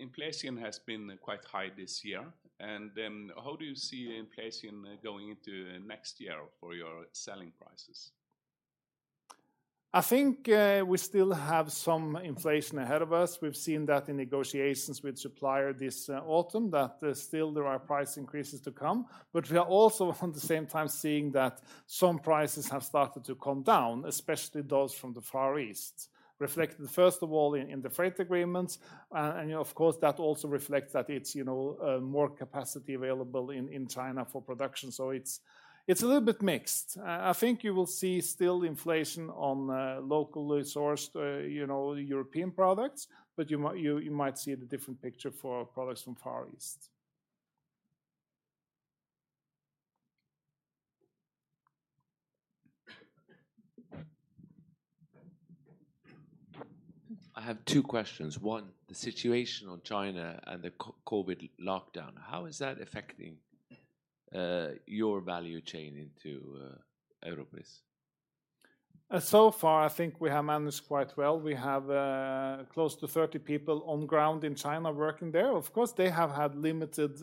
Inflation has been quite high this year. How do you see inflation going into next year for your selling prices? I think we still have some inflation ahead of us. We've seen that in negotiations with supplier this autumn that still there are price increases to come. We are also at the same time seeing that some prices have started to come down, especially those from the Far East, reflecting first of all in the freight agreements. Of course, that also reflects that it's, you know, more capacity available in China for production. It's a little bit mixed. I think you will see still inflation on locally sourced, you know, European products, but you might see the different picture for products from Far East. I have two questions. One, the situation on China and the COVID lockdown, how is that affecting your value chain into Europris? So far, I think we have managed quite well. We have close to 30 people on ground in China working there. Of course, they have had limited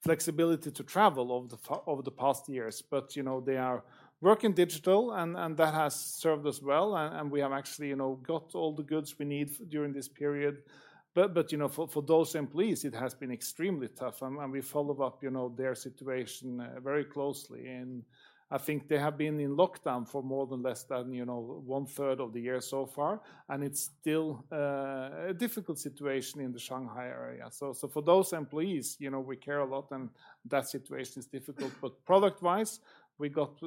flexibility to travel over the past years, but, you know, they are working digital, and that has served us well. We have actually, you know, got all the goods we need during this period. You know, for those employees, it has been extremely tough, and we follow up, you know, their situation very closely. I think they have been in lockdown for more than less than, you know, one-third of the year so far, and it's still a difficult situation in the Shanghai area. For those employees, you know, we care a lot, and that situation is difficult. Product-wise, we got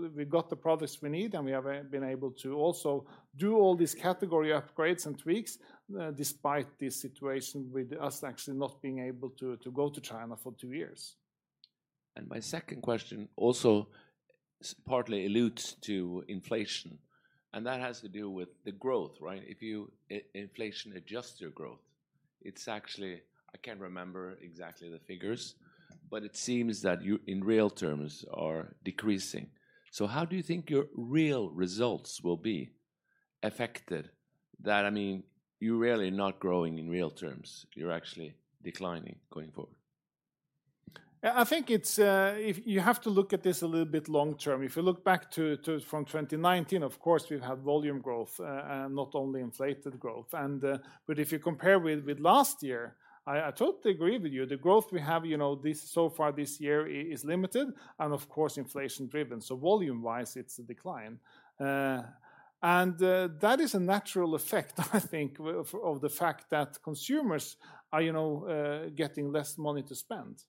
the products we need, and we have been able to also do all these category upgrades and tweaks, despite this situation with us actually not being able to go to China for two years. My second question also partly alludes to inflation, and that has to do with the growth, right? If you inflation adjusts your growth, it's actually, I can't remember exactly the figures, it seems that you, in real terms, are decreasing. How do you think your real results will be affected that, I mean, you're really not growing in real terms, you're actually declining going forward? I think it's if you have to look at this a little bit long term. If you look back to from 2019, of course, we've had volume growth and not only inflated growth. But if you compare with last year, I totally agree with you. The growth we have, you know, this so far this year is limited and of course, inflation driven. Volume-wise, it's a decline. That is a natural effect, I think, of the fact that consumers are, you know, getting less money to spend.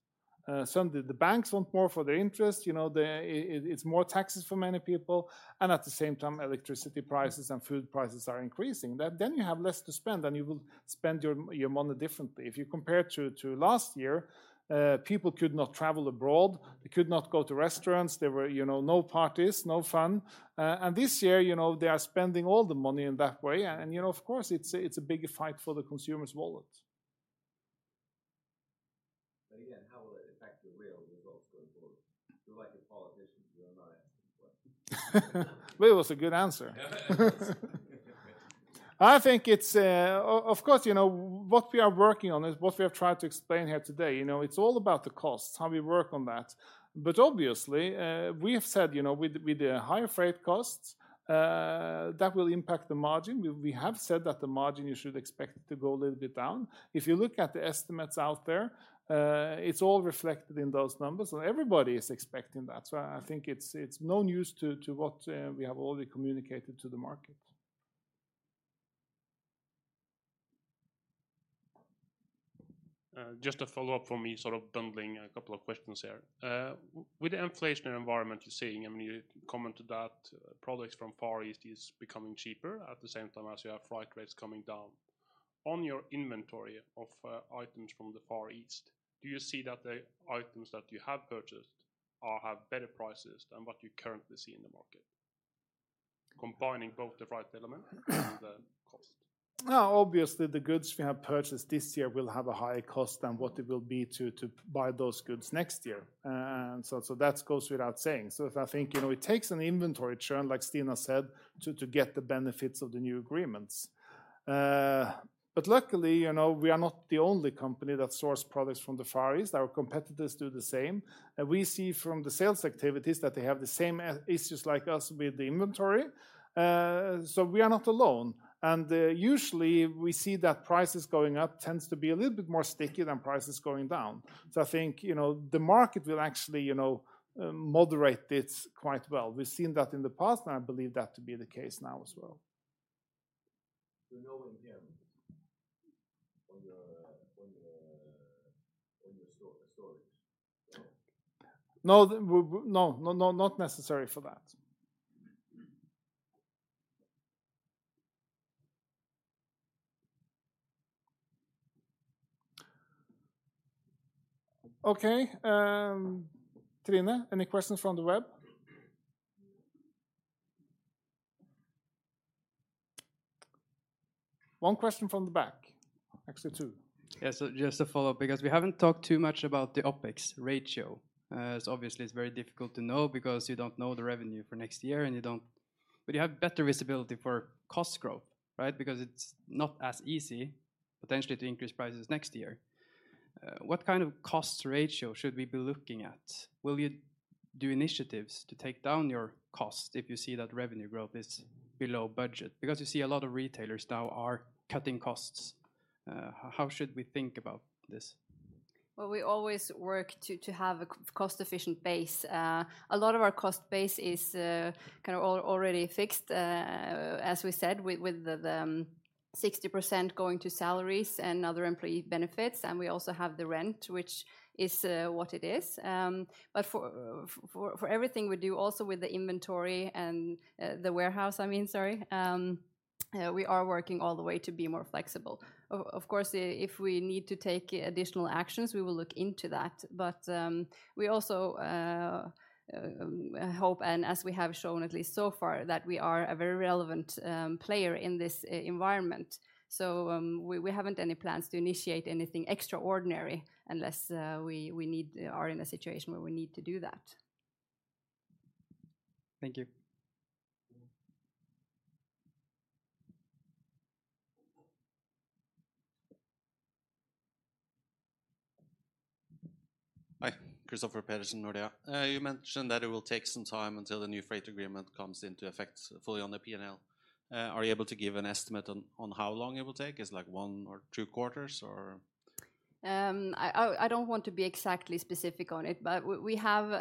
The banks want more for their interest, you know, It's more taxes for many people, and at the same time, electricity prices and food prices are increasing. Then you have less to spend, and you will spend your money differently. If you compare to last year, people could not travel abroad, they could not go to restaurants. There were, you know, no parties, no fun. This year, you know, they are spending all the money in that way. You know, of course it's a big fight for the consumer's wallet. Again, how will it affect the real results going forward? You're like a politician, you are not answering questions. It was a good answer. Yeah, it is. I think it's, of course, you know, what we are working on is what we have tried to explain here today. You know, it's all about the costs, how we work on that. Obviously, you know, with the higher freight costs, that will impact the margin. We have said that the margin you should expect to go a little bit down. If you look at the estimates out there, it's all reflected in those numbers, and everybody is expecting that. I think it's no news to what we have already communicated to the market. Just a follow-up from me, sort of bundling a couple of questions here. With the inflationary environment you're seeing, I mean, you commented that products from Far East is becoming cheaper at the same time as you have freight rates coming down. On your inventory of items from the Far East, do you see that the items that you have purchased are have better prices than what you currently see in the market? Combining both the right element and the cost. Obviously the goods we have purchased this year will have a higher cost than what it will be to buy those goods next year. So that goes without saying. If I think, you know, it takes an inventory churn, like Stina said, to get the benefits of the new agreements. Luckily, you know, we are not the only company that source products from the Far East. Our competitors do the same. We see from the sales activities that they have the same issues like us with the inventory. We are not alone. Usually we see that prices going up tends to be a little bit more sticky than prices going down. I think, you know, the market will actually, you know, moderate this quite well. We've seen that in the past, and I believe that to be the case now as well. No impact on your storage? No. No, no, not necessary for that. Okay, Trine, any questions from the web? One question from the back. Actually, two. Just to follow up, because we haven't talked too much about the OpEx ratio. It's obviously it's very difficult to know because you don't know the revenue for next year and you don't. You have better visibility for cost growth, right? It's not as easy potentially to increase prices next year. What kind of cost ratio should we be looking at? Will you do initiatives to take down your cost if you see that revenue growth is below budget? You see a lot of retailers now are cutting costs. How should we think about this? We always work to have a cost efficient base. A lot of our cost base is kind of already fixed, as we said, with the 60% going to salaries and other employee benefits. We also have the rent, which is what it is. For everything we do also with the inventory and the warehouse, I mean, sorry, we are working all the way to be more flexible. Of course, if we need to take additional actions, we will look into that. We also hope, and as we have shown at least so far, that we are a very relevant player in this environment. We haven't any plans to initiate anything extraordinary unless we need, are in a situation where we need to do that. Thank you. Hi. Kristoffer Pedersen, Nordea. You mentioned that it will take some time until the new freight agreement comes into effect fully on the P&L. Are you able to give an estimate on how long it will take? Is like one or two quarters or...? I don't want to be exactly specific on it, but we have,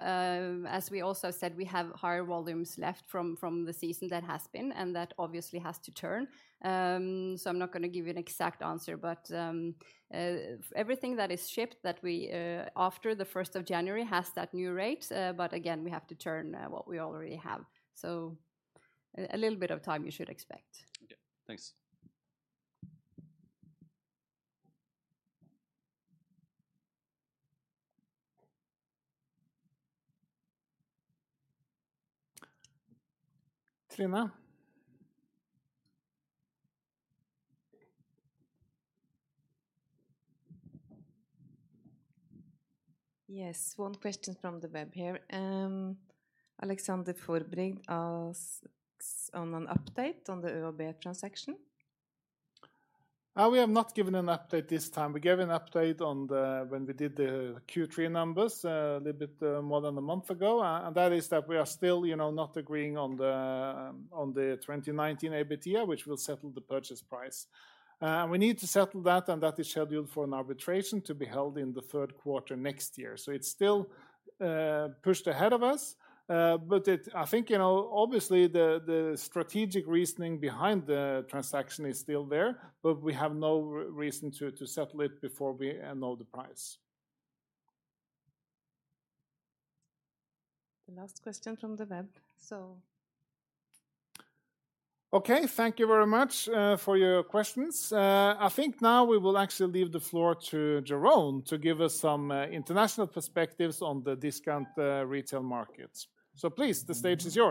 as we also said, we have higher volumes left from the season that has been, and that obviously has to turn. I'm not gonna give you an exact answer, but everything that is shipped that we after the 1st of January has that new rate. Again, we have to turn what we already have. A little bit of time you should expect. Okay, thanks. Trine? Yes. One question from the web here. Alexander Forbrig asks on an update on the ÖoB transaction. We have not given an update this time. We gave an update on the when we did the Q3 numbers, a little bit more than a month ago. That is that we are still, you know, not agreeing on the 2019 EBITDA, which will settle the purchase price. We need to settle that, and that is scheduled for an arbitration to be held in the third quarter next year. It's still pushed ahead of us. But I think, you know, obviously the strategic reasoning behind the transaction is still there, but we have no reason to settle it before we know the price. The last question from the web.... Okay. Thank you very much for your questions. I think now we will actually leave the floor to Jeroen to give us some international perspectives on the discount retail markets. Please, the stage is yours.